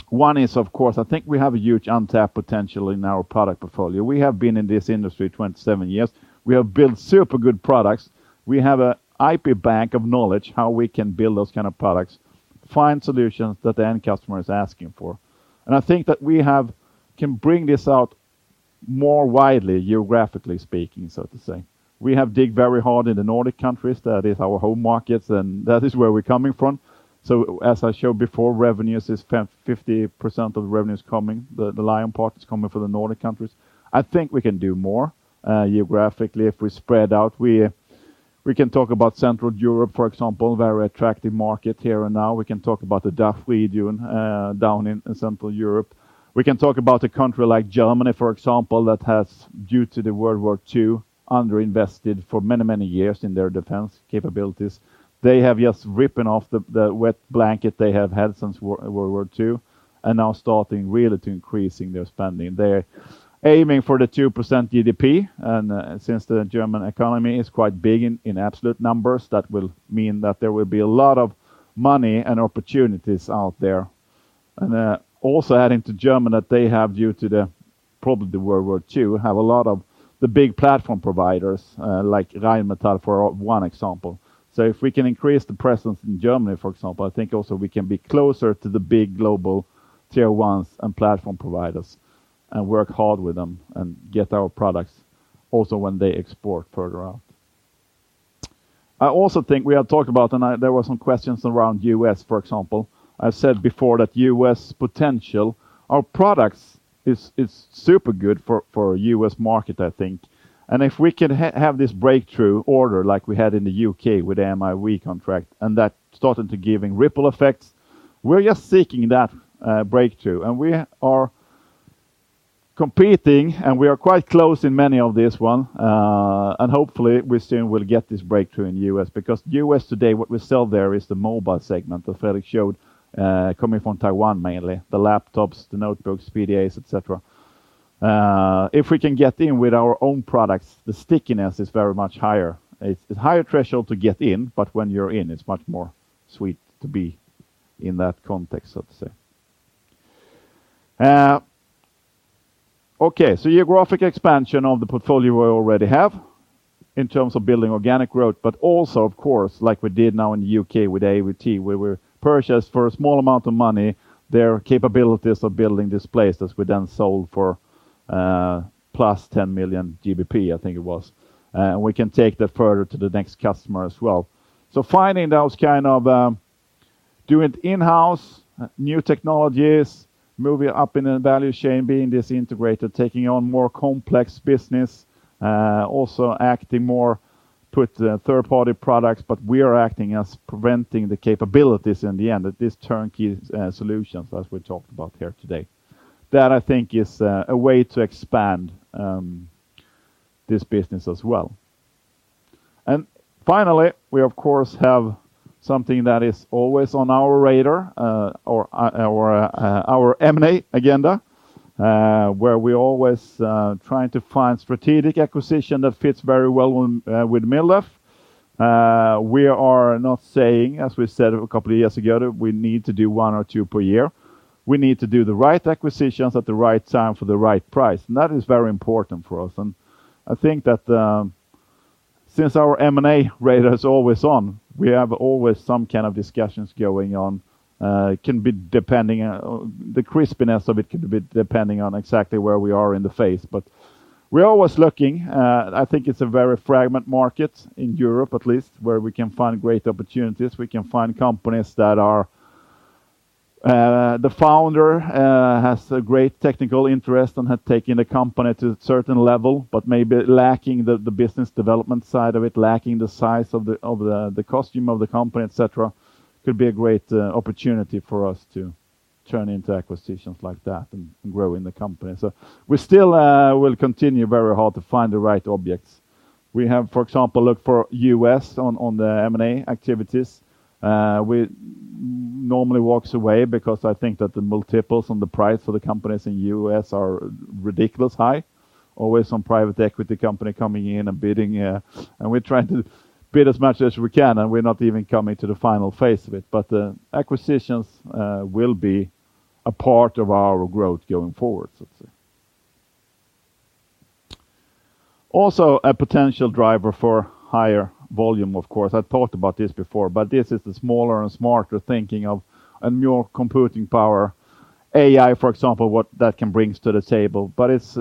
One is, of course, I think we have a huge untapped potential in our product portfolio. We have been in this industry 27 years. We have built super good products. We have an IP bank of knowledge, how we can build those kind of products, find solutions that the end customer is asking for. I think that we can bring this out more widely, geographically speaking, so to say. We have dug very hard in the Nordic countries, that is our home markets, and that is where we're coming from. As I showed before, revenues is 50% of the revenue is coming, the lion's part is coming from the Nordic countries. I think we can do more geographically if we spread out. We can talk about Central Europe, for example, very attractive market here and now. We can talk about the DAF we doing down in Central Europe. We can talk about a country like Germany, for example, that has, due to the World War II, underinvested for many, many years in their defense capabilities. They have just ripping off the wet blanket they have had since World War II, and now starting really to increasing their spending. They're aiming for the 2% GDP, and since the German economy is quite big in absolute numbers, that will mean that there will be a lot of money and opportunities out there. And also adding to German, that they have, due to probably the World War II, have a lot of the big platform providers like Rheinmetall, for one example. If we can increase the presence in Germany, for example, I think also we can be closer to the big global tier ones and platform providers, and work hard with them, and get our products also when they export further out. I also think we have talked about. There were some questions around U.S., for example. I said before that U.S. potential, our products is super good for a U.S. market, I think. And if we can have this breakthrough order like we had in the U.K. with MIV contract, and that started to giving ripple effects, we're just seeking that breakthrough. And we are competing, and we are quite close in many of this one. And hopefully, we soon will get this breakthrough in U.S., because U.S. today, what we sell there is the mobile segment that Fredrik showed, coming from Taiwan, mainly. The laptops, the notebooks, PDAs, et cetera. If we can get in with our own products, the stickiness is very much higher. It's higher threshold to get in, but when you're in, it's much more sweet to be in that context, so to say. Okay, so geographic expansion of the portfolio we already have in terms of building organic growth, but also, of course, like we did now in the U.K. with AVT, where we purchased for a small amount of money, their capabilities of building displays that we then sold for, plus 10 million GBP, I think it was. And we can take that further to the next customer as well. Finding those kind of do it in-house new technologies, moving up in the value chain, being this integrator, taking on more complex business, also acting more with the third-party products, but we are acting as providing the capabilities in the end, that this turnkey solutions, as we talked about here today. That, I think, is a way to expand this business as well. Finally, we of course have something that is always on our radar, our M&A agenda, where we always trying to find strategic acquisition that fits very well with MilDef. We are not saying, as we said a couple of years ago, that we need to do one or two per year. We need to do the right acquisitions at the right time for the right price, and that is very important for us. And I think that, since our M&A radar is always on, we have always some kind of discussions going on. The crispness of it can be depending on exactly where we are in the phase, but we're always looking. I think it's a very fragmented market, in Europe, at least, where we can find great opportunities. We can find companies where the founder has a great technical interest and have taken the company to a certain level, but maybe lacking the business development side of it, lacking the size of the customer base of the company, et cetera, could be a great opportunity for us to turn into acquisitions like that and grow the company. So we still will continue very hard to find the right objects. We have, for example, looked in the U.S. on the M&A activities. We normally walks away because I think that the multiples on the price for the companies in U.S. are ridiculous high. Always some private equity company coming in and bidding, and we're trying to bid as much as we can, and we're not even coming to the final phase of it. But the acquisitions will be a part of our growth going forward, so to say. Also, a potential driver for higher volume, of course. I've talked about this before, but this is the smaller and smarter thinking of a new computing power. AI, for example, what that can brings to the table. But it's,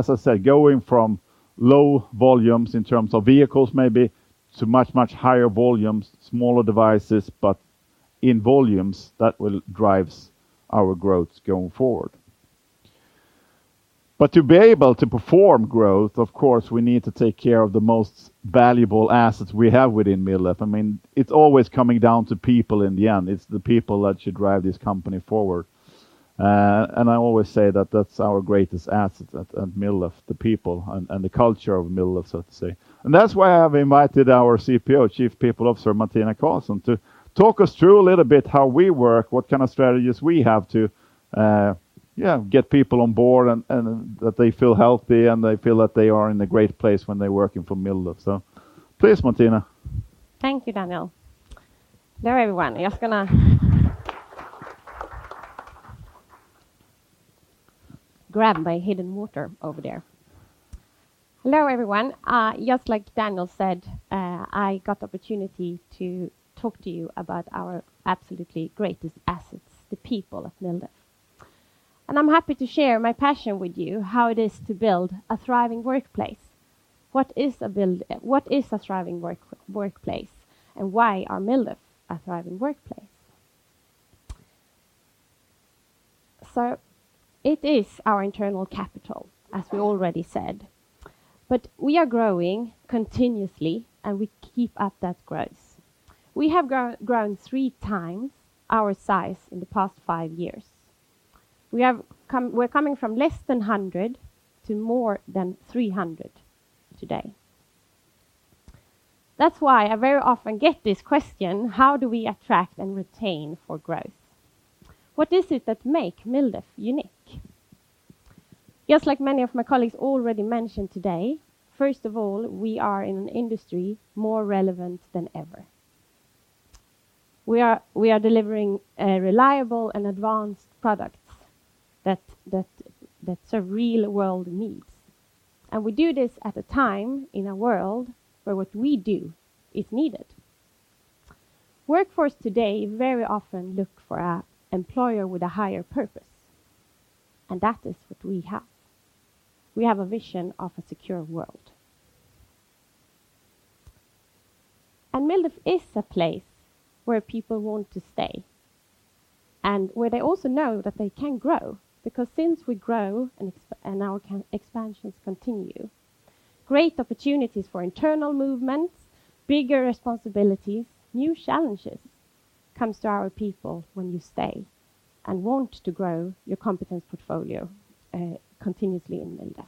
as I said, going from low volumes in terms of vehicles, maybe to much, much higher volumes, smaller devices, but in volumes that will drives our growth going forward. But to be able to perform growth, of course, we need to take care of the most valuable assets we have within MilDef. I mean, it's always coming down to people in the end. It's the people that should drive this company forward. And I always say that that's our greatest asset at MilDef, the people and the culture of MilDef, so to say. And that's why I've invited our CPO, Chief People Officer, Martina Karlsson, to talk us through a little bit how we work, what kind of strategies we have to get people on board and that they feel healthy, and they feel that they are in a great place when they're working for MilDef. So please, Martina. Thank you, Daniel. Hello, everyone. I'm just gonna grab my hidden water over there. Hello, everyone. Just like Daniel said, I got the opportunity to talk to you about our absolutely greatest assets, the people of MilDef. I'm happy to share my passion with you, how it is to build a thriving workplace. What is a thriving workplace, and why is MilDef a thriving workplace? It is our internal capital, as we already said, but we are growing continuously, and we keep up that growth. We have grown three times our size in the past five years. We have come from less than 100 to more than 300 today. That's why I very often get this question: How do we attract and retain for growth? What is it that makes MilDef unique? Just like many of my colleagues already mentioned today, first of all, we are in an industry more relevant than ever. We are delivering reliable and advanced products that the real world needs, and we do this at a time in a world where what we do is needed. Workforce today very often look for a employer with a higher purpose, and that is what we have. We have a vision of a secure world. MilDef is a place where people want to stay, and where they also know that they can grow, because since we grow and our expansions continue, great opportunities for internal movements, bigger responsibilities, new challenges comes to our people when you stay and want to grow your competence portfolio continuously in MilDef.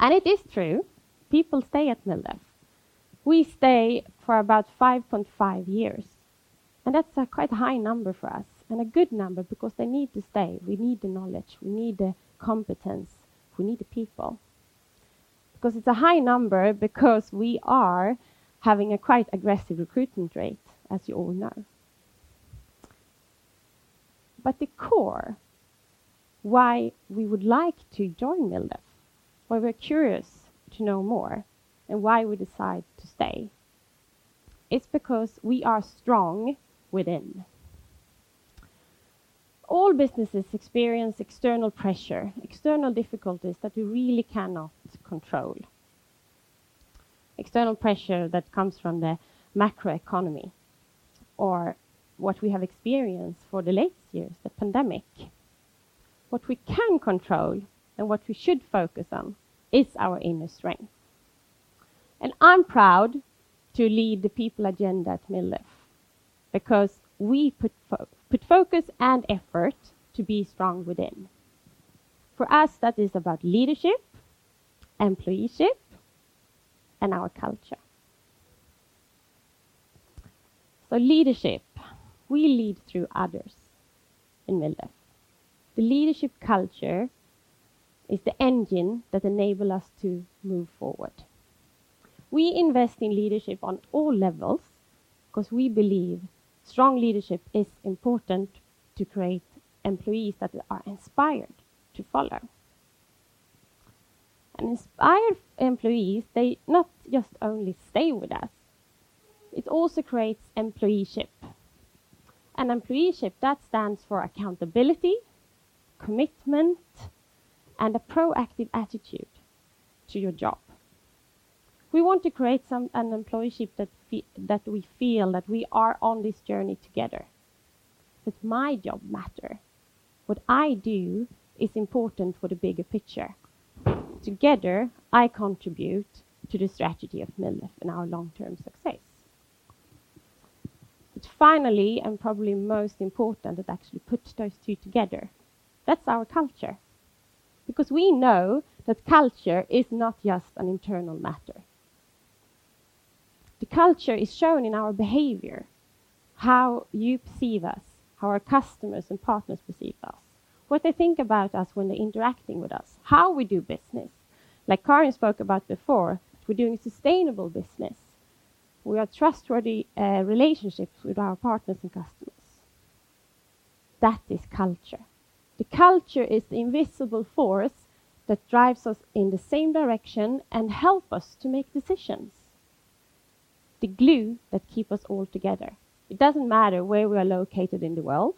It is true, people stay at MilDef. We stay for about 5.5 years, and that's a quite high number for us, and a good number because they need to stay. We need the knowledge, we need the competence, we need the people. Because it's a high number because we are having a quite aggressive recruitment rate, as you all know. But the core why we would like to join MilDef, why we're curious to know more, and why we decide to stay, it's because we are strong within. All businesses experience external pressure, external difficulties that we really cannot control. External pressure that comes from the macroeconomy or what we have experienced for the last years, the pandemic. What we can control and what we should focus on is our inner strength. And I'm proud to lead the people agenda at MilDef because we put focus and effort to be strong within. For us, that is about leadership, employeeship, and our culture. So leadership, we lead through others in MilDef. The leadership culture is the engine that enable us to move forward. We invest in leadership on all levels because we believe strong leadership is important to create employees that are inspired to follow. And inspired employees, they not just only stay with us, it also creates employeeship. And employeeship, that stands for accountability, commitment, and a proactive attitude to your job. We want to create some, an employeeship that that we feel that we are on this journey together. It's my job matter. What I do is important for the bigger picture. Together, I contribute to the strategy of MilDef and our long-term success. But finally, and probably most important, that actually puts those two together, that's our culture. Because we know that culture is not just an internal matter. The culture is shown in our behavior, how you perceive us, how our customers and partners perceive us, what they think about us when they're interacting with us, how we do business. Like Karin spoke about before, we're doing sustainable business. We are trustworthy, relationships with our partners and customers. That is culture. The culture is the invisible force that drives us in the same direction and help us to make decisions, the glue that keep us all together. It doesn't matter where we are located in the world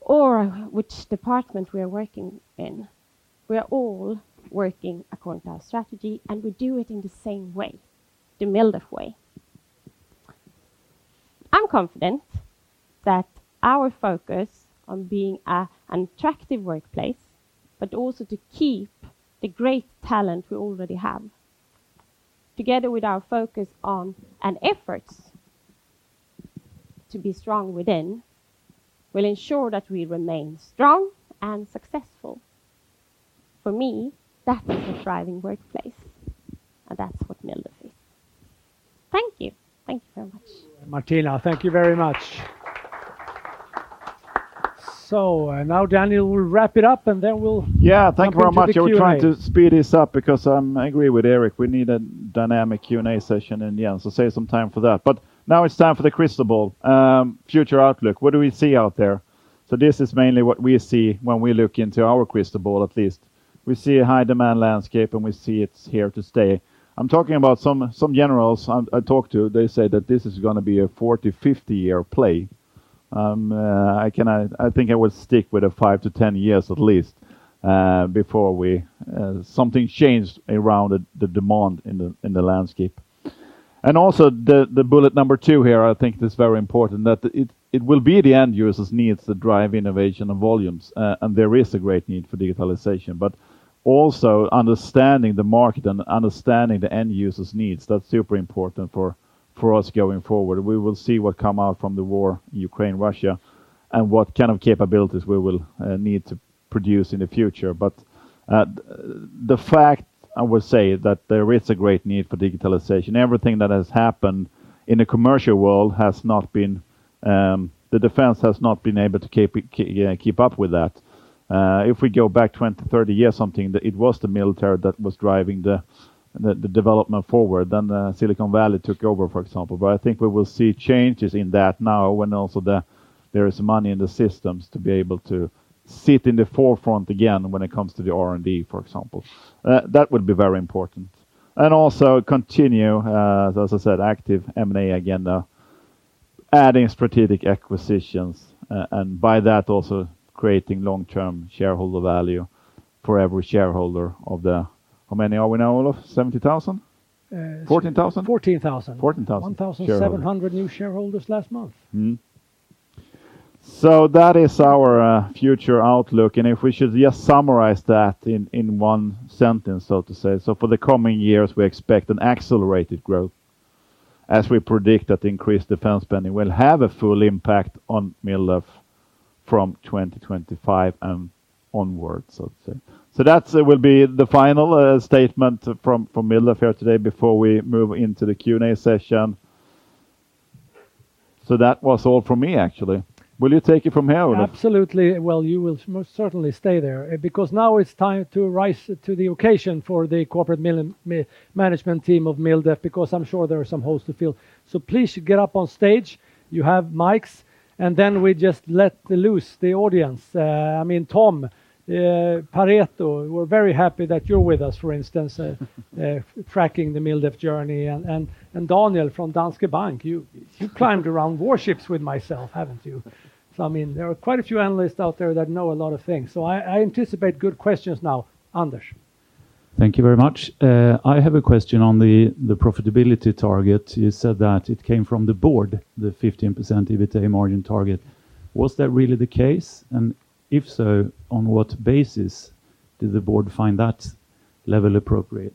or which department we are working in, we are all working according to our strategy, and we do it in the same way, the MilDef way. I'm confident that our focus on being an attractive workplace, but also to keep the great talent we already have, together with our focus on and efforts to be strong within, will ensure that we remain strong and successful. For me, that is a thriving workplace, and that's what MilDef is. Thank you. Thank you very much. Martina, thank you very much. So, and now Daniel will wrap it up, and then we'll— Yeah, thank you very much. Hop into the Q&A. We were trying to speed this up, because I agree with Erik, we need a dynamic Q&A session in the end, so save some time for that. But now it's time for the crystal ball, future outlook. What do we see out there? So this is mainly what we see when we look into our crystal ball, at least. We see a high-demand landscape, and we see it's here to stay. I'm talking about some generals I talked to. They say that this is gonna be a 40-50-year play. I think I would stick with a five to 10 years at least, before something changed around the demand in the landscape. And also, the bullet number two here, I think is very important, that it will be the end user's needs that drive innovation and volumes. And there is a great need for digitalization, but also understanding the market and understanding the end user's needs, that's super important for us going forward. We will see what come out from the war, Ukraine, Russia, and what kind of capabilities we will need to produce in the future. But the fact, I would say, that there is a great need for digitalization, everything that has happened in the commercial world has not been. The defense has not been able to keep up with that. If we go back 20, 30 years, something, it was the military that was driving the development forward, then the Silicon Valley took over, for example. But I think we will see changes in that now, when also there is money in the systems to be able to sit in the forefront again when it comes to the R&D, for example. That would be very important. And also continue, as I said, active M&A agenda, adding strategic acquisitions, and by that, also creating long-term shareholder value for every shareholder of the... How many are we now, Olof? 70,000? 14,000? 14,000. 14,000 shareholders. 1,700 new shareholders last month. Mm-hmmSo that is our future outlook, and if we should just summarize that in one sentence, so to say. So for the coming years, we expect an accelerated growth, as we predict that increased defense spending will have a full impact on MilDef from 2025 and onwards, so to say. So that will be the final statement from MilDef here today before we move into the Q&A session. So that was all from me, actually. Will you take it from here, Olof? Absolutely. Well, you will most certainly stay there, because now it's time to rise to the occasion for the corporate management team of MilDef, because I'm sure there are some holes to fill. So please get up on stage. You have mics, and then we just let loose the audience. I mean, Tom, Pareto, we're very happy that you're with us, for instance, tracking the MilDef journey. And Daniel from Danske Bank, you climbed around warships with myself, haven't you? So, I mean, there are quite a few analysts out there that know a lot of things, so I anticipate good questions now. Anders? Thank you very much. I have a question on the profitability target. You said that it came from the board, the 15% EBITDA margin target. Was that really the case? And if so, on what basis did the board find that level appropriate?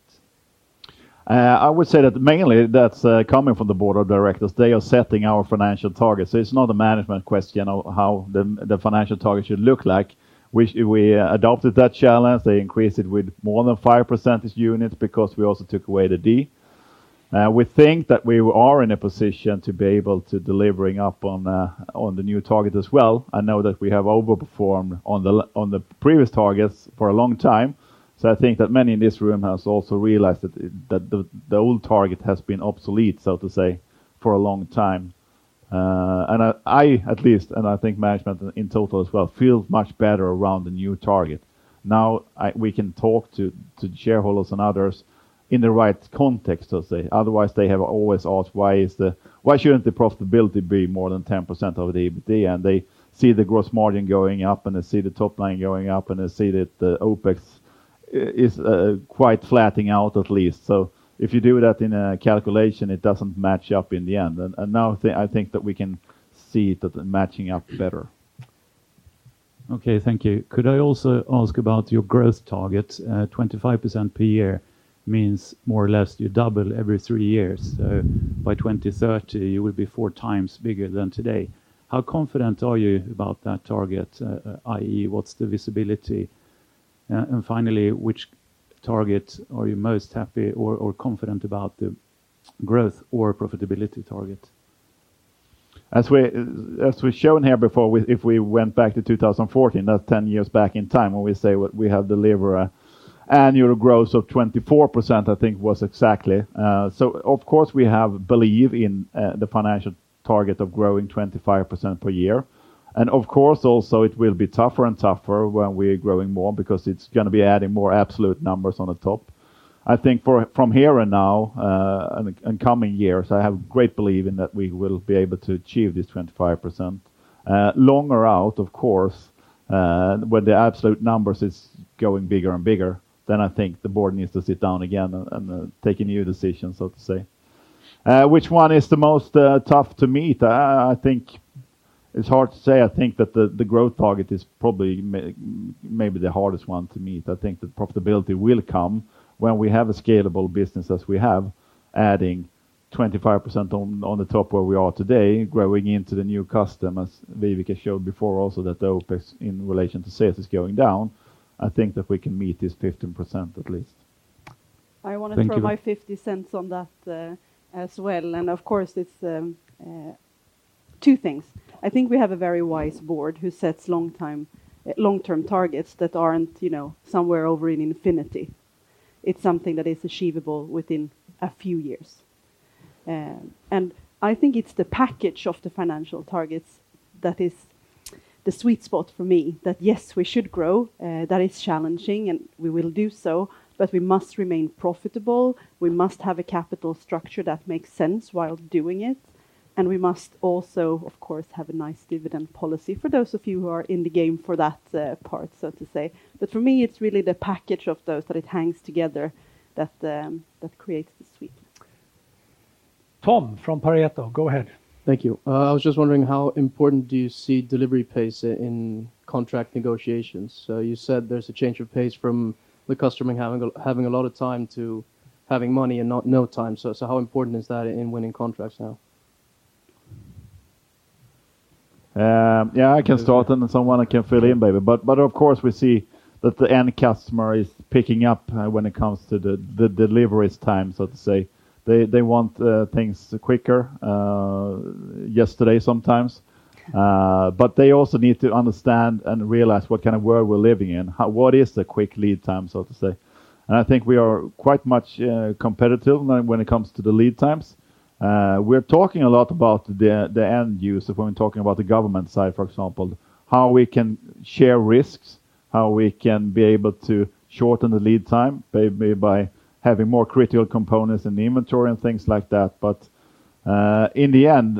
I would say that mainly that's coming from the board of directors. They are setting our financial targets, so it's not a management question of how the financial target should look like. We adopted that challenge. They increased it with more than five percentage points because we also took away the D. We think that we are in a position to be able to delivering up on the new target as well. I know that we have overperformed on the previous targets for a long time, so I think that many in this room has also realized that the old target has been obsolete, so to say, for a long time. I at least, and I think management in total as well, feel much better around the new target. Now, we can talk to shareholders and others in the right context, so to say. Otherwise, they have always asked, "Why shouldn't the profitability be more than 10% of the EBITDA?" And they see the gross margin going up, and they see the top line going up, and they see that the OpEx is quite flattening out, at least. So if you do that in a calculation, it doesn't match up in the end. And now I think that we can see that matching up better. Okay, thank you. Could I also ask about your growth target? 25% per year means more or less you double every three years. So by 2030, you will be four times bigger than today. How confident are you about that target? i.e., what's the visibility? And finally, which target are you most happy or confident about, the growth or profitability target? As we've shown here before, if we went back to 2014, that's 10 years back in time. When we say we, we have delivered an annual growth of 24%, I think was exactly. So of course, we have belief in the financial target of growing 25% per year, and of course also it will be tougher and tougher when we're growing more because it's gonna be adding more absolute numbers on the top. I think from here and now, and coming years, I have great belief in that we will be able to achieve this 25%. Longer out, of course, when the absolute numbers is going bigger and bigger, then I think the board needs to sit down again and take a new decision, so to say. Which one is the most tough to meet? I think it's hard to say. I think that the growth target is probably maybe the hardest one to meet. I think the profitability will come when we have a scalable business, as we have, adding 25% on the top where we are today, growing into the new customer. As Viveca showed before, also, that the OpEx in relation to sales is going down, I think that we can meet this 15% at least.... I want to throw my 50 cents on that, as well. Of course, it's two things. I think we have a very wise board who sets long-term targets that aren't, you know, somewhere over in infinity. It's something that is achievable within a few years. And I think it's the package of the financial targets that is the sweet spot for me, that, yes, we should grow, that is challenging, and we will do so, but we must remain profitable. We must have a capital structure that makes sense while doing it, and we must also, of course, have a nice dividend policy for those of you who are in the game for that, part, so to say. But for me, it's really the package of those, that it hangs together, that creates the sweet. Tom, from Pareto, go ahead. Thank you. I was just wondering, how important do you see delivery pace in contract negotiations? So you said there's a change of pace from the customer having a lot of time to having money and no time. So how important is that in winning contracts now? Yeah, I can start, and someone can fill in maybe. But of course, we see that the end customer is picking up when it comes to the deliveries time, so to say. They want things quicker, yesterday, sometimes. But they also need to understand and realize what kind of world we're living in. What is the quick lead time, so to say? And I think we are quite much competitive when it comes to the lead times. We're talking a lot about the end user when we're talking about the government side, for example, how we can share risks, how we can be able to shorten the lead time, maybe by having more critical components in the inventory and things like that. In the end,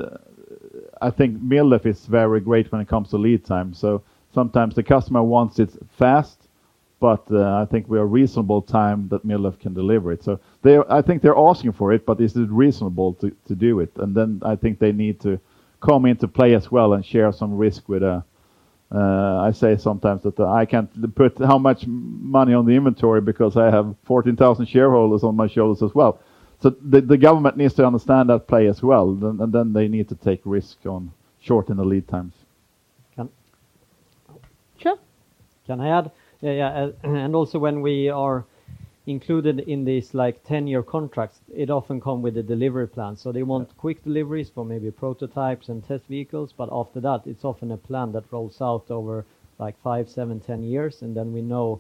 I think MilDef is very great when it comes to lead time. Sometimes the customer wants it fast, but I think we are reasonable time that MilDef can deliver it. They are asking for it, but is it reasonable to do it? Then I think they need to come into play as well and share some risk with... I say sometimes that I can't put how much money on the inventory because I have 14,000 shareholders on my shoulders as well. The government needs to understand that play as well, and they need to take risk on shorten the lead times. Can Sure. Can I add? Yeah, yeah, and also, when we are included in these, like, ten-year contracts, it often come with a delivery plan. So they want quick deliveries for maybe prototypes and test vehicles, but after that, it's often a plan that rolls out over, like, five, seven, 10 years, and then we know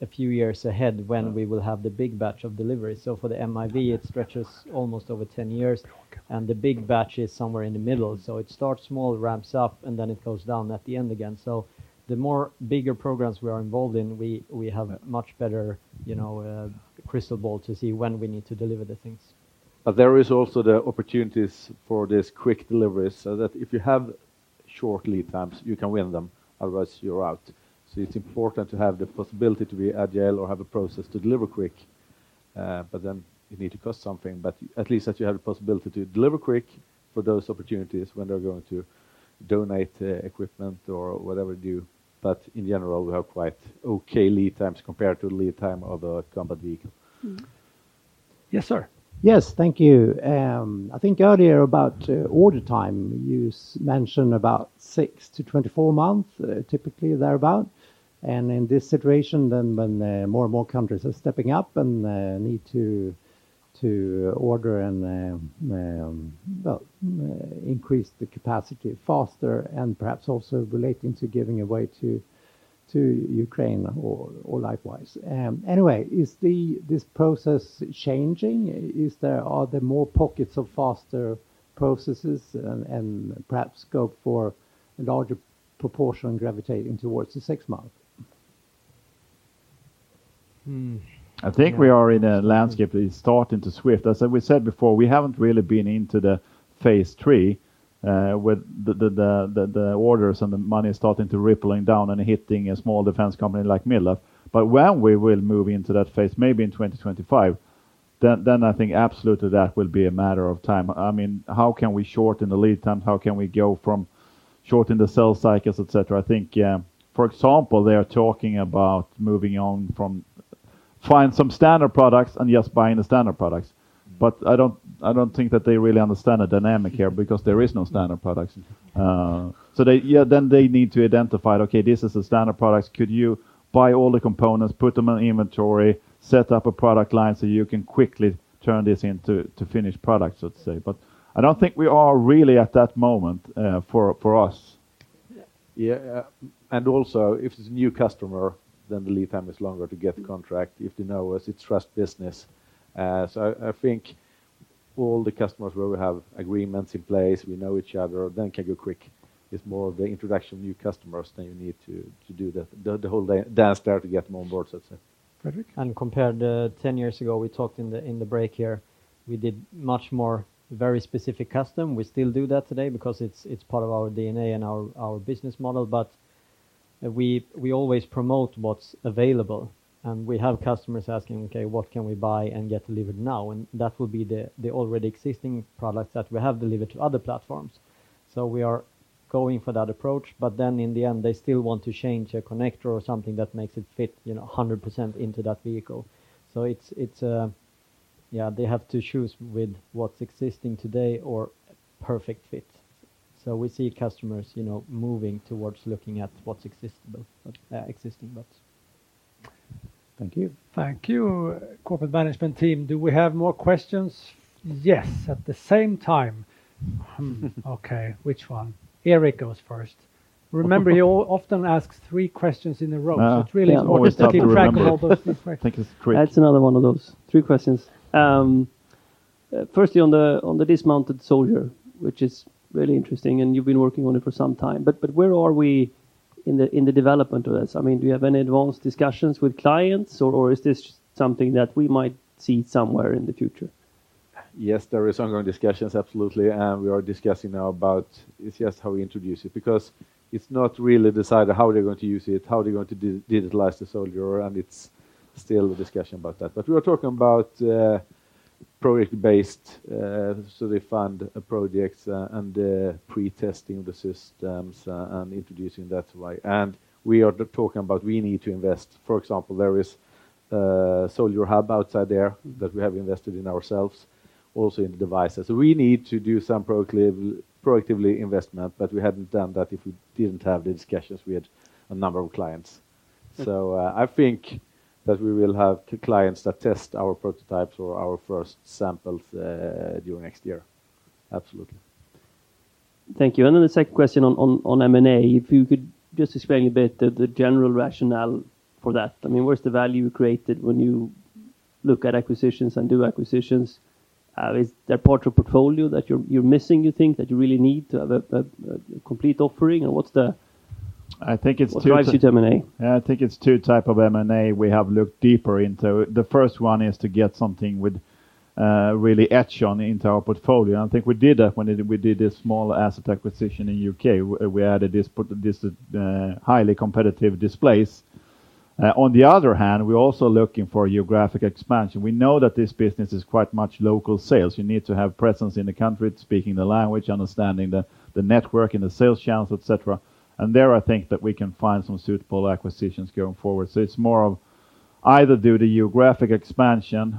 a few years ahead when we will have the big batch of delivery. So for the MIV, it stretches almost over 10 years, and the big batch is somewhere in the middle. So it starts small, ramps up, and then it goes down at the end again. So the more bigger programs we are involved in, we have a much better, you know, crystal ball to see when we need to deliver the things. But there is also the opportunities for these quick deliveries, so that if you have short lead times, you can win them, otherwise you're out. So it's important to have the possibility to be agile or have a process to deliver quick, but then it need to cost something. But at least that you have the possibility to deliver quick for those opportunities when they're going to donate the equipment or whatever do. But in general, we have quite okay lead times compared to the lead time of a combat vehicle. Yes, sir. Yes. Thank you. I think earlier about order time, you mentioned about six to 24 months, typically, thereabout. And in this situation, then when more and more countries are stepping up and need to order and well increase the capacity faster and perhaps also relating to giving away to Ukraine or likewise. Anyway, is this process changing? Are there more pockets of faster processes and perhaps scope for a larger proportion gravitating towards the six month? I think we are in a landscape that is starting to shift. As we said before, we haven't really been into the phase three with the orders and the money starting to rippling down and hitting a small defense company like MilDef. But when we will move into that phase, maybe in 2025, then I think absolutely that will be a matter of time. I mean, how can we shorten the lead time? How can we go from shorten the sales cycles, et cetera? I think for example, they are talking about moving on from find some standard products and just buying the standard products. But I don't think that they really understand the dynamic here, because there is no standard products. So they, yeah, then they need to identify, okay, this is the standard products. Could you buy all the components, put them in inventory, set up a product line so you can quickly turn this into, to finished products, let's say? But I don't think we are really at that moment, for us. Yeah. Yeah, uh- And also, if it's a new customer, then the lead time is longer to get the contract. If they know us, it's trust business. So I think all the customers where we have agreements in place, we know each other, then it can go quick. It's more the introduction of new customers, then you need to do the whole dance there to get them on board, so to say. Fredrik? And compared to 10 years ago, we talked in the break here. We did much more very specific custom. We still do that today because it's part of our DNA and our business model, but we always promote what's available, and we have customers asking, "Okay, what can we buy and get delivered now?" That will be the already existing products that we have delivered to other platforms. So we are going for that approach, but then in the end, they still want to change a connector or something that makes it fit, you know, 100% into that vehicle. So it's yeah, they have to choose with what's existing today or perfect fit. So we see customers, you know, moving towards looking at what's existing, but thank you. Thank you, corporate management team. Do we have more questions? Yes, at the same time. Okay, which one? Erik goes first. Remember, he often asks three questions in a row. So it's really—yeah, always hard to remember. Keep track of all those three questions. I think it's great. That's another one of those three questions. Firstly, on the dismounted soldier, which is really interesting, and you've been working on it for some time, but where are we in the development of this? I mean, do you have any advanced discussions with clients, or is this something that we might see somewhere in the future? Yes, there is ongoing discussions, absolutely, and we are discussing now about it's just how we introduce it, because it's not really decided how they're going to use it, how they're going to digitalize the soldier, and it's still a discussion about that. But we are talking about project-based, so they fund projects, and the pre-testing the systems, and introducing that way. And we are talking about we need to invest. For example, there is a soldier hub outside there that we have invested in ourselves, also in the devices. So we need to do some proactive investment, but we hadn't done that if we didn't have the discussions we had a number of clients. So, I think that we will have clients that test our prototypes or our first samples during next year. Absolutely. Thank you. And then the second question on M&A, if you could just explain a bit the general rationale for that. I mean, where's the value created when you look at acquisitions and do acquisitions? Is there part of portfolio that you're missing, you think that you really need to have a complete offering? And what's the I think it's two What drives you to M&A? I think it's two types of M&A we have looked deeper into. The first one is to get something with really edge on into our portfolio. I think we did that when we did a small asset acquisition in U.K. We added this highly competitive displays. On the other hand, we're also looking for geographic expansion. We know that this business is quite much local sales. You need to have presence in the country, speaking the language, understanding the network and the sales channels, et cetera. And there, I think that we can find some suitable acquisitions going forward. So it's more of either due to geographic expansion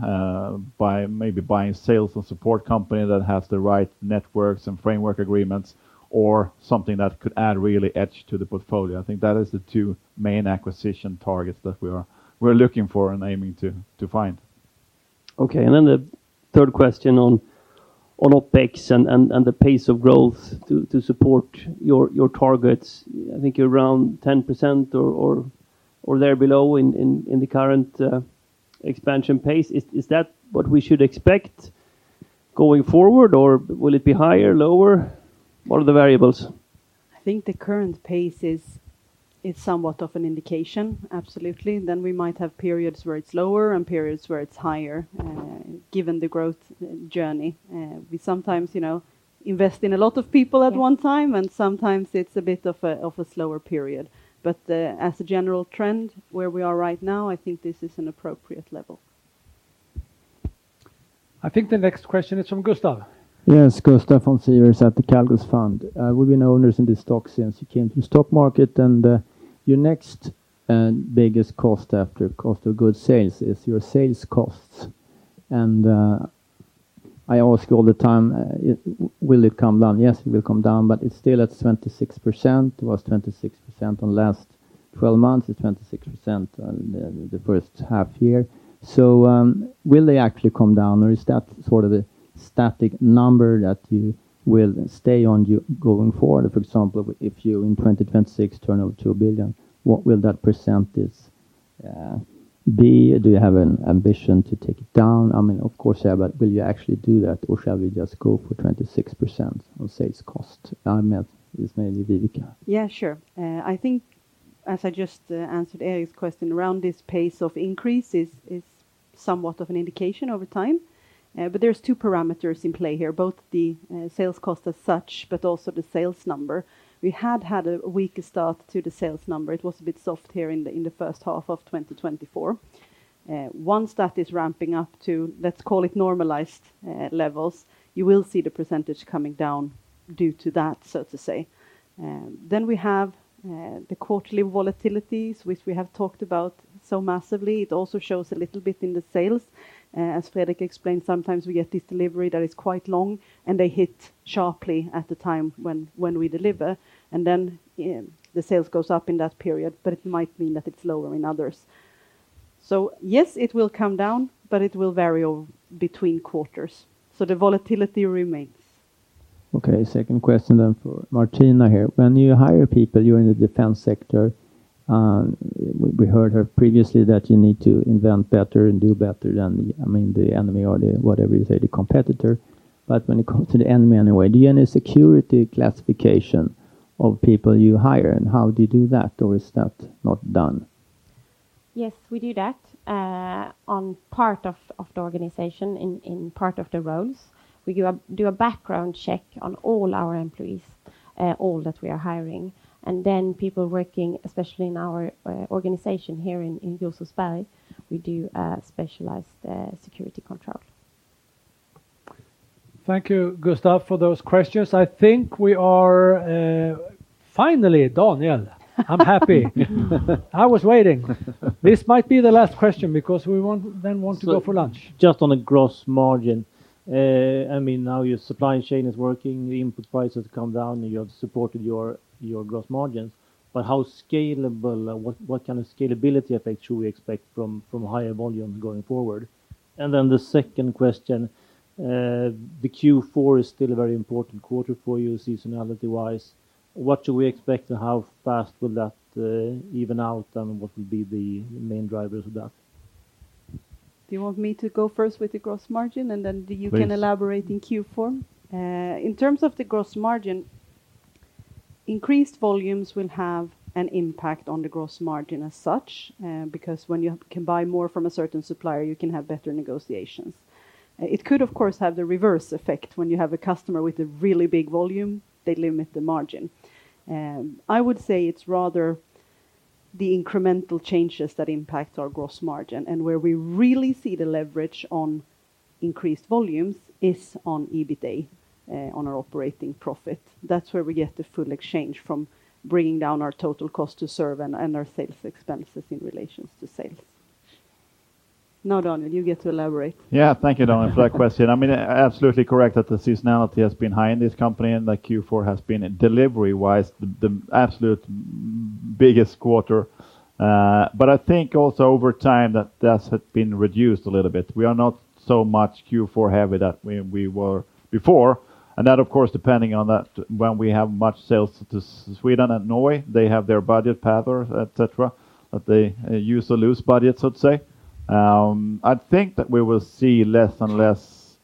by maybe buying sales and support company that has the right networks and framework agreements, or something that could add really edge to the portfolio. I think that is the two main acquisition targets that we are, we're looking for and aiming to find. Okay, and then the third question on OpEx and the pace of growth to support your targets. I think you're around 10% or there below in the current expansion pace. Is that what we should expect going forward, or will it be higher, lower? What are the variables? I think the current pace is somewhat of an indication, absolutely. Then we might have periods where it's lower and periods where it's higher, given the growth journey. We sometimes, you know, invest in a lot of people at one time, and sometimes it's a bit of a slower period. But, as a general trend, where we are right now, I think this is an appropriate level. I think the next question is from Gustaf. Yes, Gustaf from Calgus Fond. We've been owners in this stock since you came to the stock market, and your next biggest cost after cost of goods sales is your sales costs. And I ask you all the time, will it come down? Yes, it will come down, but it's still at 26%. It was 26% on last twelve months, it's 26% on the first half year. So, will they actually come down, or is that sort of a static number that you will stay on going forward? For example, if you in 2026 turn over two billion, what will that percentage be? Do you have an ambition to take it down? I mean, of course, yeah, but will you actually do that, or shall we just go for 26% on sales cost? I met. It's maybe Viveca. Yeah, sure. I think as I just answered Erik's question, around this pace of increase is somewhat of an indication over time, but there's two parameters in play here, both the sales cost as such, but also the sales number. We had had a weaker start to the sales number. It was a bit soft here in the first half of 2024. Once that is ramping up to, let's call it normalized levels, you will see the percentage coming down due to that, so to say. Then we have the quarterly volatilities, which we have talked about so massively. It also shows a little bit in the sales. As Fredrik explained, sometimes we get this delivery that is quite long, and they hit sharply at the time when we deliver, and then the sales goes up in that period, but it might mean that it's lower in others, so yes, it will come down, but it will vary over between quarters, so the volatility remains. Okay, second question then for Martina here. When you hire people, you're in the defense sector, we heard her previously that you need to invent better and do better than the, I mean, the enemy or the, whatever you say, the competitor. But when it comes to the enemy anyway, do you have any security classification of people you hire, and how do you do that, or is that not done? Yes, we do that in part of the organization, in part of the roles. We do a background check on all our employees, all that we are hiring. And then people working, especially in our organization here in Rosersberg, we do a specialized security control. Thank you, Gustaf, for those questions. I think we are finally, Daniel. I'm happy. I was waiting. This might be the last question because we want to go for lunch. Just on a gross margin, I mean, now your supply chain is working, the input prices have come down, and you have supported your gross margins. But how scalable, what kind of scalability effect should we expect from higher volumes going forward? And then the second question, the Q4 is still a very important quarter for you seasonality-wise. What should we expect, and how fast will that even out, and what will be the main drivers of that? Do you want me to go first with the gross margin, and then- Please. You can elaborate in Q4? In terms of the gross margin, increased volumes will have an impact on the gross margin as such, because when you can buy more from a certain supplier, you can have better negotiations. It could, of course, have the reverse effect. When you have a customer with a really big volume, they limit the margin. I would say it's rather the incremental changes that impact our gross margin, and where we really see the leverage on increased volumes is on EBITA, on our operating profit. That's where we get the full exchange from bringing down our total cost to serve and our sales expenses in relations to sales. Now, Daniel, you get to elaborate. Yeah. Thank you, Daniel, for that question. I mean, absolutely correct that the seasonality has been high in this company, and the Q4 has been, delivery-wise, the absolute biggest quarter. But I think also over time, that has been reduced a little bit. We are not so much Q4 heavy that we were before, and that, of course, depending on that, when we have much sales to Sweden and Norway, they have their budget path, et cetera, that they use the loose budgets, I'd say. I think that we will see less and less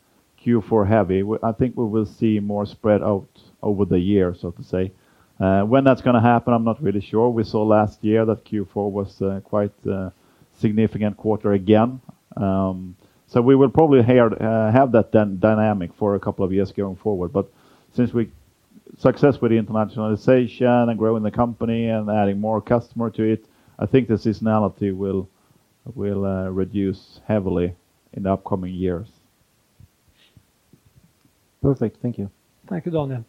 Q4 heavy. I think we will see more spread out over the year, so to say. When that's gonna happen, I'm not really sure. We saw last year that Q4 was quite a significant quarter again. So we will probably have that dynamic for a couple of years going forward. But since we—success with the internationalization and growing the company and adding more customer to it, I think the seasonality will reduce heavily in the upcoming years. Perfect. Thank you. Thank you, Daniel.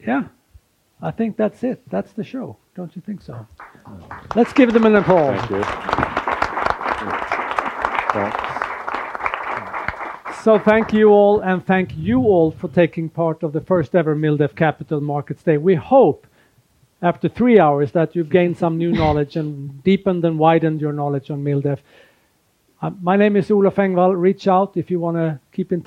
Yeah, I think that's it. That's the show. Don't you think so? Let's give them another call. Thank you. Thanks. So, thank you all and thank you all for taking part of the first ever MilDef Capital Markets Day. We hope, after three hours, that you've gained some new knowledge and deepened and widened your knowledge on MilDef. My name is Olof Engvall. Reach out if you wanna keep in touch.